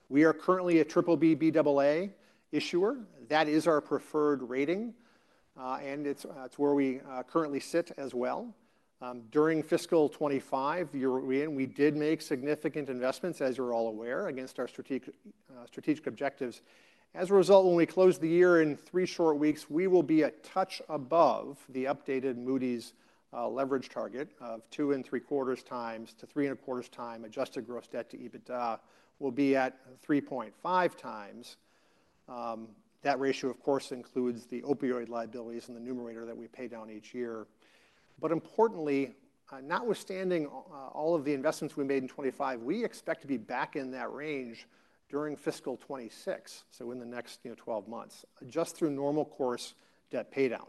We are currently a BBB/A issuer. That is our preferred rating, and it is where we currently sit as well. During fiscal 2025, we did make significant investments, as you are all aware, against our strategic objectives. As a result, when we close the year in three short weeks, we will be a touch above the updated Moody's leverage target of 2.75-3.25 times adjusted gross debt to EBITDA. We'll be at 3.5 times. That ratio, of course, includes the opioid liabilities in the numerator that we pay down each year. Importantly, notwithstanding all of the investments we made in 2025, we expect to be back in that range during fiscal 2026, so in the next 12 months, just through normal course debt paydown.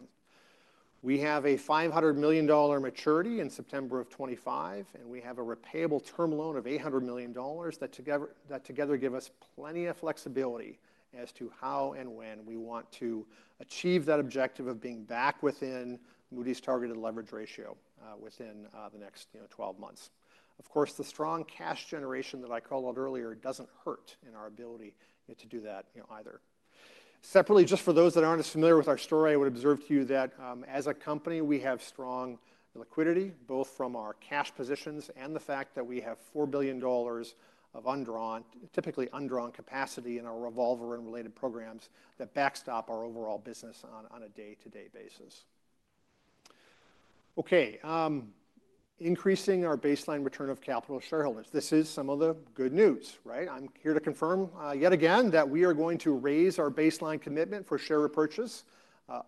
We have a $500 million maturity in September of 2025, and we have a repayable term loan of $800 million that together give us plenty of flexibility as to how and when we want to achieve that objective of being back within Moody's targeted leverage ratio within the next 12 months. Of course, the strong cash generation that I called out earlier does not hurt in our ability to do that either. Separately, just for those that are not as familiar with our story, I would observe to you that as a company, we have strong liquidity, both from our cash positions and the fact that we have $4 billion of typically undrawn capacity in our revolver and related programs that backstop our overall business on a day-to-day basis. Okay. Increasing our baseline return of capital shareholders. This is some of the good news, right? I am here to confirm yet again that we are going to raise our baseline commitment for share repurchase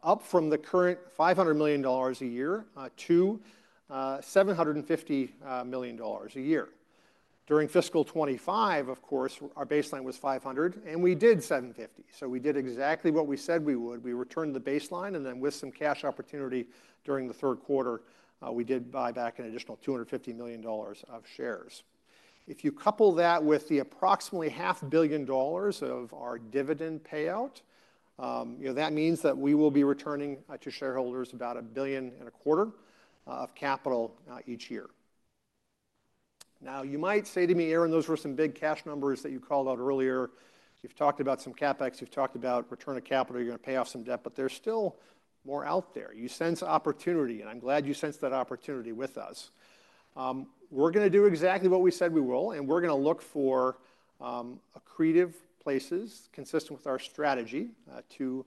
up from the current $500 million a year to $750 million a year. During fiscal 2025, of course, our baseline was $500 million, and we did $750 million. So we did exactly what we said we would. We returned the baseline, and then with some cash opportunity during the third quarter, we did buy back an additional $250 million of shares. If you couple that with the approximately $500 million of our dividend payout, that means that we will be returning to shareholders about $1.25 billion of capital each year. Now, you might say to me, "Aaron, those were some big cash numbers that you called out earlier. You've talked about some CapEx. You've talked about return of capital. You're going to pay off some debt, but there's still more out there. You sense opportunity, and I'm glad you sense that opportunity with us." We're going to do exactly what we said we will, and we're going to look for accretive places consistent with our strategy to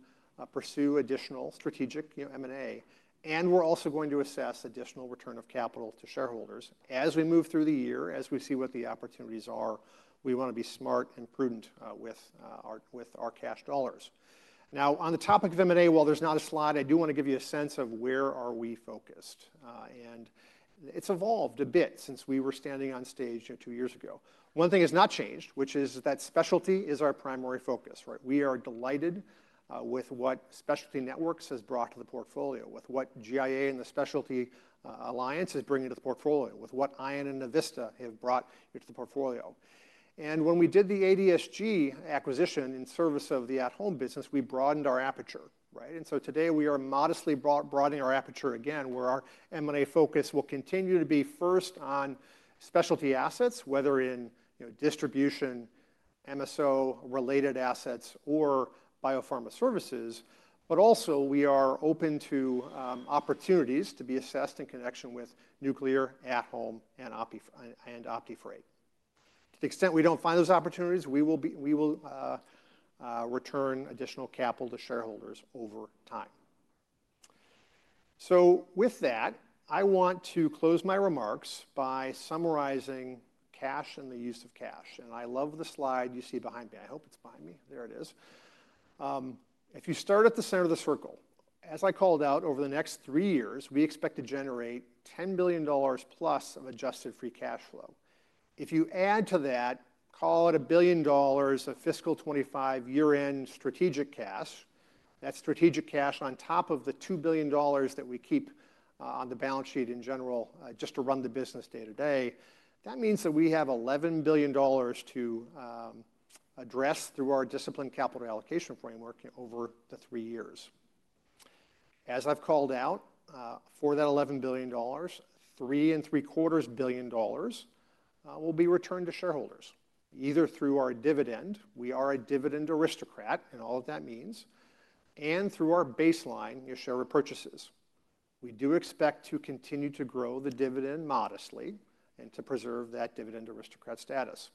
pursue additional strategic M&A. And we're also going to assess additional return of capital to shareholders. As we move through the year, as we see what the opportunities are, we want to be smart and prudent with our cash dollars. Now, on the topic of M&A, while there's not a slot, I do want to give you a sense of where are we focused. It has evolved a bit since we were standing on stage two years ago. One thing has not changed, which is that specialty is our primary focus, right? We are delighted with what Specialty Networks has brought to the portfolio, with what GI Alliance and the Specialty Alliance is bringing to the portfolio, with what Ayan and Novista have brought into the portfolio. When we did the ADSG acquisition in service of the At Home business, we broadened our aperture, right? Today, we are modestly broadening our aperture again, where our M&A focus will continue to be first on specialty assets, whether in distribution, MSO-related assets, or biopharma services. We are also open to opportunities to be assessed in connection with nuclear, At Home, and OptiFreight. To the extent we do not find those opportunities, we will return additional capital to shareholders over time. With that, I want to close my remarks by summarizing cash and the use of cash. I love the slide you see behind me. I hope it is behind me. There it is. If you start at the center of the circle, as I called out, over the next three years, we expect to generate $10 billion+ of adjusted free cash flow. If you add to that, call it a billion dollars of fiscal 2025 year-end strategic cash, that strategic cash on top of the $2 billion that we keep on the balance sheet in general just to run the business day-to-day, that means that we have $11 billion to address through our disciplined capital allocation framework over the three years. As I've called out, for that $11 billion, $3.75 billion will be returned to shareholders, either through our dividend. We are a dividend aristocrat, and all of that means, and through our baseline share repurchases. We do expect to continue to grow the dividend modestly and to preserve that dividend aristocrat status.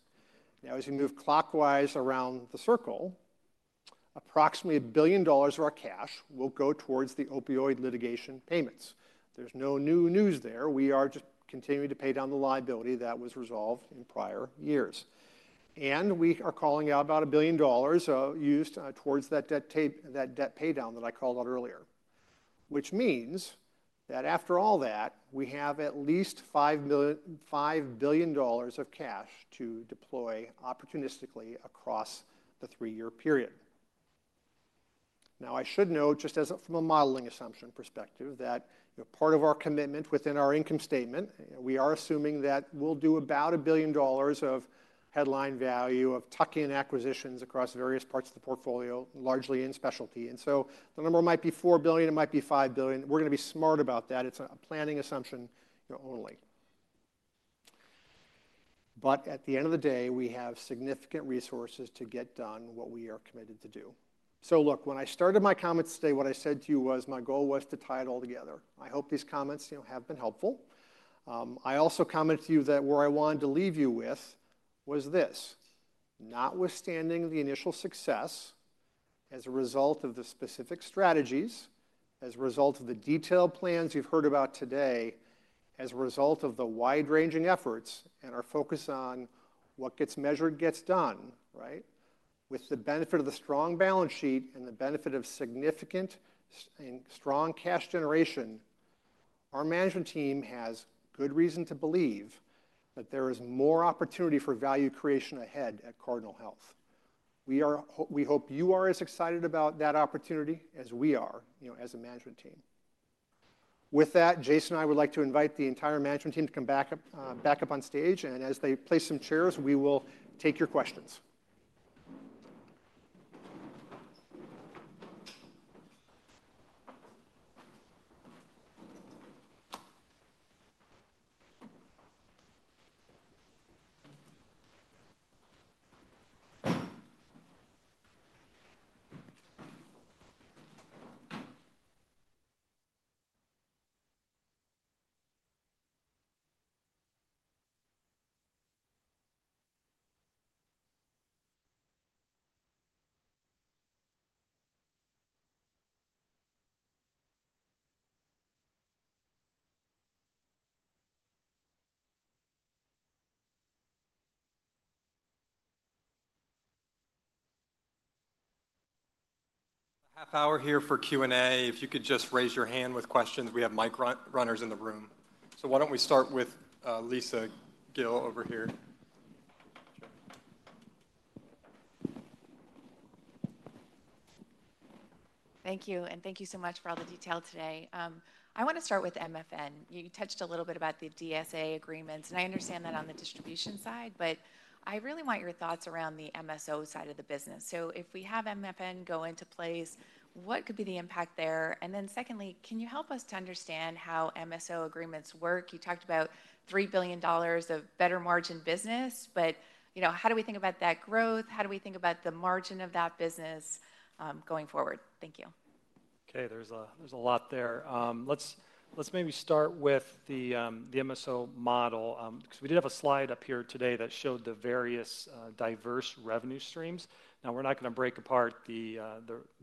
Now, as we move clockwise around the circle, approximately a billion dollars of our cash will go towards the opioid litigation payments. There's no new news there. We are just continuing to pay down the liability that was resolved in prior years. We are calling out about $1 billion used towards that debt paydown that I called out earlier, which means that after all that, we have at least $5 billion of cash to deploy opportunistically across the three-year period. I should note, just from a modeling assumption perspective, that part of our commitment within our income statement, we are assuming that we'll do about $1 billion of headline value of tuck-in acquisitions across various parts of the portfolio, largely in specialty. The number might be $4 billion. It might be $5 billion. We're going to be smart about that. It's a planning assumption only. At the end of the day, we have significant resources to get done what we are committed to do. Look, when I started my comments today, what I said to you was my goal was to tie it all together. I hope these comments have been helpful. I also commented to you that where I wanted to leave you with was this. Notwithstanding the initial success as a result of the specific strategies, as a result of the detailed plans you've heard about today, as a result of the wide-ranging efforts and our focus on what gets measured, gets done, right? With the benefit of the strong balance sheet and the benefit of significant and strong cash generation, our management team has good reason to believe that there is more opportunity for value creation ahead at Cardinal Health. We hope you are as excited about that opportunity as we are as a management team. With that, Jason and I would like to invite the entire management team to come back up on stage. As they place some chairs, we will take your questions. Half hour here for Q&A. If you could just raise your hand with questions. We have mic runners in the room. Why don't we start with Lisa Gill over here? Thank you. Thank you so much for all the detail today. I want to start with MFN. You touched a little bit about the DSA agreements. I understand that on the distribution side, but I really want your thoughts around the MSO side of the business. If we have MFN go into place, what could be the impact there? Secondly, can you help us to understand how MSO agreements work? You talked about $3 billion of better margin business, but how do we think about that growth? How do we think about the margin of that business going forward? Thank you. Okay. There's a lot there. Let's maybe start with the MSO model because we did have a slide up here today that showed the various diverse revenue streams. Now, we're not going to break apart the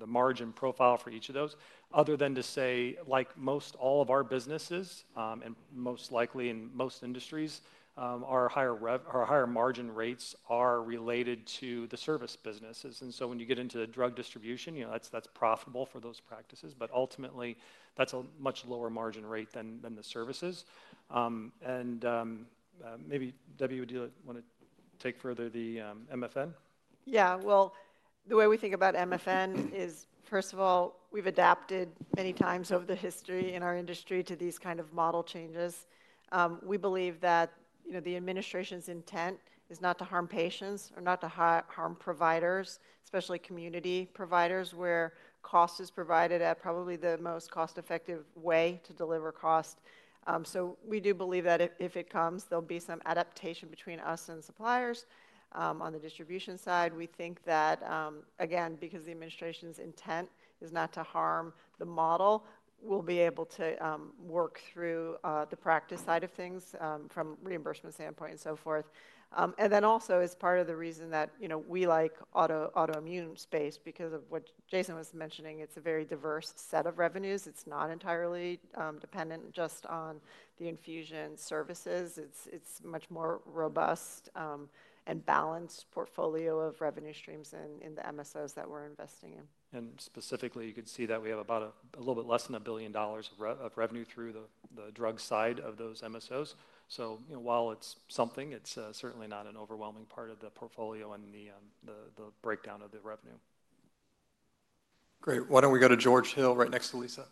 margin profile for each of those other than to say, like most all of our businesses and most likely in most industries, our higher margin rates are related to the service businesses. When you get into drug distribution, that's profitable for those practices. Ultimately, that's a much lower margin rate than the services. Maybe Debbie, would you want to take further the MFN? Yeah. The way we think about MFN is, first of all, we've adapted many times over the history in our industry to these kind of model changes. We believe that the administration's intent is not to harm patients or not to harm providers, especially community providers where cost is provided at probably the most cost-effective way to deliver cost. We do believe that if it comes, there'll be some adaptation between us and suppliers. On the distribution side, we think that, again, because the administration's intent is not to harm the model, we'll be able to work through the practice side of things from reimbursement standpoint and so forth. Also, as part of the reason that we like autoimmune space, because of what Jason was mentioning, it's a very diverse set of revenues. It's not entirely dependent just on the infusion services. It's a much more robust and balanced portfolio of revenue streams in the MSOs that we're investing in. Specifically, you could see that we have about a little bit less than $1 billion of revenue through the drug side of those MSOs. While it's something, it's certainly not an overwhelming part of the portfolio and the breakdown of the revenue. Great. Why don't we go to George Hill right next to Lisa?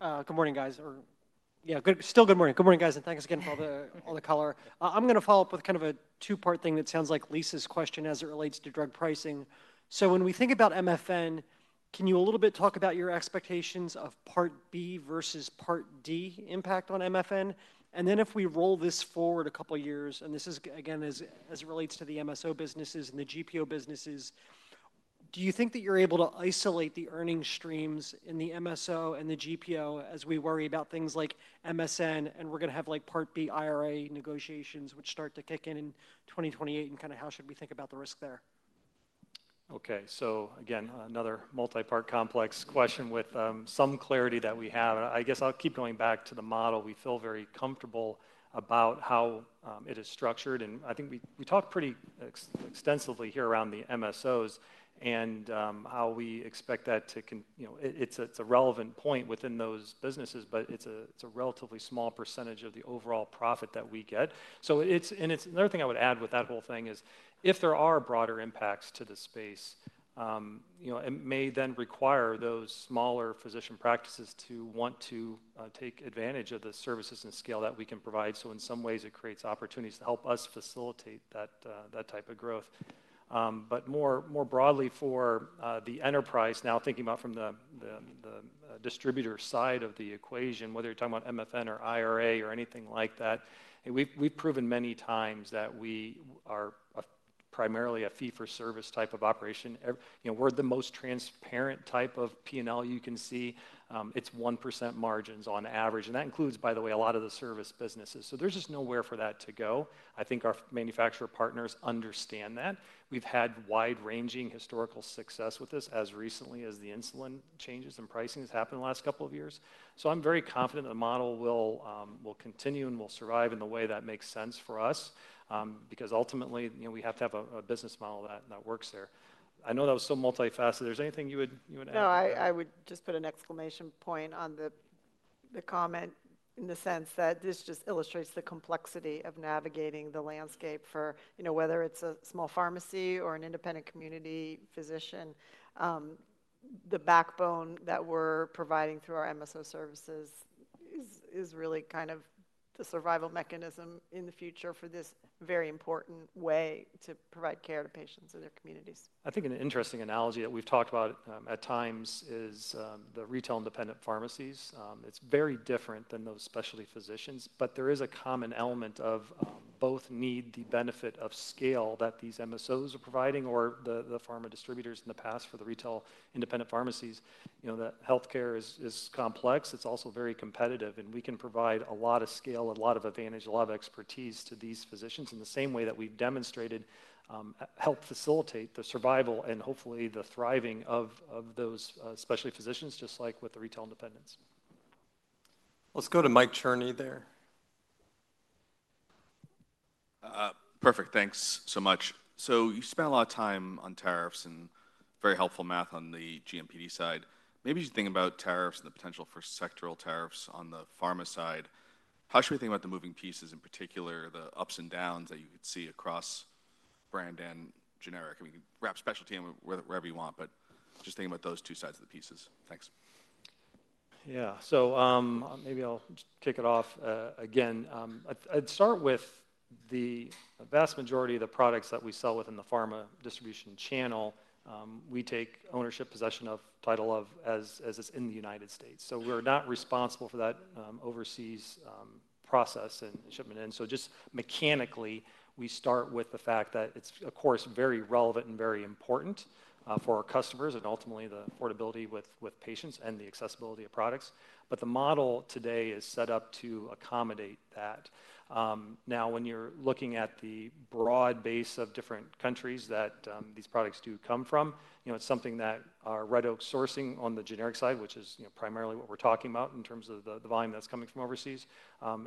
Good morning, guys. Yeah, still good morning. Good morning, guys. Thanks again for all the color. I'm going to follow up with kind of a two-part thing that sounds like Lisa's question as it relates to drug pricing. When we think about MFN, can you a little bit talk about your expectations of Part B versus Part D impact on MFN? If we roll this forward a couple of years, and this is, again, as it relates to the MSO businesses and the GPO businesses, do you think that you're able to isolate the earning streams in the MSO and the GPO as we worry about things like MSN and we're going to have Part B IRA negotiations which start to kick in in 2028 and kind of how should we think about the risk there? Okay. Again, another multi-part complex question with some clarity that we have. I guess I'll keep going back to the model. We feel very comfortable about how it is structured. I think we talked pretty extensively here around the MSOs and how we expect that to it's a relevant point within those businesses, but it's a relatively small percentage of the overall profit that we get. Another thing I would add with that whole thing is if there are broader impacts to the space, it may then require those smaller physician practices to want to take advantage of the services and scale that we can provide. In some ways, it creates opportunities to help us facilitate that type of growth. More broadly, for the enterprise now, thinking about from the distributor side of the equation, whether you're talking about MFN or IRA or anything like that, we've proven many times that we are primarily a fee-for-service type of operation. We're the most transparent type of P&L you can see. It's 1% margins on average. That includes, by the way, a lot of the service businesses. There's just nowhere for that to go. I think our manufacturer partners understand that. We've had wide-ranging historical success with this as recently as the insulin changes and pricing has happened in the last couple of years. I'm very confident the model will continue and will survive in the way that makes sense for us because ultimately, we have to have a business model that works there. I know that was so multifaceted. Is there anything you would add? No, I would just put an exclamation point on the comment in the sense that this just illustrates the complexity of navigating the landscape for whether it's a small pharmacy or an independent community physician. The backbone that we're providing through our MSO services is really kind of the survival mechanism in the future for this very important way to provide care to patients in their communities. I think an interesting analogy that we've talked about at times is the retail independent pharmacies. It's very different than those specialty physicians, but there is a common element of both need the benefit of scale that these MSOs are providing or the pharma distributors in the past for the retail independent pharmacies. Healthcare is complex. It's also very competitive. We can provide a lot of scale, a lot of advantage, a lot of expertise to these physicians in the same way that we've demonstrated help facilitate the survival and hopefully the thriving of those specialty physicians, just like with the retail independents. Let's go to Mike Cherney there. Perfect. Thanks so much. You spent a lot of time on tariffs and very helpful math on the GMPD side. Maybe as you think about tariffs and the potential for sectoral tariffs on the pharma side, how should we think about the moving pieces, in particular, the ups and downs that you could see across brand and generic? I mean, wrap specialty in wherever you want, but just thinking about those two sides of the pieces. Thanks. Yeah. Maybe I'll kick it off again. I'd start with the vast majority of the products that we sell within the pharma distribution channel, we take ownership, possession of title of as it's in the United States. We're not responsible for that overseas process and shipment. Just mechanically, we start with the fact that it's, of course, very relevant and very important for our customers and ultimately the affordability with patients and the accessibility of products. The model today is set up to accommodate that. Now, when you're looking at the broad base of different countries that these products do come from, it's something that our Red Oak Sourcing on the generic side, which is primarily what we're talking about in terms of the volume that's coming from overseas,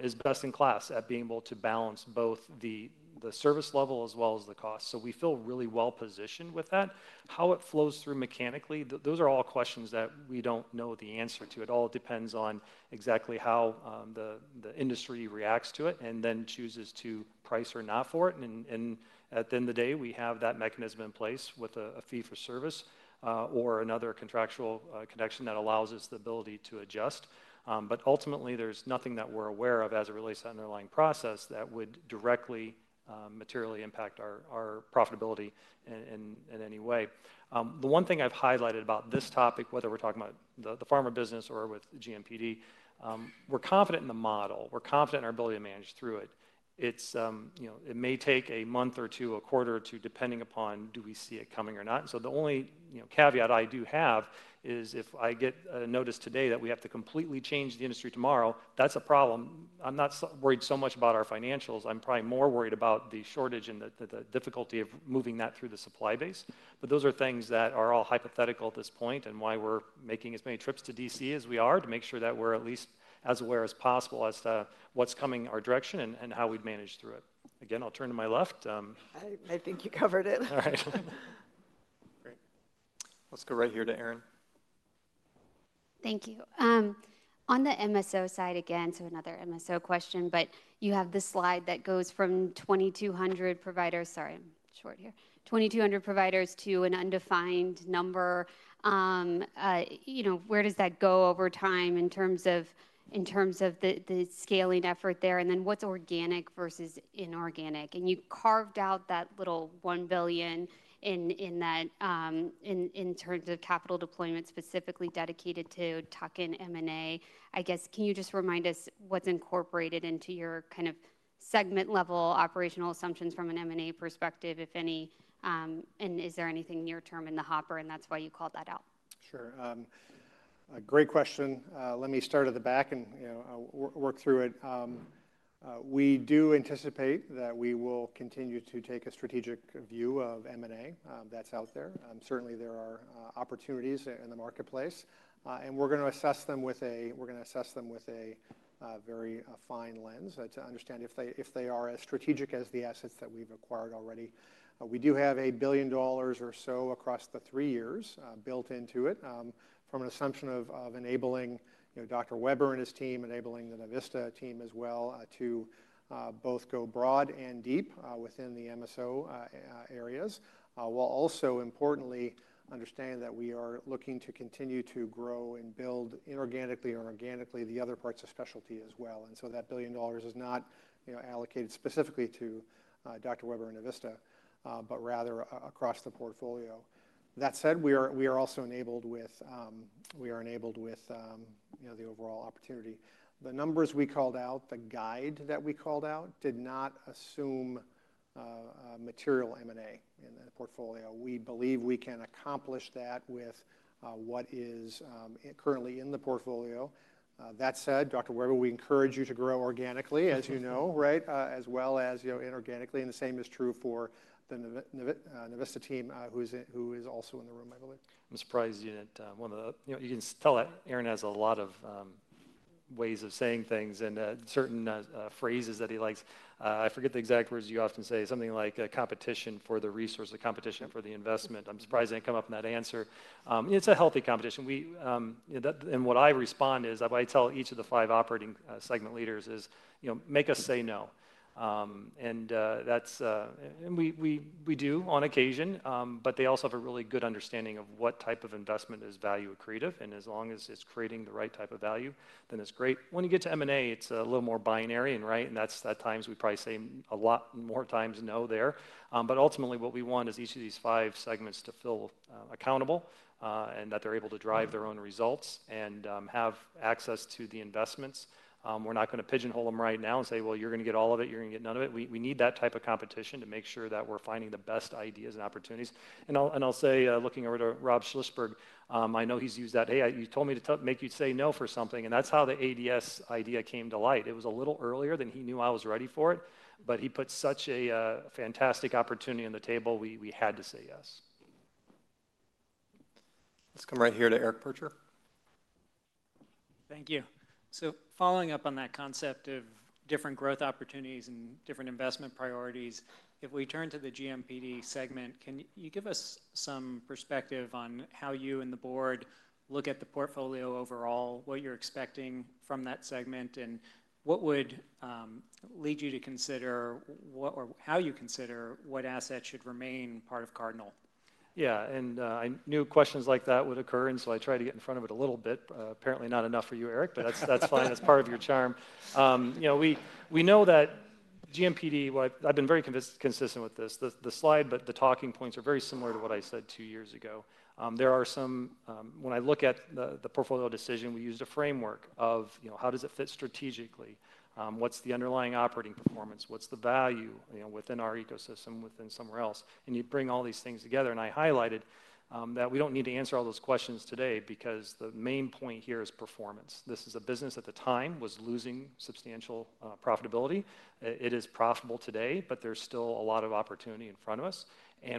is best in class at being able to balance both the service level as well as the cost. We feel really well-positioned with that. How it flows through mechanically, those are all questions that we don't know the answer to. It all depends on exactly how the industry reacts to it and then chooses to price or not for it. At the end of the day, we have that mechanism in place with a fee-for-service or another contractual connection that allows us the ability to adjust. Ultimately, there's nothing that we're aware of as it relates to that underlying process that would directly materially impact our profitability in any way. The one thing I've highlighted about this topic, whether we're talking about the pharma business or with GMPD, we're confident in the model. We're confident in our ability to manage through it. It may take a month or two, a quarter or two, depending upon do we see it coming or not. The only caveat I do have is if I get a notice today that we have to completely change the industry tomorrow, that's a problem. I'm not worried so much about our financials. I'm probably more worried about the shortage and the difficulty of moving that through the supply base. Those are things that are all hypothetical at this point and why we're making as many trips to D.C. as we are to make sure that we're at least as aware as possible as to what's coming our direction and how we'd manage through it. Again, I'll turn to my left. I think you covered it. All right. Great. Let's go right here to Erin. Thank you. On the MSO side again, so another MSO question, but you have this slide that goes from 2,200 providers—sorry, I'm short here—2,200 providers to an undefined number. Where does that go over time in terms of the scaling effort there? And then what's organic versus inorganic? And you carved out that little $1 billion in terms of capital deployment specifically dedicated to tuck and M&A. I guess, can you just remind us what's incorporated into your kind of segment-level operational assumptions from an M&A perspective, if any? Is there anything near-term in the hopper? That is why you called that out. Sure. Great question. Let me start at the back and work through it. We do anticipate that we will continue to take a strategic view of M&A that is out there. Certainly, there are opportunities in the marketplace. We are going to assess them with a very fine lens to understand if they are as strategic as the assets that we have acquired already. We do have $1 billion or so across the three years built into it from an assumption of enabling Dr. Weber and his team, enabling the Novista team as well to both go broad and deep within the MSO areas, while also importantly understanding that we are looking to continue to grow and build inorganically or organically the other parts of specialty as well. That $1 billion is not allocated specifically to Dr. Weber and Novista, but rather across the portfolio. That said, we are also enabled with the overall opportunity. The numbers we called out, the guide that we called out, did not assume material M&A in the portfolio. We believe we can accomplish that with what is currently in the portfolio. That said, Dr. Weber, we encourage you to grow organically, as you know, right, as well as inorganically. The same is true for the Novista team, who is also in the room, I believe. I'm surprised you didn't—you can tell that Aaron has a lot of ways of saying things and certain phrases that he likes. I forget the exact words you often say, something like competition for the resource, the competition for the investment. I'm surprised they didn't come up in that answer. It's a healthy competition. What I respond is I tell each of the five operating segment leaders, "Make us say no." We do on occasion, but they also have a really good understanding of what type of investment is value accretive. As long as it's creating the right type of value, then it's great. When you get to M&A, it's a little more binary, right? At times, we probably say a lot more times no there. Ultimately, what we want is each of these five segments to feel accountable and that they're able to drive their own results and have access to the investments. We're not going to pigeonhole them right now and say, "Well, you're going to get all of it. You're going to get none of it." We need that type of competition to make sure that we're finding the best ideas and opportunities. I'll say, looking over to Rob Schlissberg, I know he's used that, "Hey, you told me to make you say no for something." That's how the ADS idea came to light. It was a little earlier than he knew I was ready for it, but he put such a fantastic opportunity on the table, we had to say yes. Let's come right here to Eric Pritcher. Thank you. Following up on that concept of different growth opportunities and different investment priorities, if we turn to the GMPD segment, can you give us some perspective on how you and the board look at the portfolio overall, what you're expecting from that segment, and what would lead you to consider or how you consider what assets should remain part of Cardinal Health? Yeah. I knew questions like that would occur. I tried to get in front of it a little bit. Apparently, not enough for you, Eric, but that's fine. That's part of your charm. We know that GMPD, I've been very consistent with this. The slide, but the talking points are very similar to what I said two years ago. There are some—when I look at the portfolio decision, we used a framework of how does it fit strategically? What's the underlying operating performance? What's the value within our ecosystem, within somewhere else? You bring all these things together. I highlighted that we do not need to answer all those questions today because the main point here is performance. This is a business at the time that was losing substantial profitability. It is profitable today, but there is still a lot of opportunity in front of us.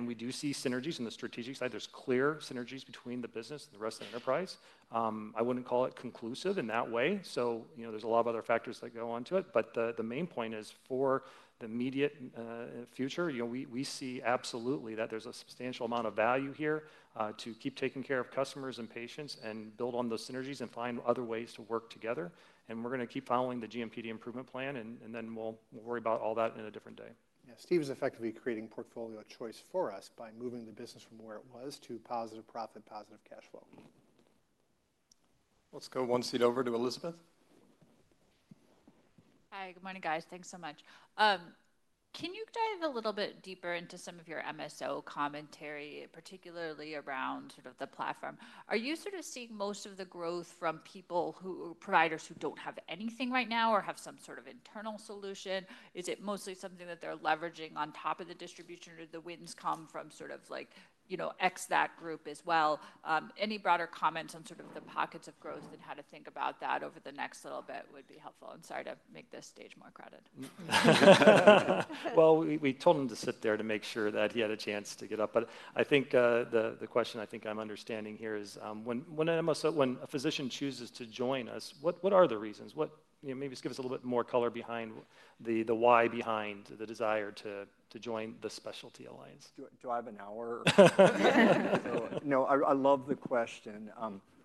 We do see synergies on the strategic side. There are clear synergies between the business and the rest of the enterprise. I would not call it conclusive in that way. There are a lot of other factors that go on to it. The main point is for the immediate future, we see absolutely that there is a substantial amount of value here to keep taking care of customers and patients and build on those synergies and find other ways to work together. We're going to keep following the GMPD improvement plan, and then we'll worry about all that on a different day. Yeah. Steve is effectively creating portfolio choice for us by moving the business from where it was to positive profit, positive cash flow. Let's go one seat over to Elizabeth. Hi. Good morning, guys. Thanks so much. Can you dive a little bit deeper into some of your MSO commentary, particularly around sort of the platform? Are you sort of seeing most of the growth from people who are providers who don't have anything right now or have some sort of internal solution? Is it mostly something that they're leveraging on top of the distribution or do the wins come from sort of like X that group as well? Any broader comments on sort of the pockets of growth and how to think about that over the next little bit would be helpful. I'm sorry to make this stage more crowded. We told him to sit there to make sure that he had a chance to get up. I think the question I think I'm understanding here is when a physician chooses to join us, what are the reasons? Maybe just give us a little bit more color behind the why behind the desire to join the Specialty Alliance. Do I have an hour? No, I love the question.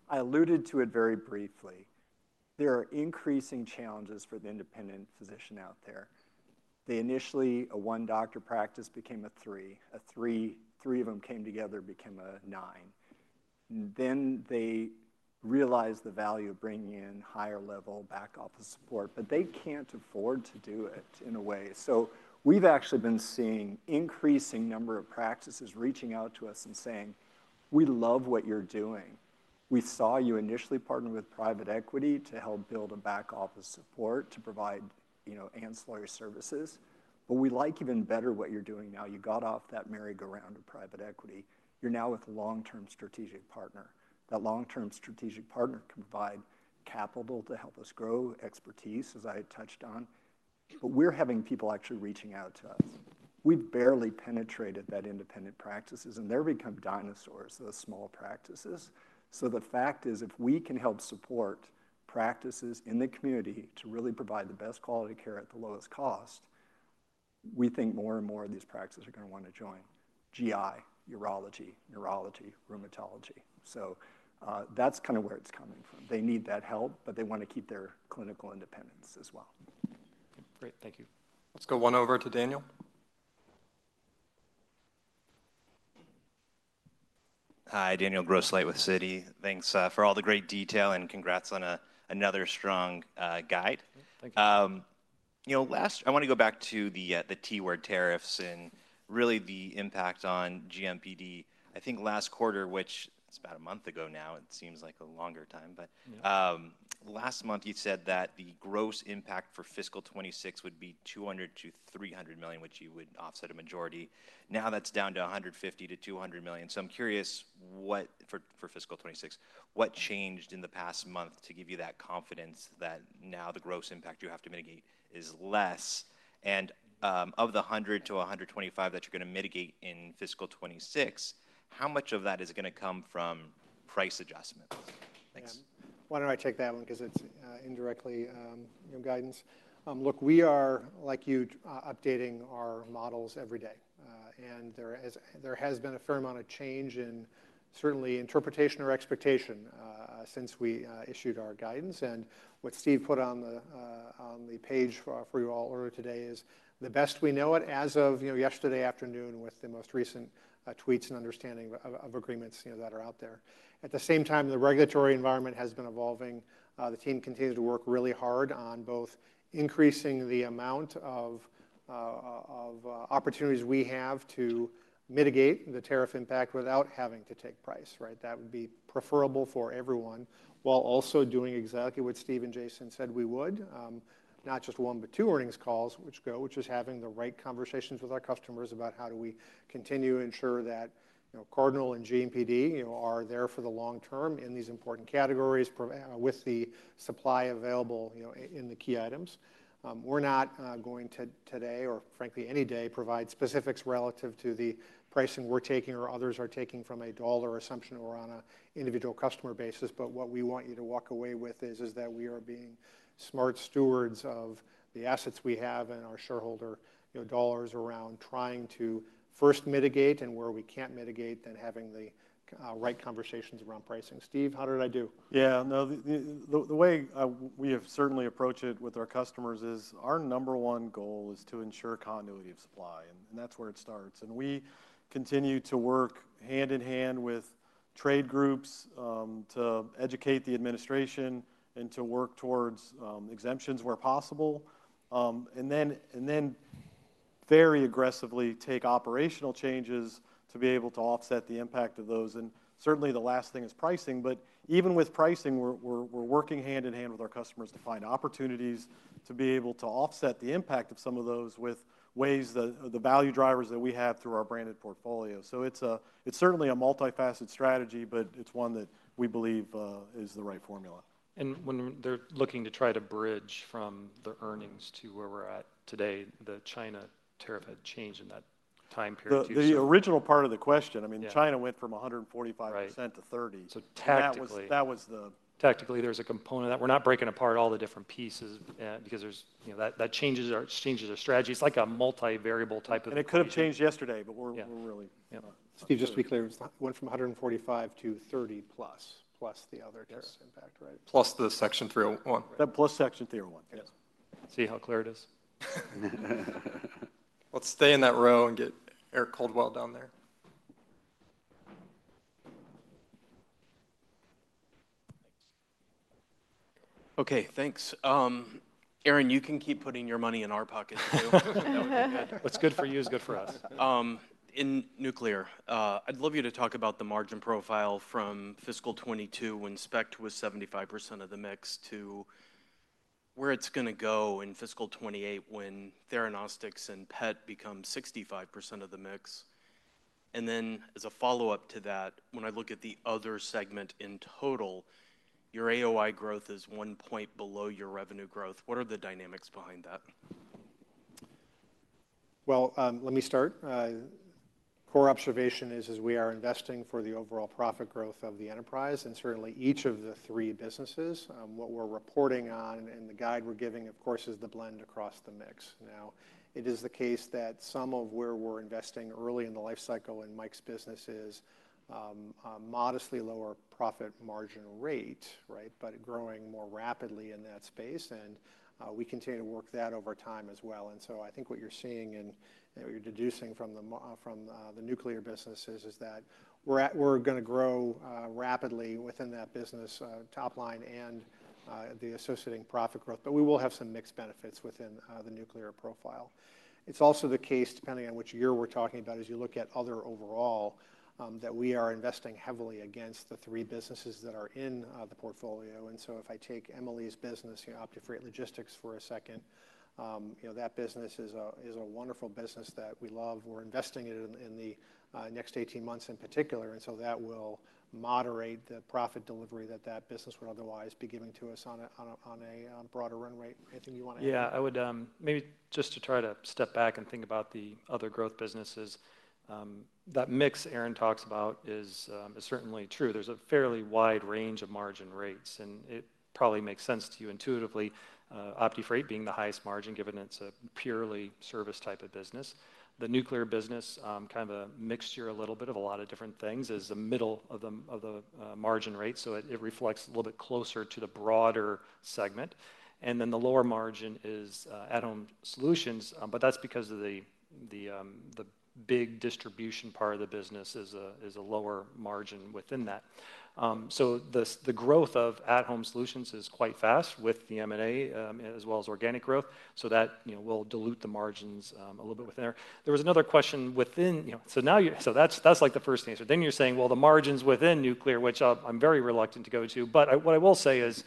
I alluded to it very briefly. There are increasing challenges for the independent physician out there. They initially, a one doctor practice became a three. Three of them came together and became a nine. They realized the value of bringing in higher-level back-office support, but they can't afford to do it in a way. We've actually been seeing an increasing number of practices reaching out to us and saying, "We love what you're doing. We saw you initially partnered with private equity to help build a back-office support to provide ancillary services. We like even better what you're doing now. You got off that merry-go-round of private equity. You're now with a long-term strategic partner. That long-term strategic partner can provide capital to help us grow expertise, as I touched on. We're having people actually reaching out to us. We've barely penetrated that independent practices, and they're become dinosaurs, those small practices. The fact is, if we can help support practices in the community to really provide the best quality care at the lowest cost, we think more and more of these practices are going to want to join GI, urology, neurology, rheumatology. That is kind of where it is coming from. They need that help, but they want to keep their clinical independence as well. Great. Thank you. Let's go one over to Daniel. Hi, Daniel Grossleit with Citi. Thanks for all the great detail and congrats on another strong guide. Thank you. Last, I want to go back to the T-word tariffs and really the impact on GMPD. I think last quarter, which is about a month ago now, it seems like a longer time, but last month you said that the gross impact for fiscal 2026 would be $200 million-$300 million, which you would offset a majority. Now that's down to $150 million-$200 million. I'm curious for fiscal 2026, what changed in the past month to give you that confidence that now the gross impact you have to mitigate is less? Of the $100 million-$125 million that you're going to mitigate in fiscal 2026, how much of that is going to come from price adjustments? Thanks. Why don't I take that one because it's indirectly guidance? Look, we are, like you, updating our models every day. There has been a fair amount of change in certainly interpretation or expectation since we issued our guidance. What Steve put on the page for you all earlier today is the best we know it as of yesterday afternoon with the most recent tweets and understanding of agreements that are out there. At the same time, the regulatory environment has been evolving. The team continues to work really hard on both increasing the amount of opportunities we have to mitigate the tariff impact without having to take price, right? That would be preferable for everyone while also doing exactly what Steve and Jason said we would, not just one, but two earnings calls, which is having the right conversations with our customers about how do we continue to ensure that Cardinal and GMPD are there for the long term in these important categories with the supply available in the key items. We're not going to today or frankly any day provide specifics relative to the pricing we're taking or others are taking from a dollar assumption or on an individual customer basis. What we want you to walk away with is that we are being smart stewards of the assets we have and our shareholder dollars around trying to first mitigate and where we cannot mitigate, then having the right conversations around pricing. Steve, how did I do? Yeah. No, the way we have certainly approached it with our customers is our number one goal is to ensure continuity of supply. That is where it starts. We continue to work hand in hand with trade groups to educate the administration and to work towards exemptions where possible. Then very aggressively take operational changes to be able to offset the impact of those. Certainly the last thing is pricing. Even with pricing, we're working hand in hand with our customers to find opportunities to be able to offset the impact of some of those with ways the value drivers that we have through our branded portfolio. It is certainly a multifaceted strategy, but it is one that we believe is the right formula. When they're looking to try to bridge from the earnings to where we're at today, the China tariff had changed in that time period. The original part of the question, I mean, China went from 145%-30%. Tactically, there is a component that we're not breaking apart all the different pieces because that changes our strategy. It's like a multi-variable type of thing. It could have changed yesterday, but we're really, yeah. Steve, just to be clear, it went from 145-30+ plus the other tariff impact, right? Plus the Section 301. That plus Section 301. Yes. See how clear it is? Let's stay in that row and get Eric Caldwell down there. Okay. Thanks. Erin, you can keep putting your money in our pocket too. What's good for you is good for us. In nuclear, I'd love you to talk about the margin profile from fiscal 2022 when SPECT was 75% of the mix to where it's going to go in fiscal 2028 when Theranostics and PET become 65% of the mix. And then as a follow-up to that, when I look at the other segment in total, your AOI growth is one point below your revenue growth. What are the dynamics behind that? Let me start. Core observation is, as we are investing for the overall profit growth of the enterprise and certainly each of the three businesses, what we're reporting on and the guide we're giving, of course, is the blend across the mix. Now, it is the case that some of where we're investing early in the life cycle in Mike's business is a modestly lower profit margin rate, right? But growing more rapidly in that space. We continue to work that over time as well. I think what you're seeing and what you're deducing from the nuclear businesses is that we're going to grow rapidly within that business top line and the associating profit growth, but we will have some mixed benefits within the nuclear profile. It's also the case, depending on which year we're talking about, as you look at other overall, that we are investing heavily against the three businesses that are in the portfolio. If I take Emily's business, OptiFreight Logistics for a second, that business is a wonderful business that we love. We're investing in the next 18 months in particular. That will moderate the profit delivery that that business would otherwise be giving to us on a broader run rate. Anything you want to add? Yeah. Maybe just to try to step back and think about the other growth businesses. That mix Aaron talks about is certainly true. There's a fairly wide range of margin rates. It probably makes sense to you intuitively, OptiFreight being the highest margin given it's a purely service type of business. The nuclear business, kind of a mixture a little bit of a lot of different things, is the middle of the margin rate. It reflects a little bit closer to the broader segment. The lower margin is at-home solutions, but that's because the big distribution part of the business is a lower margin within that. The growth of at-home solutions is quite fast with the M&A as well as organic growth. That will dilute the margins a little bit within there. There was another question within, so that's like the first answer. You're saying, the margins within nuclear, which I'm very reluctant to go to. What I will say is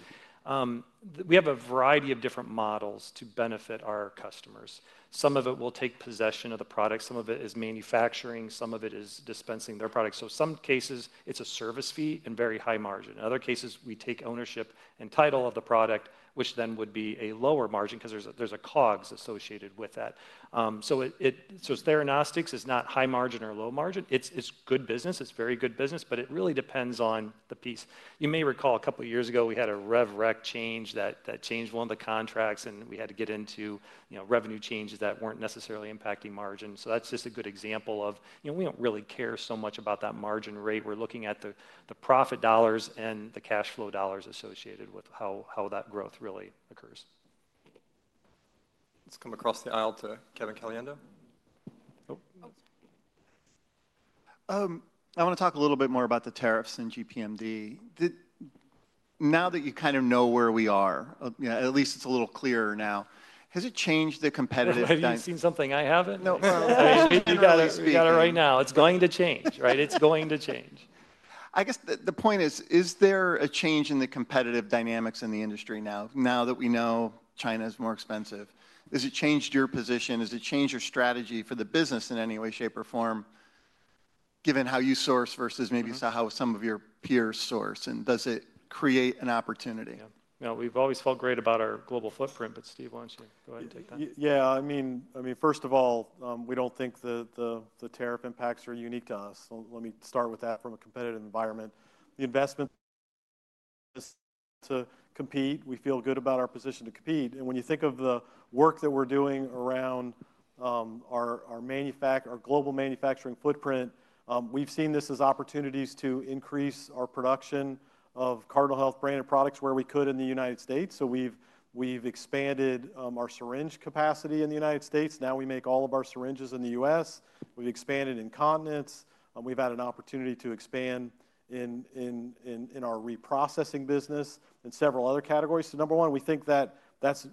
we have a variety of different models to benefit our customers. Some of it will take possession of the product. Some of it is manufacturing. Some of it is dispensing their product. In some cases, it's a service fee and very high margin. In other cases, we take ownership and title of the product, which then would be a lower margin because there's a COGS associated with that. Theranostics is not high margin or low margin. It's good business. It's very good business, but it really depends on the piece. You may recall a couple of years ago, we had a rev rec change that changed one of the contracts, and we had to get into revenue changes that weren't necessarily impacting margin. That's just a good example of we don't really care so much about that margin rate. We're looking at the profit dollars and the cash flow dollars associated with how that growth really occurs. Let's come across the aisle to Kevin Caliendo. I want to talk a little bit more about the tariffs and GPMD. Now that you kind of know where we are, at least it's a little clearer now, has it changed the competitive dynamics? Have you seen something I haven't? No. You got to speak. You got it right now. It's going to change, right? It's going to change. I guess the point is, is there a change in the competitive dynamics in the industry now that we know China is more expensive? Has it changed your position? Has it changed your strategy for the business in any way, shape, or form, given how you source versus maybe how some of your peers source? And does it create an opportunity? Yeah. Now, we've always felt great about our global footprint, but Steve, why don't you go ahead and take that? Yeah. I mean, first of all, we do not think the tariff impacts are unique to us. Let me start with that from a competitive environment. The investment to compete, we feel good about our position to compete. When you think of the work that we are doing around our global manufacturing footprint, we have seen this as opportunities to increase our production of Cardinal Health branded products where we could in the United States. We have expanded our syringe capacity in the United States. Now we make all of our syringes in the U.S. We have expanded in continents. We have had an opportunity to expand in our reprocessing business and several other categories. Number one, we think that that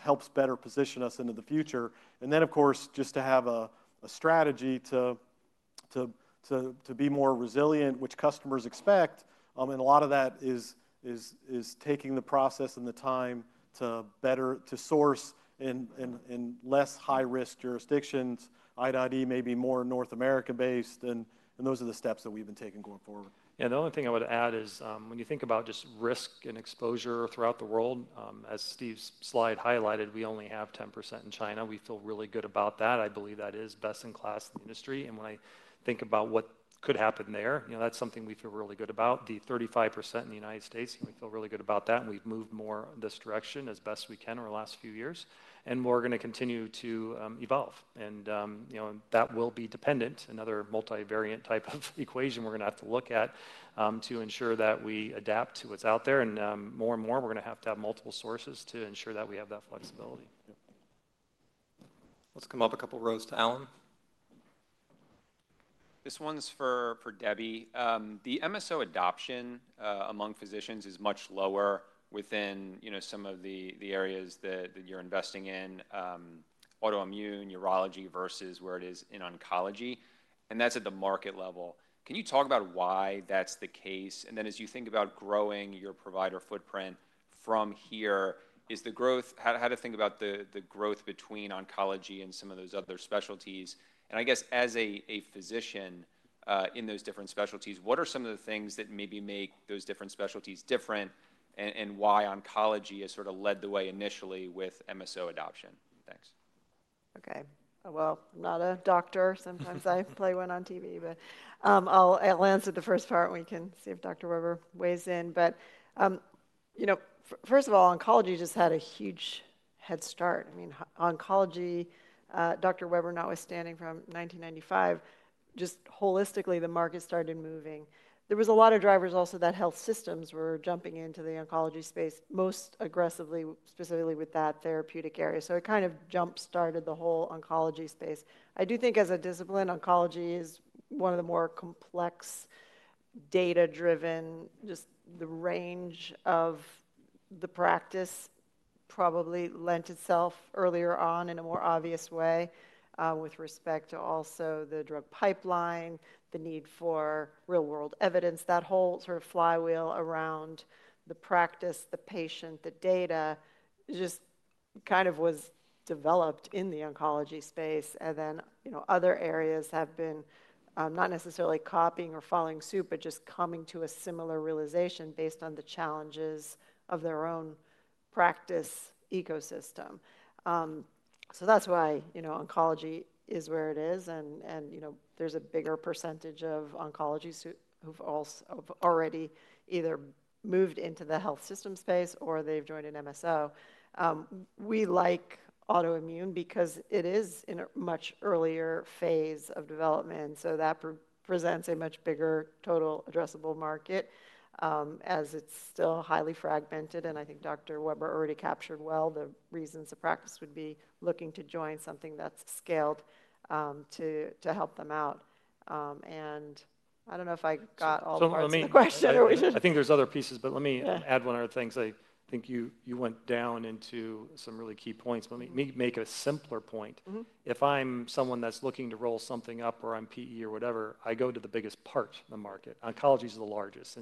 helps better position us into the future. Of course, just to have a strategy to be more resilient, which customers expect. A lot of that is taking the process and the time to source in less high-risk jurisdictions, ID&D may be more North America-based. Those are the steps that we've been taking going forward. The only thing I would add is when you think about just risk and exposure throughout the world, as Steve's slide highlighted, we only have 10% in China. We feel really good about that. I believe that is best in class in the industry. When I think about what could happen there, that's something we feel really good about. The 35% in the United States, we feel really good about that. We've moved more in this direction as best we can over the last few years. We're going to continue to evolve. That will be dependent, another multivariant type of equation we're going to have to look at to ensure that we adapt to what's out there. More and more, we're going to have to have multiple sources to ensure that we have that flexibility. Let's come up a couple of rows to Alan. This one's for Debbie. The MSO adoption among physicians is much lower within some of the areas that you're investing in, autoimmune, urology versus where it is in oncology. That's at the market level. Can you talk about why that's the case? As you think about growing your provider footprint from here, how to think about the growth between oncology and some of those other specialties? I guess as a physician in those different specialties, what are some of the things that maybe make those different specialties different and why oncology has sort of led the way initially with MSO adoption? Thanks. Okay. I'm not a doctor. Sometimes I play one on TV, but I'll answer the first part and we can see if Dr. Weber weighs in. First of all, oncology just had a huge head start. I mean, oncology, Dr. Weber notwithstanding from 1995, just holistically, the market started moving. There was a lot of drivers also that health systems were jumping into the oncology space most aggressively, specifically with that therapeutic area. It kind of jump-started the whole oncology space. I do think as a discipline, oncology is one of the more complex, data-driven. Just the range of the practice probably lent itself earlier on in a more obvious way with respect to also the drug pipeline, the need for real-world evidence. That whole sort of flywheel around the practice, the patient, the data just kind of was developed in the oncology space. Other areas have been not necessarily copying or following suit, but just coming to a similar realization based on the challenges of their own practice ecosystem. That is why oncology is where it is. There is a bigger percentage of oncologists who have already either moved into the health system space or they have joined an MSO. We like autoimmune because it is in a much earlier phase of development. That presents a much bigger total addressable market as it is still highly fragmented. I think Dr. Weber already captured well the reasons the practice would be looking to join something that's scaled to help them out. I don't know if I got all the questions. I think there's other pieces, but let me add one other thing. I think you went down into some really key points. Let me make a simpler point. If I'm someone that's looking to roll something up or I'm PE or whatever, I go to the biggest part of the market. Oncology is the largest.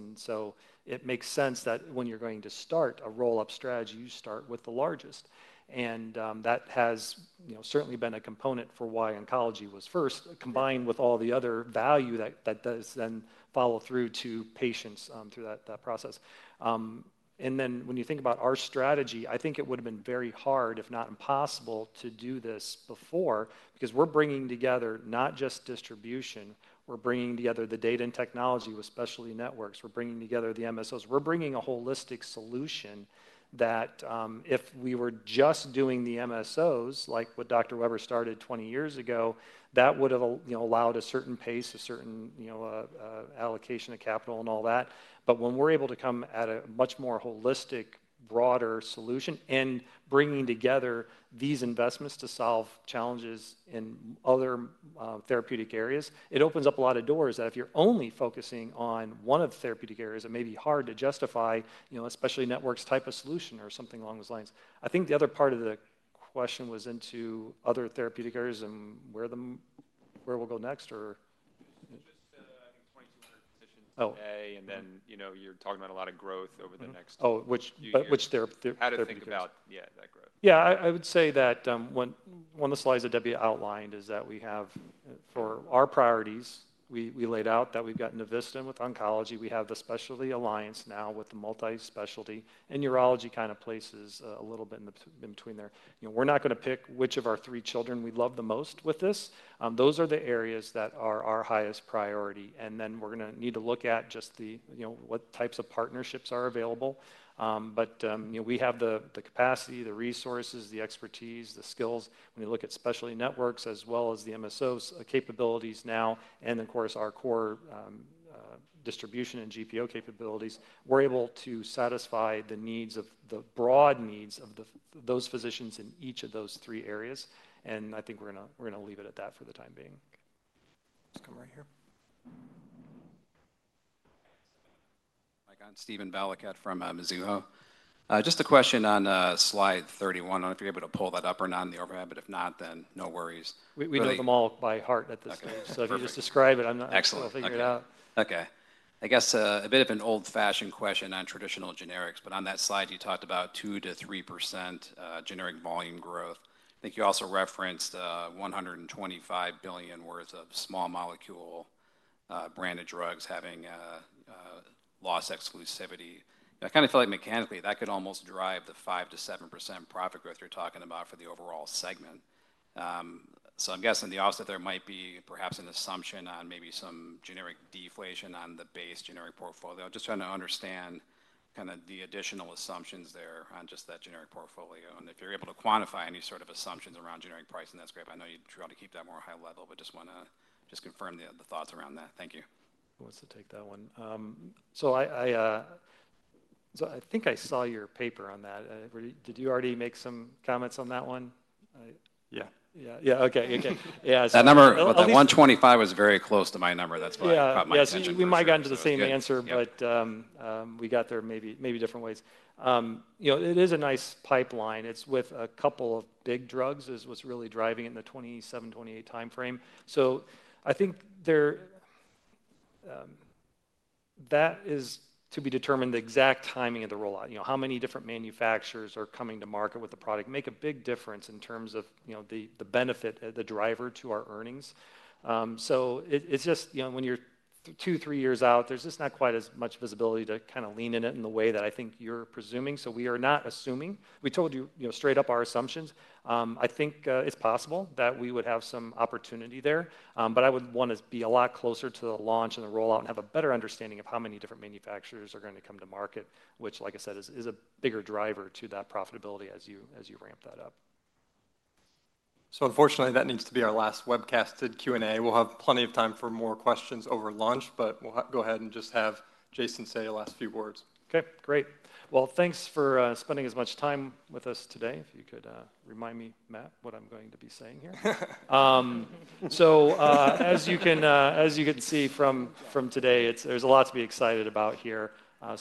It makes sense that when you're going to start a roll-up strategy, you start with the largest. That has certainly been a component for why oncology was first, combined with all the other value that does then follow through to patients through that process. When you think about our strategy, I think it would have been very hard, if not impossible, to do this before because we're bringing together not just distribution. We're bringing together the data and technology, especially networks. We're bringing together the MSOs. We're bringing a holistic solution that if we were just doing the MSOs, like what Dr. Weber started 20 years ago, that would have allowed a certain pace, a certain allocation of capital and all that. When we're able to come at a much more holistic, broader solution and bringing together these investments to solve challenges in other therapeutic areas, it opens up a lot of doors that if you're only focusing on one of the therapeutic areas, it may be hard to justify, especially networks type of solution or something along those lines. I think the other part of the question was into other therapeutic areas and where we'll go next or just 2,200 physicians today. You are talking about a lot of growth over the next how to think about, yeah, that growth. Yeah. I would say that one of the slides that Debbie outlined is that we have for our priorities, we laid out that we've gotten Novista with oncology. We have the Specialty Alliance now with the multi-specialty. Urology kind of places a little bit in between there. We're not going to pick which of our three children we love the most with this. Those are the areas that are our highest priority. We are going to need to look at just what types of partnerships are available. We have the capacity, the resources, the expertise, the skills. When you look at Specialty Networks as well as the MSO capabilities now, and of course, our core distribution and GPO capabilities, we are able to satisfy the broad needs of those physicians in each of those three areas. I think we are going to leave it at that for the time being. Let's come right here. Hi, Steven Balicat from Mizuho. Just a question on slide 31. I do not know if you are able to pull that up or not in the overhead, but if not, then no worries. We know them all by heart at this point. If you just describe it, I am not sure I will figure it out. Okay. I guess a bit of an old-fashioned question on traditional generics, but on that slide, you talked about 2-3% generic volume growth. I think you also referenced $125 billion worth of small molecule branded drugs having lost exclusivity. I kind of feel like mechanically, that could almost drive the 5-7% profit growth you're talking about for the overall segment. I'm guessing the offset there might be perhaps an assumption on maybe some generic deflation on the base generic portfolio. I'm just trying to understand kind of the additional assumptions there on just that generic portfolio. And if you're able to quantify any sort of assumptions around generic pricing, that's great. I know you try to keep that more high level, but just want to just confirm the thoughts around that. Thank you. Wants to take that one. I think I saw your paper on that. Did you already make some comments on that one? Yeah. Yeah. Okay. Okay. Yeah. The 125 was very close to my number. That's why it caught my attention. We might get into the same answer, but we got there maybe different ways. It is a nice pipeline. It's with a couple of big drugs is what's really driving it in the 2027, 2028 timeframe. I think that is to be determined, the exact timing of the rollout. How many different manufacturers are coming to market with the product makes a big difference in terms of the benefit, the driver to our earnings. When you're two, three years out, there's just not quite as much visibility to kind of lean in it in the way that I think you're presuming. We are not assuming. We told you straight up our assumptions. I think it's possible that we would have some opportunity there. But I would want to be a lot closer to the launch and the rollout and have a better understanding of how many different manufacturers are going to come to market, which, like I said, is a bigger driver to that profitability as you ramp that up. Unfortunately, that needs to be our last webcasted Q&A. We'll have plenty of time for more questions over lunch, but we'll go ahead and just have Jason say a last few words. Okay. Great. Thanks for spending as much time with us today. If you could remind me, Matt, what I'm going to be saying here. As you can see from today, there's a lot to be excited about here.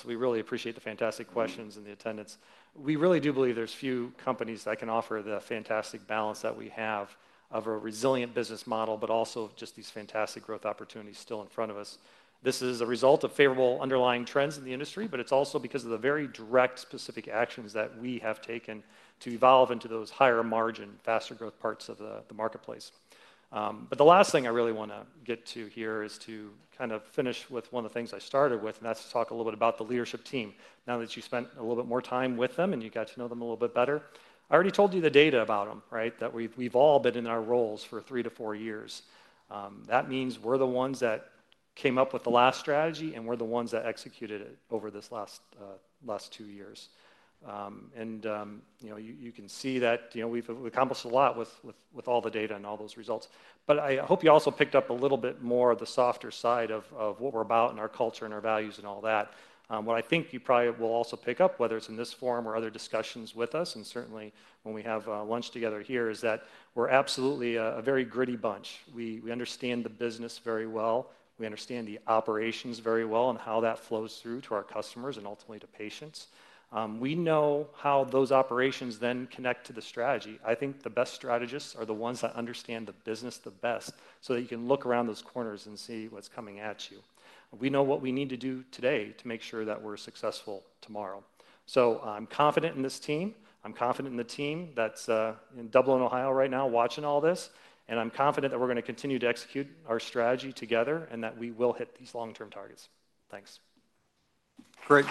We really appreciate the fantastic questions and the attendance. We really do believe there's few companies that can offer the fantastic balance that we have of a resilient business model, but also just these fantastic growth opportunities still in front of us. This is a result of favorable underlying trends in the industry, but it's also because of the very direct specific actions that we have taken to evolve into those higher margin, faster growth parts of the marketplace. The last thing I really want to get to here is to kind of finish with one of the things I started with, and that's to talk a little bit about the leadership team. Now that you spent a little bit more time with them and you got to know them a little bit better, I already told you the data about them, right? That we've all been in our roles for three to four years. That means we're the ones that came up with the last strategy, and we're the ones that executed it over this last two years. You can see that we've accomplished a lot with all the data and all those results. I hope you also picked up a little bit more of the softer side of what we're about and our culture and our values and all that. What I think you probably will also pick up, whether it's in this forum or other discussions with us, and certainly when we have lunch together here, is that we're absolutely a very gritty bunch. We understand the business very well. We understand the operations very well and how that flows through to our customers and ultimately to patients. We know how those operations then connect to the strategy. I think the best strategists are the ones that understand the business the best so that you can look around those corners and see what's coming at you. We know what we need to do today to make sure that we're successful tomorrow. I'm confident in this team. I'm confident in the team that's in Dublin, Ohio right now watching all this. I'm confident that we're going to continue to execute our strategy together and that we will hit these long-term targets. Thanks. Great.